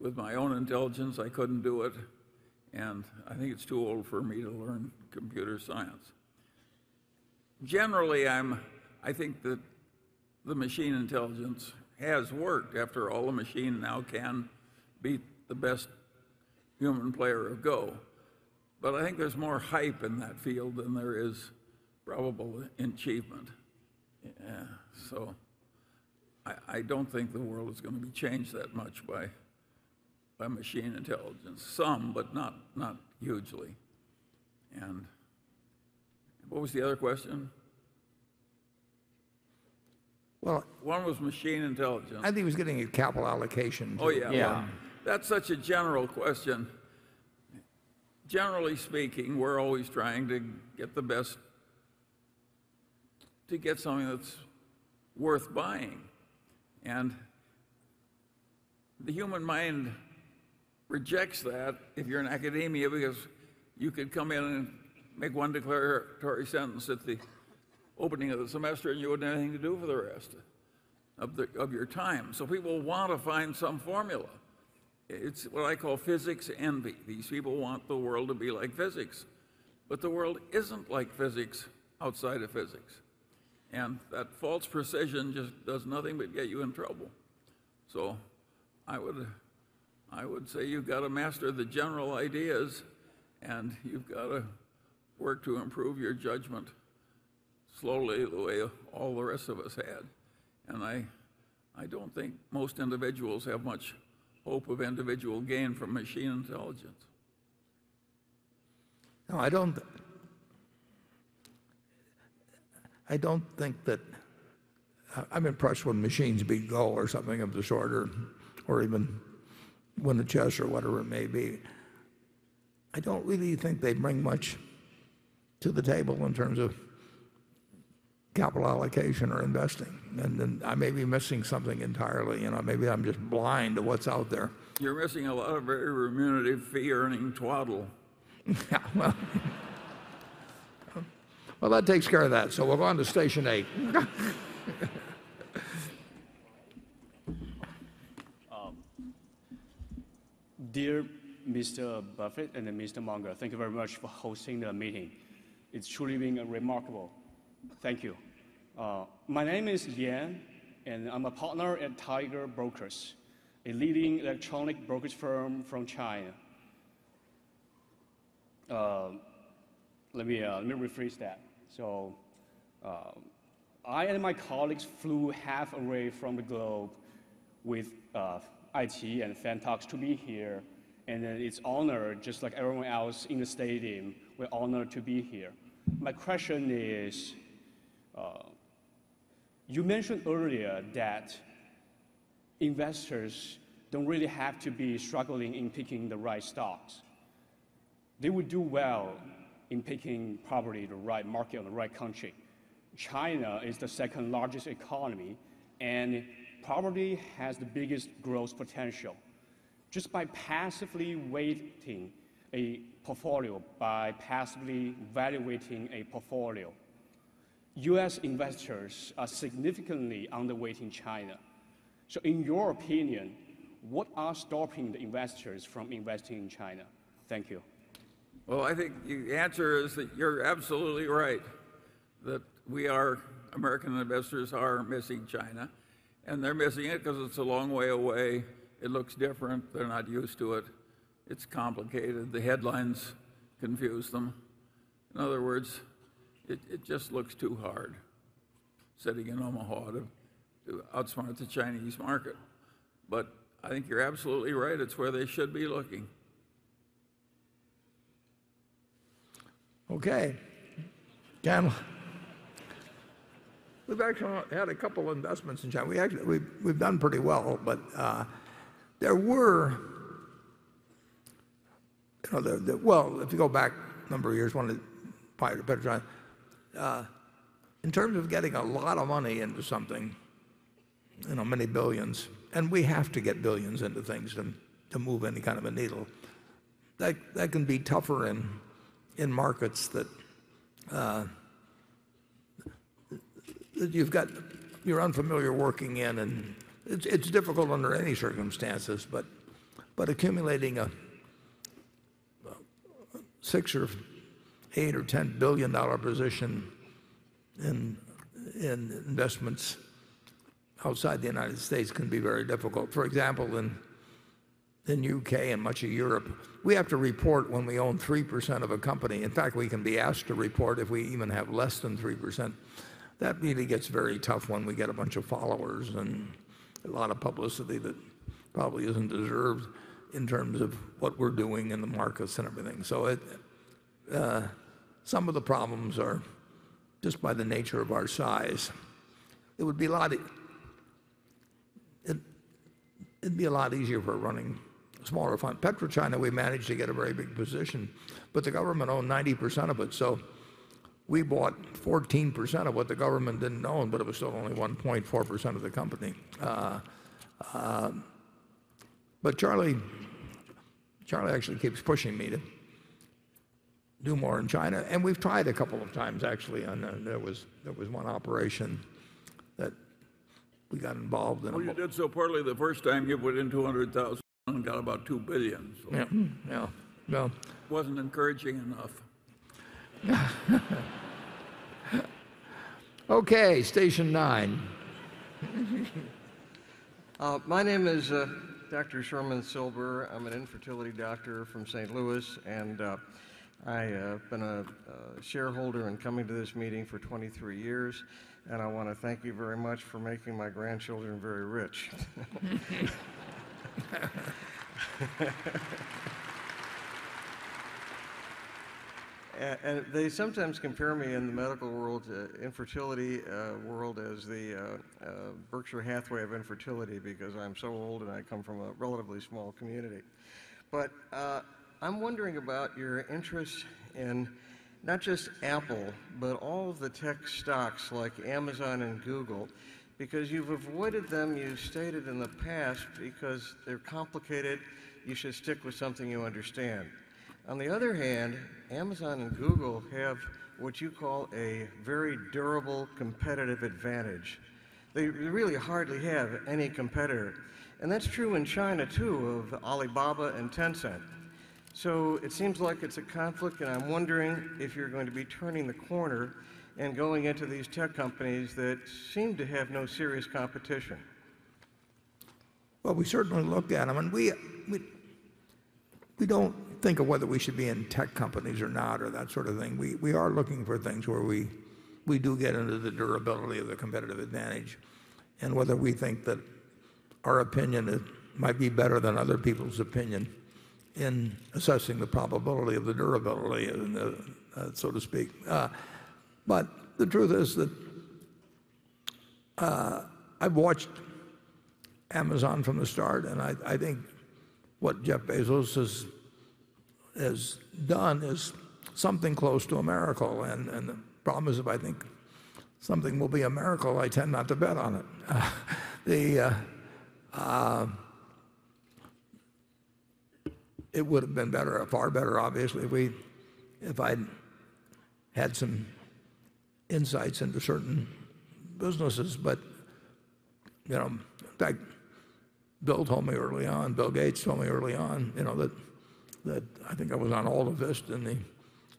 with my own intelligence, I couldn't do it, and I think it's too old for me to learn computer science. Generally, I think that the machine intelligence has worked. After all, a machine now can beat the best human player of Go. I think there's more hype in that field than there is probable achievement. I don't think the world is going to be changed that much by machine intelligence. Some, but not hugely. What was the other question? Well- One was machine intelligence. I think he was getting at capital allocation too. Oh, yeah. Yeah. That's such a general question. Generally speaking, we're always trying to get something that's worth buying. The human mind rejects that if you're in academia because you could come in and make one declaratory sentence at the opening of the semester, and you wouldn't have anything to do for the rest of your time. People want to find some formula. It's what I call physics envy. These people want the world to be like physics, but the world isn't like physics outside of physics, and that false precision just does nothing but get you in trouble. I would say you've got to master the general ideas, and you've got to work to improve your judgment slowly, the way all the rest of us had. I don't think most individuals have much hope of individual gain from machine intelligence. No, I don't think that I'm impressed when machines beat Go or something of the sort, or even win at chess or whatever it may be. I don't really think they bring much to the table in terms of capital allocation or investing. I may be missing something entirely and maybe I'm just blind to what's out there. You're missing a lot of very remunerative fee-earning twaddle. Yeah, well. Well, that takes care of that. We're on to station eight. Dear Mr. Buffett and Mr. Munger, thank you very much for hosting the meeting. It's truly been remarkable. Thank you. My name is Lien, and I'm a partner at Tiger Brokers, a leading electronic brokerage firm from China. Let me rephrase that. I and my colleagues flew halfway from the globe with [IT and fan talks] to be here, and it's honor just like everyone else in the stadium. We're honored to be here. My question is, you mentioned earlier that investors don't really have to be struggling in picking the right stocks. They would do well in picking probably the right market or the right country. China is the second largest economy and probably has the biggest growth potential. Just by passively weighting a portfolio, by passively evaluating a portfolio, U.S. investors are significantly underweighting China. In your opinion, what are stopping the investors from investing in China? Thank you. Well, I think the answer is that you're absolutely right, that American investors are missing China, and they're missing it because it's a long way away. It looks different. They're not used to it. It's complicated. The headlines confuse them. In other words, it just looks too hard, sitting in Omaha to outsmart the Chinese market. I think you're absolutely right. It's where they should be looking. Okay. Damn. We've actually had a couple investments in China. We've done pretty well, but there were, if you go back a number of years, probably a better time. In terms of getting a lot of money into something many billions. We have to get billions into things to move any kind of a needle. That can be tougher in markets that you're unfamiliar working in, and it's difficult under any circumstances. Accumulating a six or eight or $10 billion position in investments outside the U.S. can be very difficult. For example, in U.K. and much of Europe, we have to report when we own 3% of a company. In fact, we can be asked to report if we even have less than 3%. That really gets very tough when we get a bunch of followers and a lot of publicity that probably isn't deserved in terms of what we're doing in the markets and everything. Some of the problems are just by the nature of our size. It'd be a lot easier if we're running a smaller fund. PetroChina, we managed to get a very big position, but the government owned 90% of it. We bought 14% of what the government didn't own, but it was still only 1.4% of the company. Charlie actually keeps pushing me to do more in China, and we've tried a couple of times, actually. There was one operation that we got involved in- Well, you did so poorly the first time. You put in $200,000 and got about $2 billion, so- Yeah yeah. Yeah. Wasn't encouraging enough. Okay, station nine. My name is Dr. Sherman Silber. I'm an infertility doctor from St. Louis. I have been a shareholder and coming to this meeting for 23 years. I want to thank you very much for making my grandchildren very rich. They sometimes compare me in the medical world, infertility world as the Berkshire Hathaway of infertility because I'm so old and I come from a relatively small community. I'm wondering about your interest in not just Apple, but all of the tech stocks like Amazon and Google, because you've avoided them, you stated in the past because they're complicated, you should stick with something you understand. On the other hand, Amazon and Google have what you call a very durable competitive advantage. They really hardly have any competitor, and that's true in China too of Alibaba and Tencent. It seems like it's a conflict, and I'm wondering if you're going to be turning the corner and going into these tech companies that seem to have no serious competition. Well, we certainly look at them, and we don't think of whether we should be in tech companies or not or that sort of thing. We are looking for things where we do get into the durability of the competitive advantage, and whether we think that our opinion might be better than other people's opinion in assessing the probability of the durability, so to speak. The truth is that I've watched Amazon from the start, and I think what Jeff Bezos has done is something close to a miracle. The problem is if I think something will be a miracle, I tend not to bet on it. It would've been better, far better, obviously, if I'd had some insights into certain businesses. In fact, Bill Gates told me early on, I think I was on AltaVista, and he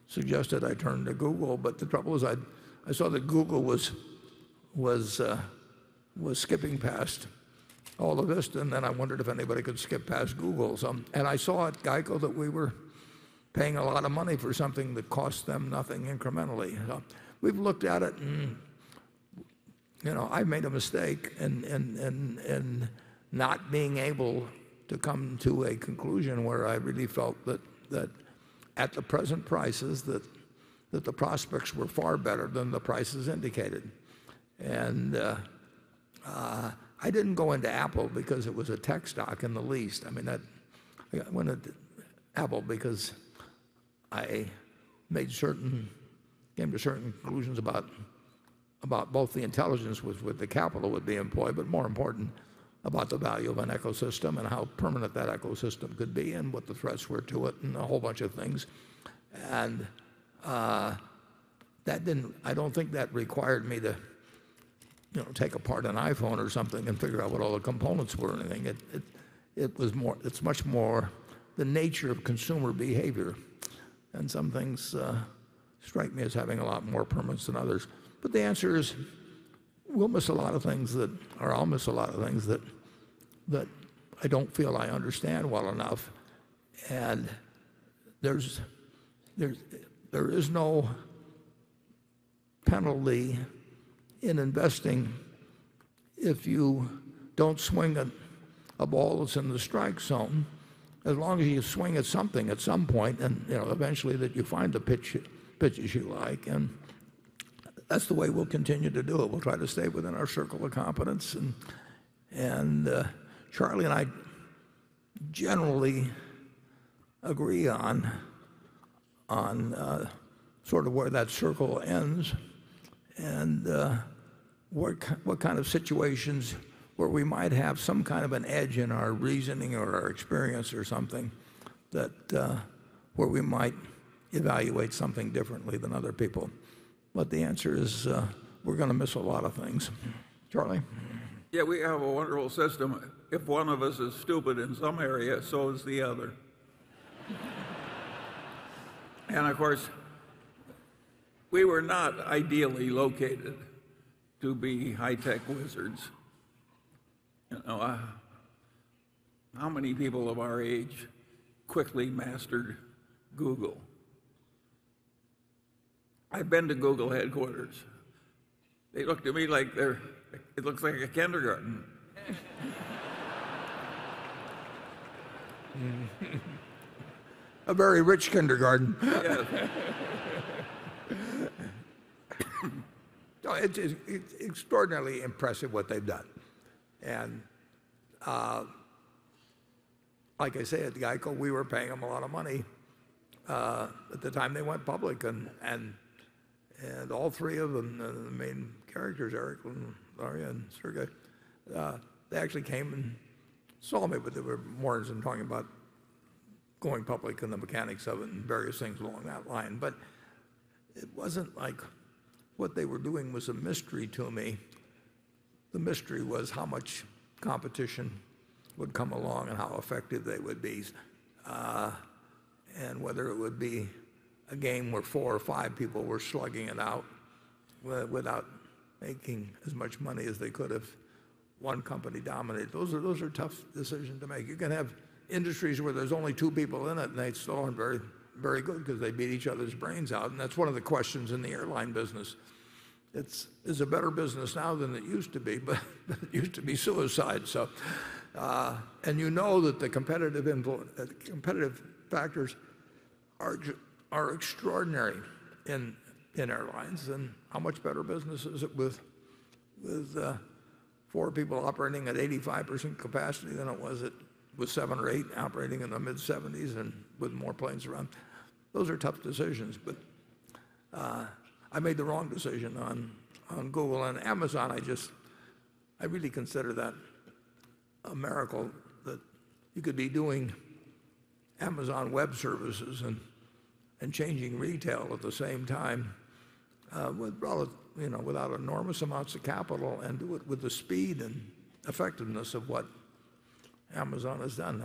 suggested I turn to Google. The trouble was I saw that Google was skipping past AltaVista, then I wondered if anybody could skip past Google. I saw at GEICO that we were paying a lot of money for something that cost them nothing incrementally. We've looked at it, and I made a mistake in not being able to come to a conclusion where I really felt that at the present prices, that the prospects were far better than the prices indicated. I didn't go into Apple because it was a tech stock in the least. I went into Apple because I came to certain conclusions about both the intelligence with the capital that would be employed, more important, about the value of an ecosystem and how permanent that ecosystem could be, and what the threats were to it, and a whole bunch of things. I don't think that required me to take apart an iPhone or something and figure out what all the components were or anything. It's much more the nature of consumer behavior, and some things strike me as having a lot more permanence than others. The answer is, we'll miss a lot of things that or I'll miss a lot of things that I don't feel I understand well enough. There is no penalty in investing if you don't swing a ball that's in the strike zone, as long as you swing at something at some point and eventually that you find the pitches you like. That's the way we'll continue to do it. We'll try to stay within our circle of competence. Charlie and I generally agree on where that circle ends and what kind of situations where we might have some kind of an edge in our reasoning or our experience or something where we might evaluate something differently than other people. The answer is we're going to miss a lot of things. Charlie? Yeah, we have a wonderful system. If one of us is stupid in some area, so is the other. Of course, we were not ideally located to be high-tech wizards. How many people of our age quickly mastered Google? I've been to Google headquarters. They looked at me like It looks like a kindergarten. A very rich kindergarten. Yeah. No, it's extraordinarily impressive what they've done. Like I say, at GEICO, we were paying them a lot of money at the time they went public, all three of them, the main characters, Eric and Larry and Sergey, they actually came and saw me, but they were more interested in talking about going public and the mechanics of it and various things along that line. It wasn't like what they were doing was a mystery to me. The mystery was how much competition would come along and how effective they would be, and whether it would be a game where four or five people were slugging it out without making as much money as they could if one company dominated. Those are tough decisions to make. You can have industries where there's only two people in it, they still aren't very good because they beat each other's brains out, that's one of the questions in the airline business. It's a better business now than it used to be, but it used to be suicide. You know that the competitive factors are extraordinary in airlines, how much better business is it with four people operating at 85% capacity than it was with seven or eight operating in the mid-70s and with more planes around? Those are tough decisions. I made the wrong decision on Google. Amazon, I really consider that a miracle that you could be doing Amazon Web Services and changing retail at the same time without enormous amounts of capital, and do it with the speed and effectiveness of what Amazon has done.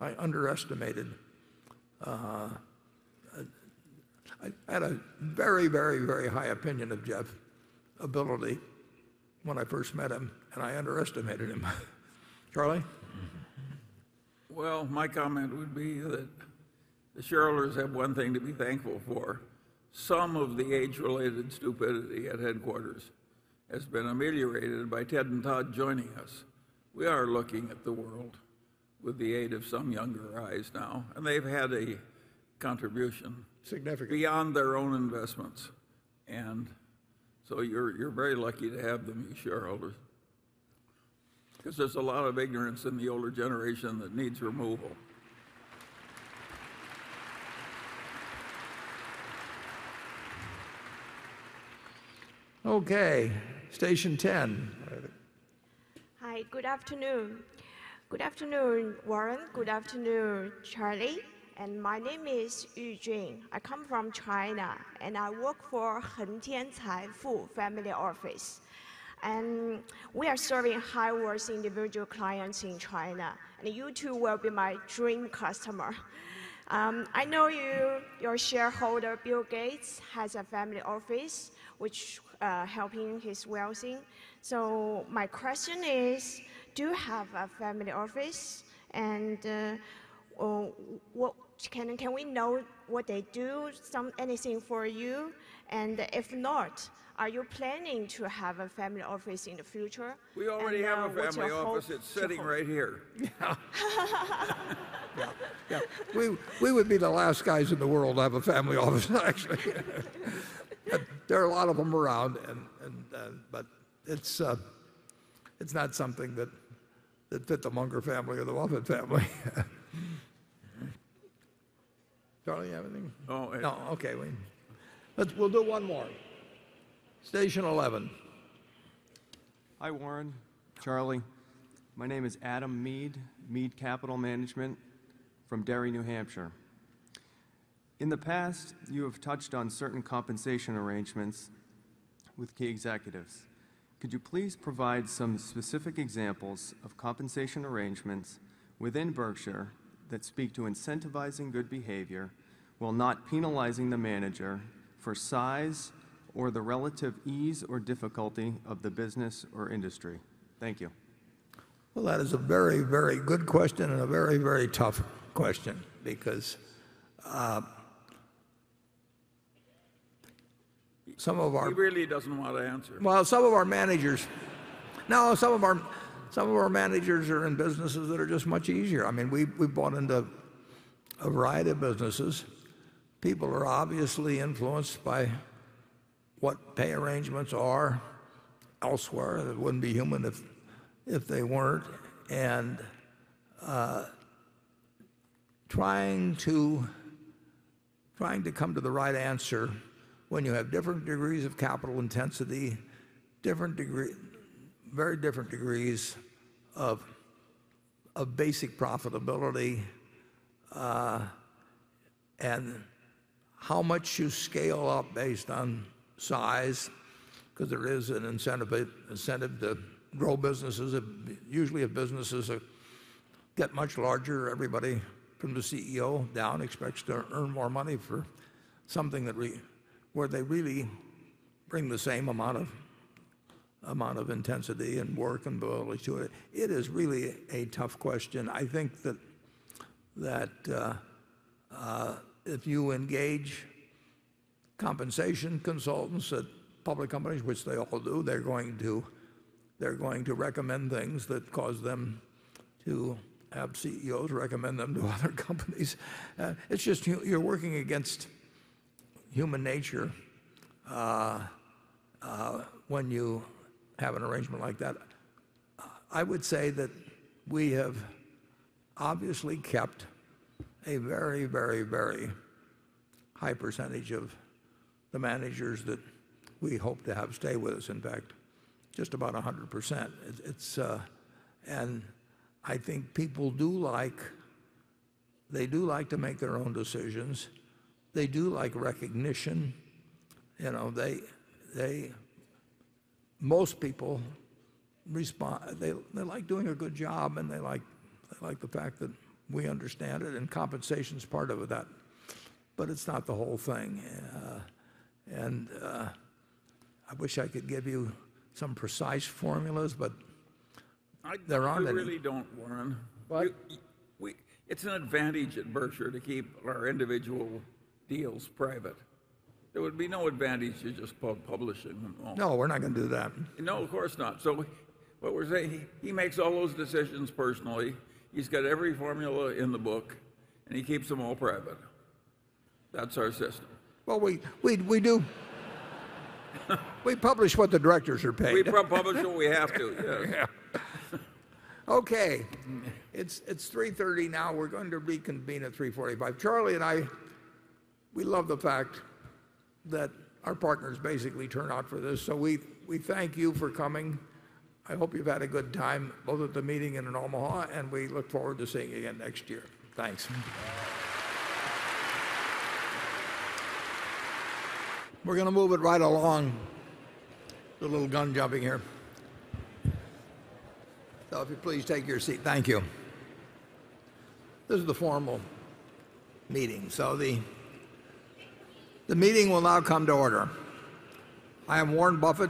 I had a very high opinion of Jeff's ability when I first met him, I underestimated him. Charlie? Well, my comment would be that the shareholders have one thing to be thankful for. Some of the age-related stupidity at headquarters has been ameliorated by Ted and Todd joining us. We are looking at the world with the aid of some younger eyes now, and they've had a contribution- Significant beyond their own investments. So you're very lucky to have them, you shareholders, because there's a lot of ignorance in the older generation that needs removal. Okay. Station 10. Hi, good afternoon. Good afternoon, Warren. Good afternoon, Charlie. My name is Yu Jing. I come from China, and I work for Henan Taifu Family Office. We are serving high net worth individual clients in China, you two will be my dream customer. I know your shareholder, Bill Gates, has a family office which helping his wealth thing. My question is, do you have a family office? Can we know what they do? Anything for you? If not, are you planning to have a family office in the future? What's your hope- We already have a family office. It's sitting right here. Yeah. Yeah. We would be the last guys in the world to have a family office. No, actually. There are a lot of them around, but it's not something that fit the Munger family or the Buffett family. Charlie, you have anything? No. No. Okay. We'll do one more. Station 11. Hi, Warren, Charlie. My name is Adam Mead, Capital Management from Derry, New Hampshire. In the past, you have touched on certain compensation arrangements with key executives. Could you please provide some specific examples of compensation arrangements within Berkshire that speak to incentivizing good behavior while not penalizing the manager for size or the relative ease or difficulty of the business or industry? Thank you. Well, that is a very good question and a very tough question because some of our- He really doesn't want to answer. Well, no, some of our managers are in businesses that are just much easier. We bought into a variety of businesses. People are obviously influenced by what pay arrangements are elsewhere. It wouldn't be human if they weren't. Trying to come to the right answer when you have different degrees of capital intensity, very different degrees of basic profitability, and how much you scale up based on size, because there is an incentive to grow businesses. Usually, if businesses get much larger, everybody from the CEO down expects to earn more money for something where they really bring the same amount of intensity and work, and ability to it. It is really a tough question. I think that if you engage compensation consultants at public companies, which they all do, they're going to recommend things that cause them to have CEOs recommend them to other companies. It's just you're working against human nature when you have an arrangement like that. I would say that we have obviously kept a very high percentage of the managers that we hope to have stay with us. In fact, just about 100%. I think people do like to make their own decisions. They do like recognition. Most people respond. They like doing a good job and they like the fact that we understand it, and compensation's part of that, but it's not the whole thing. I wish I could give you some precise formulas, but there aren't any. I really don't, Warren. What? It's an advantage at Berkshire to keep our individual deals private. There would be no advantage to just publishing them all. No, we're not going to do that. No, of course not. What we're saying, he makes all those decisions personally. He's got every formula in the book, and he keeps them all private. That's our system. Well, we publish what the directors are paid. We publish what we have to, yeah. Yeah. Okay. It's 3:30 P.M. now. We're going to reconvene at 3:45 P.M. Charlie and I, we love the fact that our partners basically turn out for this. We thank you for coming. I hope you've had a good time, both at the meeting and in Omaha, and we look forward to seeing you again next year. Thanks. We're going to move it right along. Do a little gun jumping here. If you please take your seat. Thank you. This is the formal meeting. The meeting will now come to order. I am Warren Buffett,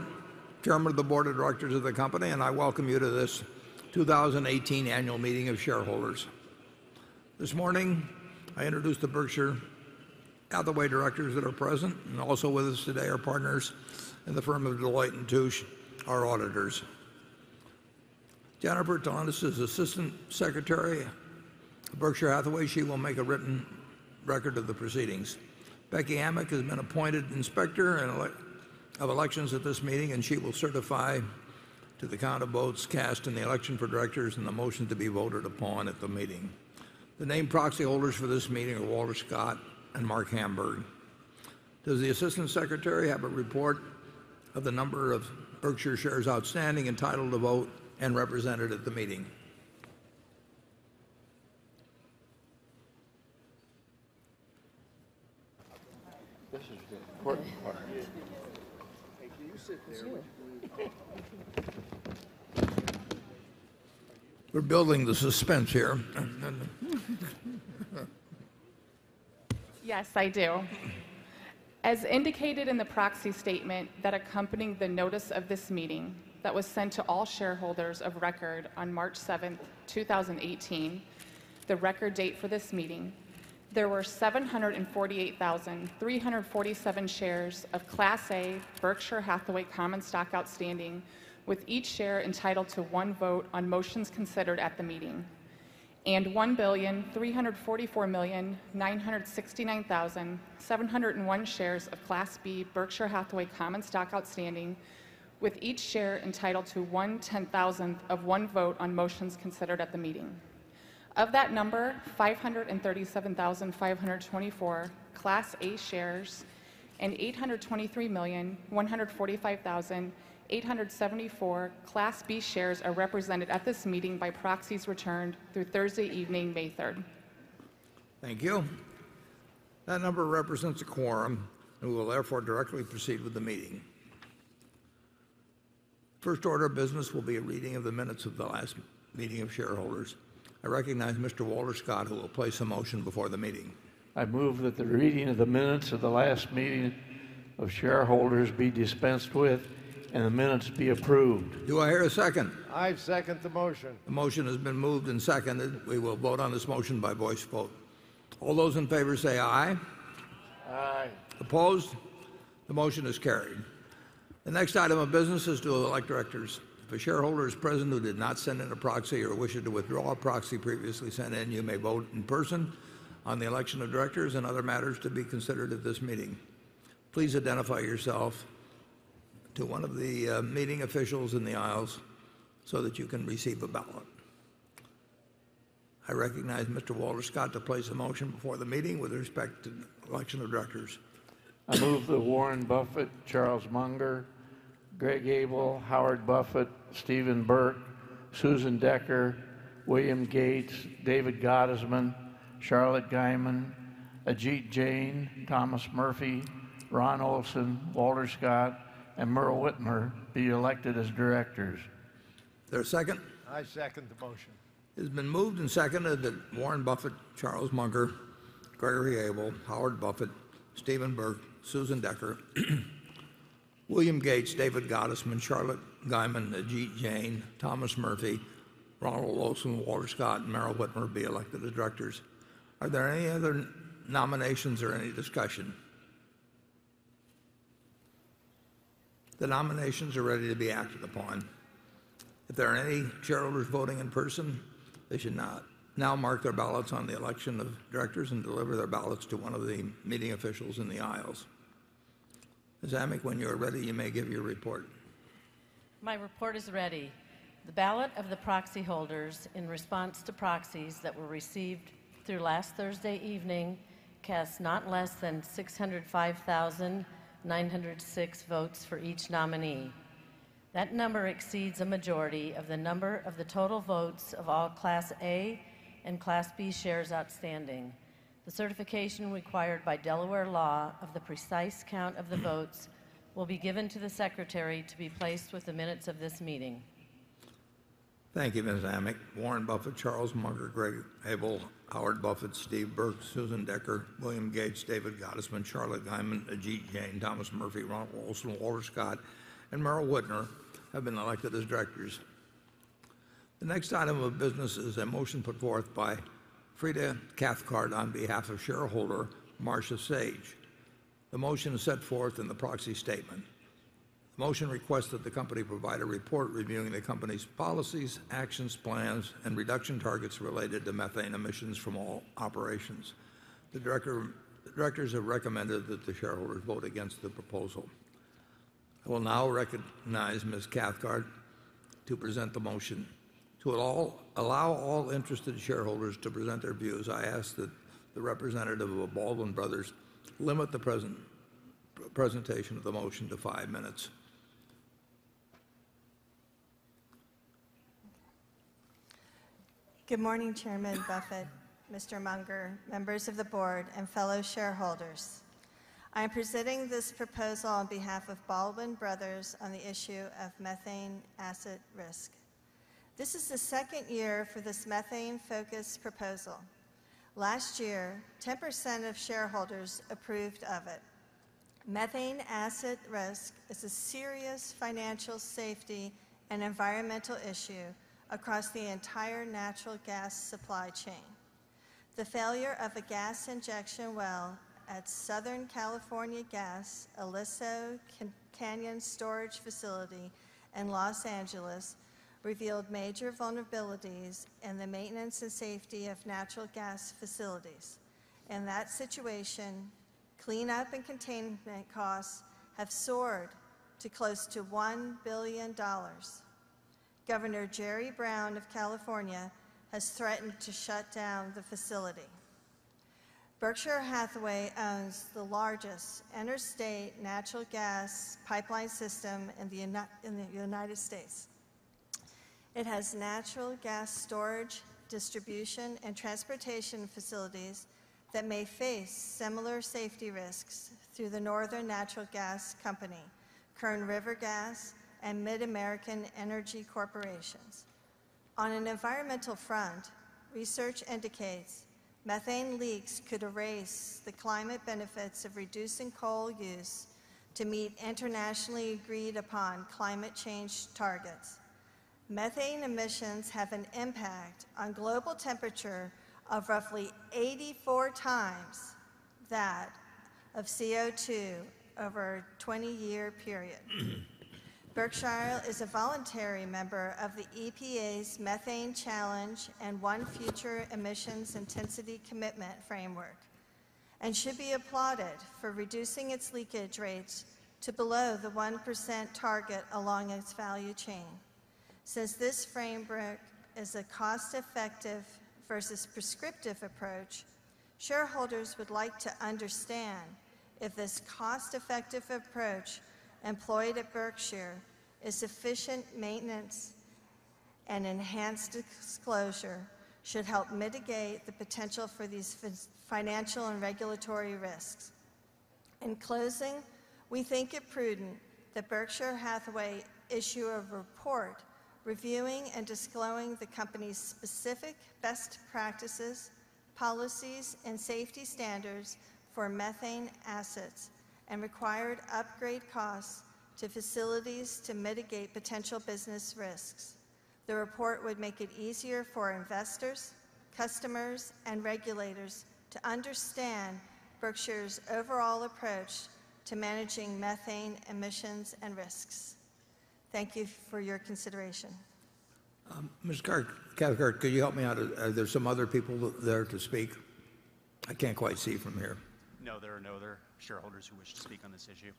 Chairman of the Board of Directors of the company, and I welcome you to this 2018 annual meeting of shareholders. This morning, I introduced the Berkshire Hathaway directors that are present, and also with us today are partners in the firm of Deloitte & Touche, our auditors. Jennifer Tselentis is Assistant Secretary of Berkshire Hathaway. She will make a written record of the proceedings. Becky Amick has been appointed Inspector of Elections at this meeting, and she will certify to the count of votes cast in the election for directors and the motion to be voted upon at the meeting. The named proxy holders for this meeting are Walter Scott and Marc Hamburg. Does the Assistant Secretary have a report of the number of Berkshire shares outstanding entitled to vote and represented at the meeting? This is the important part. Hey, can you sit there, would you please? We're building the suspense here. Yes, I do. As indicated in the proxy statement that accompanied the notice of this meeting that was sent to all shareholders of record on March 7th, 2018, the record date for this meeting, there were 748,347 shares of Class A Berkshire Hathaway common stock outstanding, with each share entitled to one vote on motions considered at the meeting. 1,344,969,701 shares of Class B Berkshire Hathaway common stock outstanding, with each share entitled to 1/10,000 of one vote on motions considered at the meeting. Of that number, 537,524 Class A shares and 823,145,874 Class B shares are represented at this meeting by proxies returned through Thursday evening, May 3rd. Thank you. That number represents a quorum, and we will therefore directly proceed with the meeting. First order of business will be a reading of the minutes of the last meeting of shareholders. I recognize Mr. Walter Scott, who will place a motion before the meeting. I move that the reading of the minutes of the last meeting of shareholders be dispensed with and the minutes be approved. Do I hear a second? I second the motion. The motion has been moved and seconded. We will vote on this motion by voice vote. All those in favor say aye. Aye. Opposed? The motion is carried. The next item of business is to elect directors. If a shareholder is present who did not send in a proxy or wishes to withdraw a proxy previously sent in, you may vote in person on the election of directors and other matters to be considered at this meeting. Please identify yourself to one of the meeting officials in the aisles so that you can receive a ballot. I recognize Mr. Walter Scott to place a motion before the meeting with respect to the election of directors. I move that Warren Buffett, Charles Munger, Greg Abel, Howard Buffett, Stephen Burke, Susan Decker, William Gates, David Gottesman, Charlotte Guyman, Ajit Jain, Thomas Murphy, Ronald Olson, Walter Scott, and Meryl Witmer be elected as directors. Is there a second? I second the motion. It has been moved and seconded that Warren Buffett, Charles Munger, Gregory Abel, Howard Buffett, Stephen Burke, Susan Decker, William Gates, David Gottesman, Charlotte Guyman, Ajit Jain, Thomas Murphy, Ronald Olson, Walter Scott, and Meryl Witmer be elected as directors. Are there any other nominations or any discussion? The nominations are ready to be acted upon. If there are any shareholders voting in person, they should now mark their ballots on the election of directors and deliver their ballots to one of the meeting officials in the aisles. Ms. Amick, when you are ready, you may give your report. My report is ready. The ballot of the proxy holders in response to proxies that were received through last Thursday evening cast not less than 605,906 votes for each nominee. That number exceeds a majority of the number of the total votes of all Class A and Class B shares outstanding. The certification required by Delaware law of the precise count of the votes will be given to the secretary to be placed with the minutes of this meeting. Thank you, Ms. Amick. Warren Buffett, Charles Munger, Greg Abel, Howard Buffett, Steve Burke, Susan Decker, William Gates, David Gottesman, Charlotte Guyman, Ajit Jain, Thomas Murphy, Ron Olson, Walter Scott, and Meryl Witmer have been elected as directors. The next item of business is a motion put forth by Freeda Cathcart on behalf of shareholder Marcia Sage. The motion is set forth in the proxy statement. The motion requests that the company provide a report reviewing the company's policies, actions, plans, and reduction targets related to methane emissions from all operations. The directors have recommended that the shareholders vote against the proposal. I will now recognize Ms. Cathcart to present the motion. To allow all interested shareholders to present their views, I ask that the representative of Baldwin Brothers limit the presentation of the motion to five minutes. Good morning, Chairman Buffett, Mr. Munger, members of the board, and fellow shareholders. I am presenting this proposal on behalf of Baldwin Brothers on the issue of methane asset risk. This is the second year for this methane-focused proposal. Last year, 10% of shareholders approved of it. Methane asset risk is a serious financial safety and environmental issue across the entire natural gas supply chain. The failure of a gas injection well at Southern California Gas Aliso Canyon storage facility in L.A. revealed major vulnerabilities in the maintenance and safety of natural gas facilities. In that situation, cleanup and containment costs have soared to close to $1 billion. Governor Jerry Brown of California has threatened to shut down the facility. Berkshire Hathaway owns the largest interstate natural gas pipeline system in the U.S. It has natural gas storage, distribution, and transportation facilities that may face similar safety risks through the Northern Natural Gas Company, Kern River Gas, and MidAmerican Energy Company. On an environmental front, research indicates methane leaks could erase the climate benefits of reducing coal use to meet internationally agreed-upon climate change targets. Methane emissions have an impact on global temperature of roughly 84 times that of CO2 over a 20-year period. Berkshire is a voluntary member of the EPA's Methane Challenge and ONE Future emissions intensity commitment framework and should be applauded for reducing its leakage rates to below the 1% target along its value chain. Since this framework is a cost-effective versus prescriptive approach, shareholders would like to understand if this cost-effective approach employed at Berkshire is sufficient maintenance, and enhanced disclosure should help mitigate the potential for these financial and regulatory risks. In closing, we think it prudent that Berkshire Hathaway issue a report reviewing and disclosing the company's specific best practices, policies, and safety standards for methane assets and required upgrade costs to facilities to mitigate potential business risks. The report would make it easier for investors, customers, and regulators to understand Berkshire's overall approach to managing methane emissions and risks. Thank you for your consideration. Ms. Cathcart, could you help me out? Are there some other people there to speak? I can't quite see from here. There are no other shareholders who wish to speak on this issue.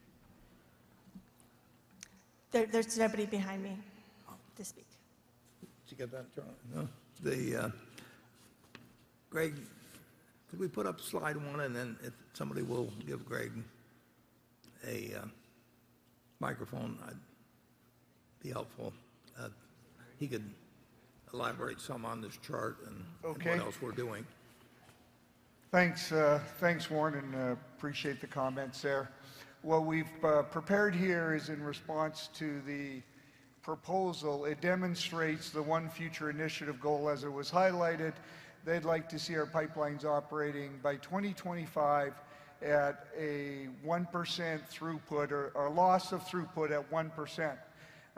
There's nobody behind me to speak. Did you get that, Charlie? No. Greg, could we put up slide one, then if somebody will give Greg a microphone, that'd be helpful. He could elaborate some on this chart and. Okay what else we're doing. Thanks Warren. Appreciate the comments there. What we've prepared here is in response to the proposal. It demonstrates the ONE Future initiative goal as it was highlighted. They'd like to see our pipelines operating by 2025 at a 1% throughput or a loss of throughput at 1%.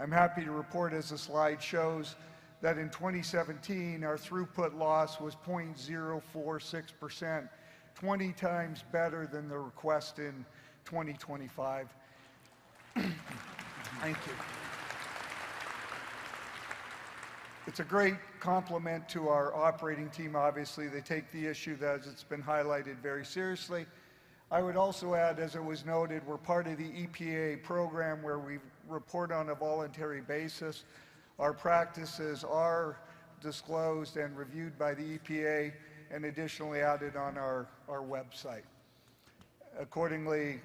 I'm happy to report, as the slide shows, that in 2017, our throughput loss was 0.046%, 20 times better than the request in 2025. Thank you. It's a great compliment to our operating team. Obviously, they take the issue, as it's been highlighted, very seriously. I would also add, as it was noted, we're part of the EPA program where we report on a voluntary basis. Our practices are disclosed and reviewed by the EPA, and additionally added on our website. Accordingly,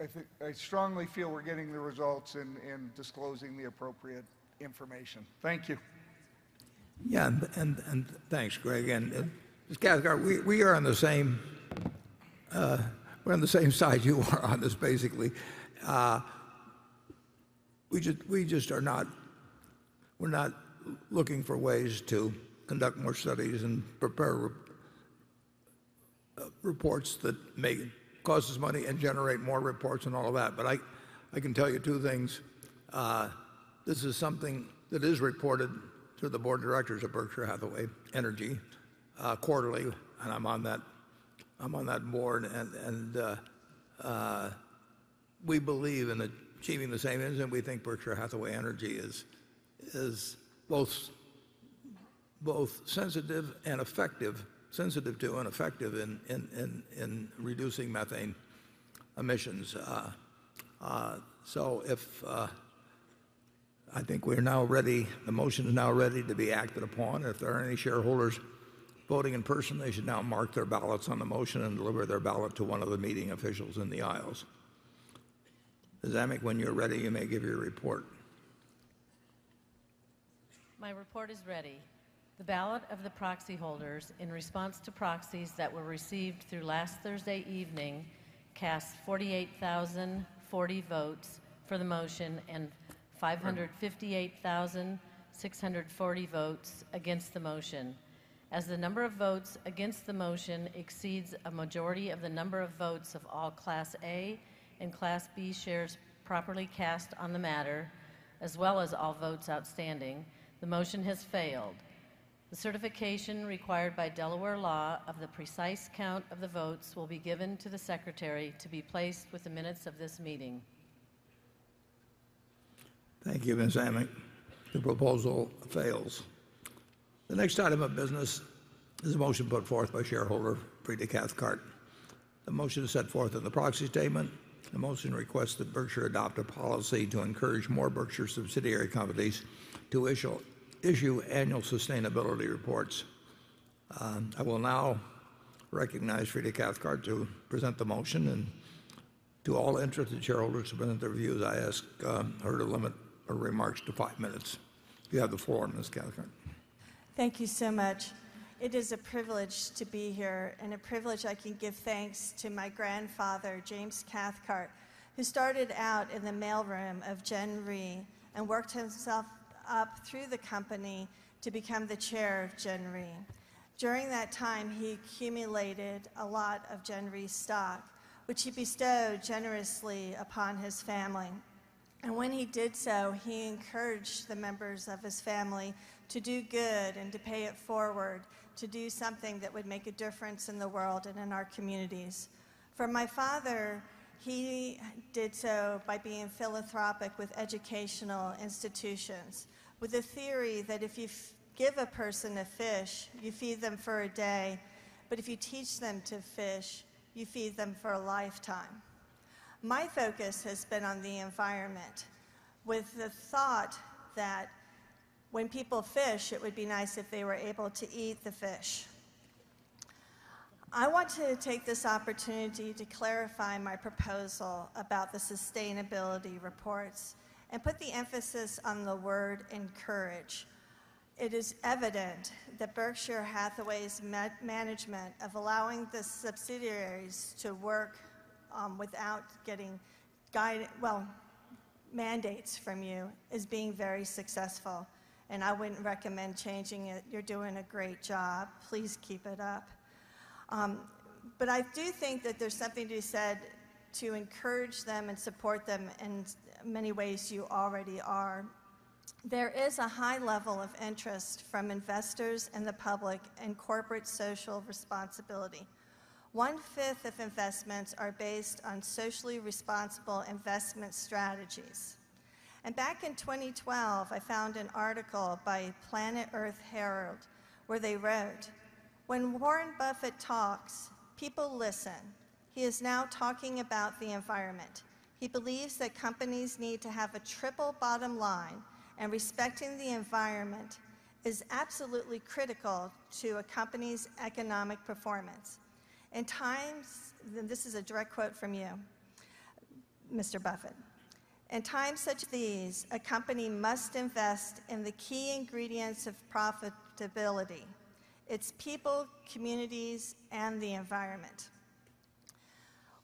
I strongly feel we're getting the results and disclosing the appropriate information. Thank you. Yeah. Thanks, Greg, and Ms. Cathcart, we're on the same side you are on this, basically. We're not looking for ways to conduct more studies and prepare reports that may cost us money and generate more reports and all of that. I can tell you two things. This is something that is reported to the board of directors of Berkshire Hathaway Energy quarterly, and I'm on that board. We believe in achieving the same ends, and we think Berkshire Hathaway Energy is both sensitive to and effective in reducing methane emissions. I think the motion is now ready to be acted upon. If there are any shareholders voting in person, they should now mark their ballots on the motion and deliver their ballot to one of the meeting officials in the aisles. Ms. Amick, when you're ready, you may give your report. My report is ready. The ballot of the proxy holders in response to proxies that were received through last Thursday evening cast 48,040 votes for the motion and 558,640 votes against the motion. As the number of votes against the motion exceeds a majority of the number of votes of all Class A and Class B shares properly cast on the matter, as well as all votes outstanding, the motion has failed. The certification required by Delaware law of the precise count of the votes will be given to the secretary to be placed with the minutes of this meeting. Thank you, Ms. Amick. The proposal fails. The next item of business is a motion put forth by shareholder Freeda Cathcart. The motion is set forth in the proxy statement. The motion requests that Berkshire adopt a policy to encourage more Berkshire subsidiary companies to issue annual sustainability reports. I will now recognize Freeda Cathcart to present the motion, and to all interested shareholders who've submitted their views, I ask her to limit her remarks to five minutes. You have the floor, Ms. Cathcart. Thank you so much. It is a privilege to be here and a privilege I can give thanks to my grandfather, James Cathcart, who started out in the mailroom of Gen Re and worked himself up through the company to become the chair of Gen Re. During that time, he accumulated a lot of Gen Re stock, which he bestowed generously upon his family. When he did so, he encouraged the members of his family to do good and to pay it forward, to do something that would make a difference in the world and in our communities. For my father, he did so by being philanthropic with educational institutions, with the theory that if you give a person a fish, you feed them for a day, but if you teach them to fish, you feed them for a lifetime. My focus has been on the environment with the thought that when people fish, it would be nice if they were able to eat the fish. I want to take this opportunity to clarify my proposal about the sustainability reports and put the emphasis on the word encourage. It is evident that Berkshire Hathaway's management of allowing the subsidiaries to work without getting mandates from you is being very successful, and I wouldn't recommend changing it. You're doing a great job. Please keep it up. I do think that there's something to be said to encourage them and support them, in many ways you already are. There is a high level of interest from investors and the public in corporate social responsibility. One fifth of investments are based on socially responsible investment strategies. Back in 2012, I found an article by Planet Earth Herald where they wrote, "When Warren Buffett talks, people listen. He is now talking about the environment. He believes that companies need to have a triple bottom line, and respecting the environment is absolutely critical to a company's economic performance." This is a direct quote from you, Mr. Buffett, "In times such as these, a company must invest in the key ingredients of profitability, its people, communities, and the environment."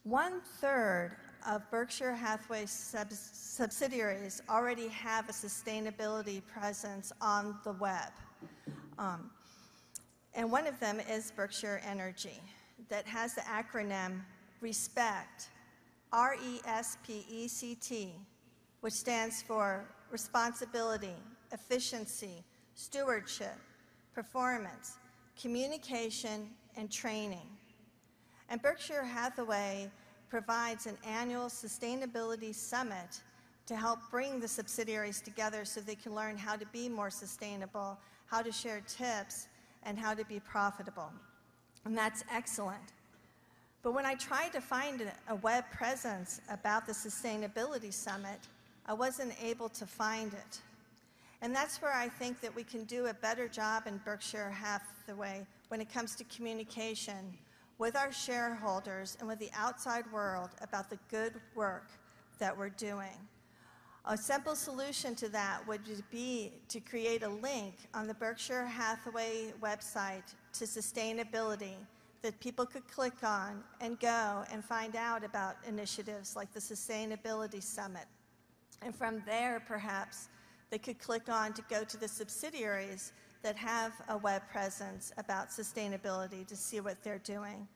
One third of Berkshire Hathaway subsidiaries already have a sustainability presence on the web. One of them is Berkshire Energy that has the acronym RESPECT, R-E-S-P-E-C-T, which stands for responsibility, efficiency, stewardship, performance, communication, and training. Berkshire Hathaway provides an annual sustainability summit to help bring the subsidiaries together so they can learn how to be more sustainable, how to share tips, and how to be profitable. That's excellent. When I tried to find a web presence about the sustainability summit, I wasn't able to find it. That's where I think that we can do a better job in Berkshire Hathaway when it comes to communication with our shareholders and with the outside world about the good work that we're doing. A simple solution to that would just be to create a link on the Berkshire Hathaway website to sustainability that people could click on and go and find out about initiatives like the sustainability summit. From there, perhaps they could click on to go to the subsidiaries that have a web presence about sustainability to see what they're doing.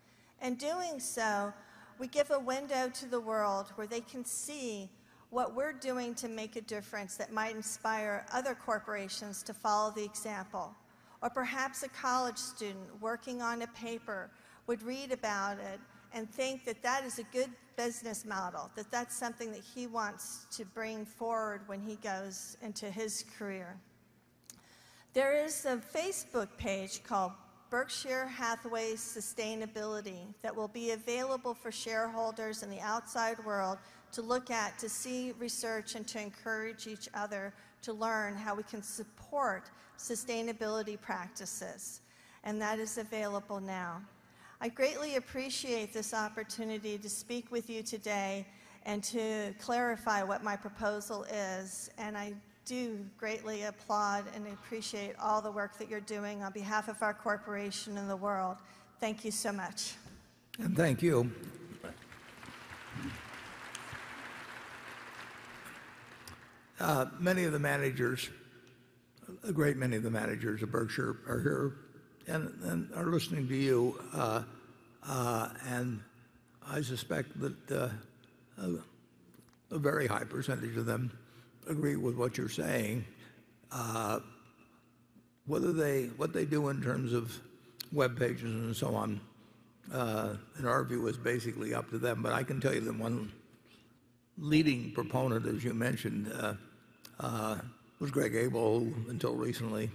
In doing so, we give a window to the world where they can see what we're doing to make a difference that might inspire other corporations to follow the example. Perhaps a college student working on a paper would read about it and think that that is a good business model, that that's something that he wants to bring forward when he goes into his career. There is a Facebook page called Berkshire Hathaway Sustainability that will be available for shareholders in the outside world to look at, to see research, and to encourage each other to learn how we can support sustainability practices. That is available now. I greatly appreciate this opportunity to speak with you today and to clarify what my proposal is. I do greatly applaud and appreciate all the work that you're doing on behalf of our corporation and the world. Thank you so much. And thank you. A great many of the managers of Berkshire are here and are listening to you. I suspect that a very high percentage of them agree with what you're saying. What they do in terms of web pages and so on, in our view, is basically up to them. I can tell you that one leading proponent, as you mentioned, was Greg Abel, who until recently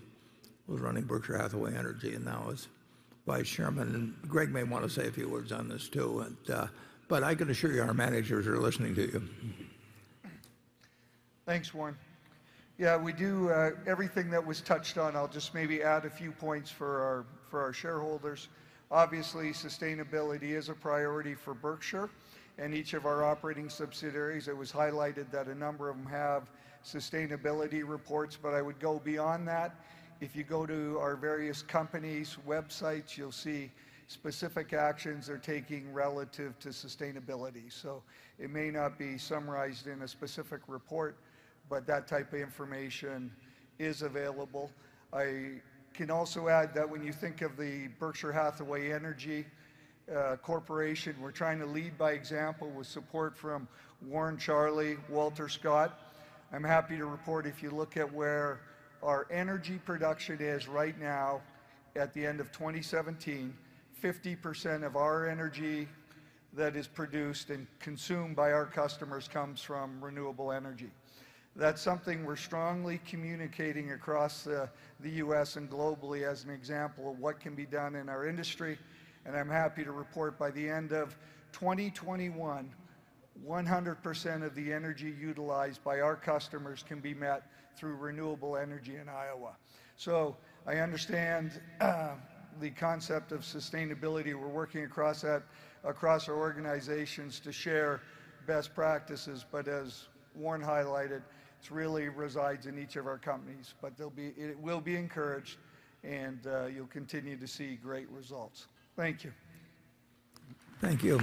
was running Berkshire Hathaway Energy and now is vice chairman. Greg may want to say a few words on this, too. I can assure you, our managers are listening to you. Thanks, Warren. We do everything that was touched on. I'll just maybe add a few points for our shareholders. Obviously, sustainability is a priority for Berkshire and each of our operating subsidiaries. It was highlighted that a number of them have sustainability reports. I would go beyond that. If you go to our various companies' websites, you'll see specific actions they're taking relative to sustainability. It may not be summarized in a specific report, but that type of information is available. I can also add that when you think of the Berkshire Hathaway Energy corporation, we're trying to lead by example with support from Warren, Charlie, Walter Scott. I'm happy to report, if you look at where our energy production is right now at the end of 2017, 50% of our energy that is produced and consumed by our customers comes from renewable energy. That's something we're strongly communicating across the U.S. and globally as an example of what can be done in our industry. I'm happy to report by the end of 2021, 100% of the energy utilized by our customers can be met through renewable energy in Iowa. I understand the concept of sustainability. We're working across our organizations to share best practices. As Warren highlighted, this really resides in each of our companies. It will be encouraged, and you'll continue to see great results. Thank you. Thank you.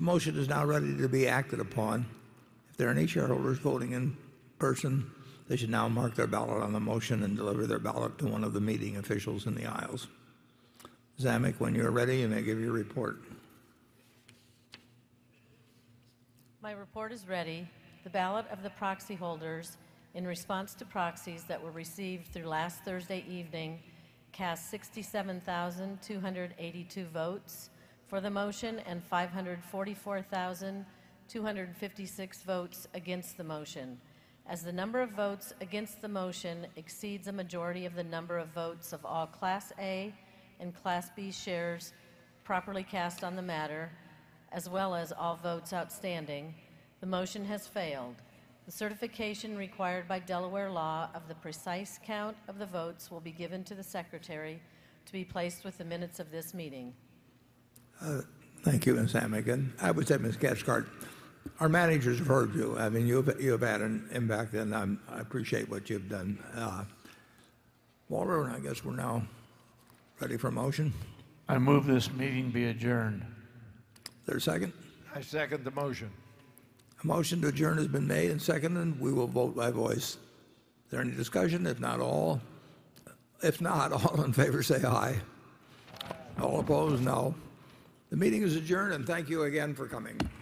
The motion is now ready to be acted upon. If there are any shareholders voting in person, they should now mark their ballot on the motion and deliver their ballot to one of the meeting officials in the aisles. Amick, when you are ready, you may give your report. My report is ready. The ballot of the proxy holders in response to proxies that were received through last Thursday evening cast 67,282 votes for the motion and 544,256 votes against the motion. As the number of votes against the motion exceeds a majority of the number of votes of all Class A and Class B shares properly cast on the matter, as well as all votes outstanding, the motion has failed. The certification required by Delaware law of the precise count of the votes will be given to the secretary to be placed with the minutes of this meeting. Thank you, Ms. Amick. I would say, Ms. Cathcart, our managers have heard you. You have had an impact, and I appreciate what you have done. Walter, I guess we are now ready for a motion. I move this meeting be adjourned. Is there a second? I second the motion. A motion to adjourn has been made and seconded, and we will vote by voice. Is there any discussion? If not, all in favor say aye. Aye. All opposed, no. The meeting is adjourned, and thank you again for coming. Great job, Warren.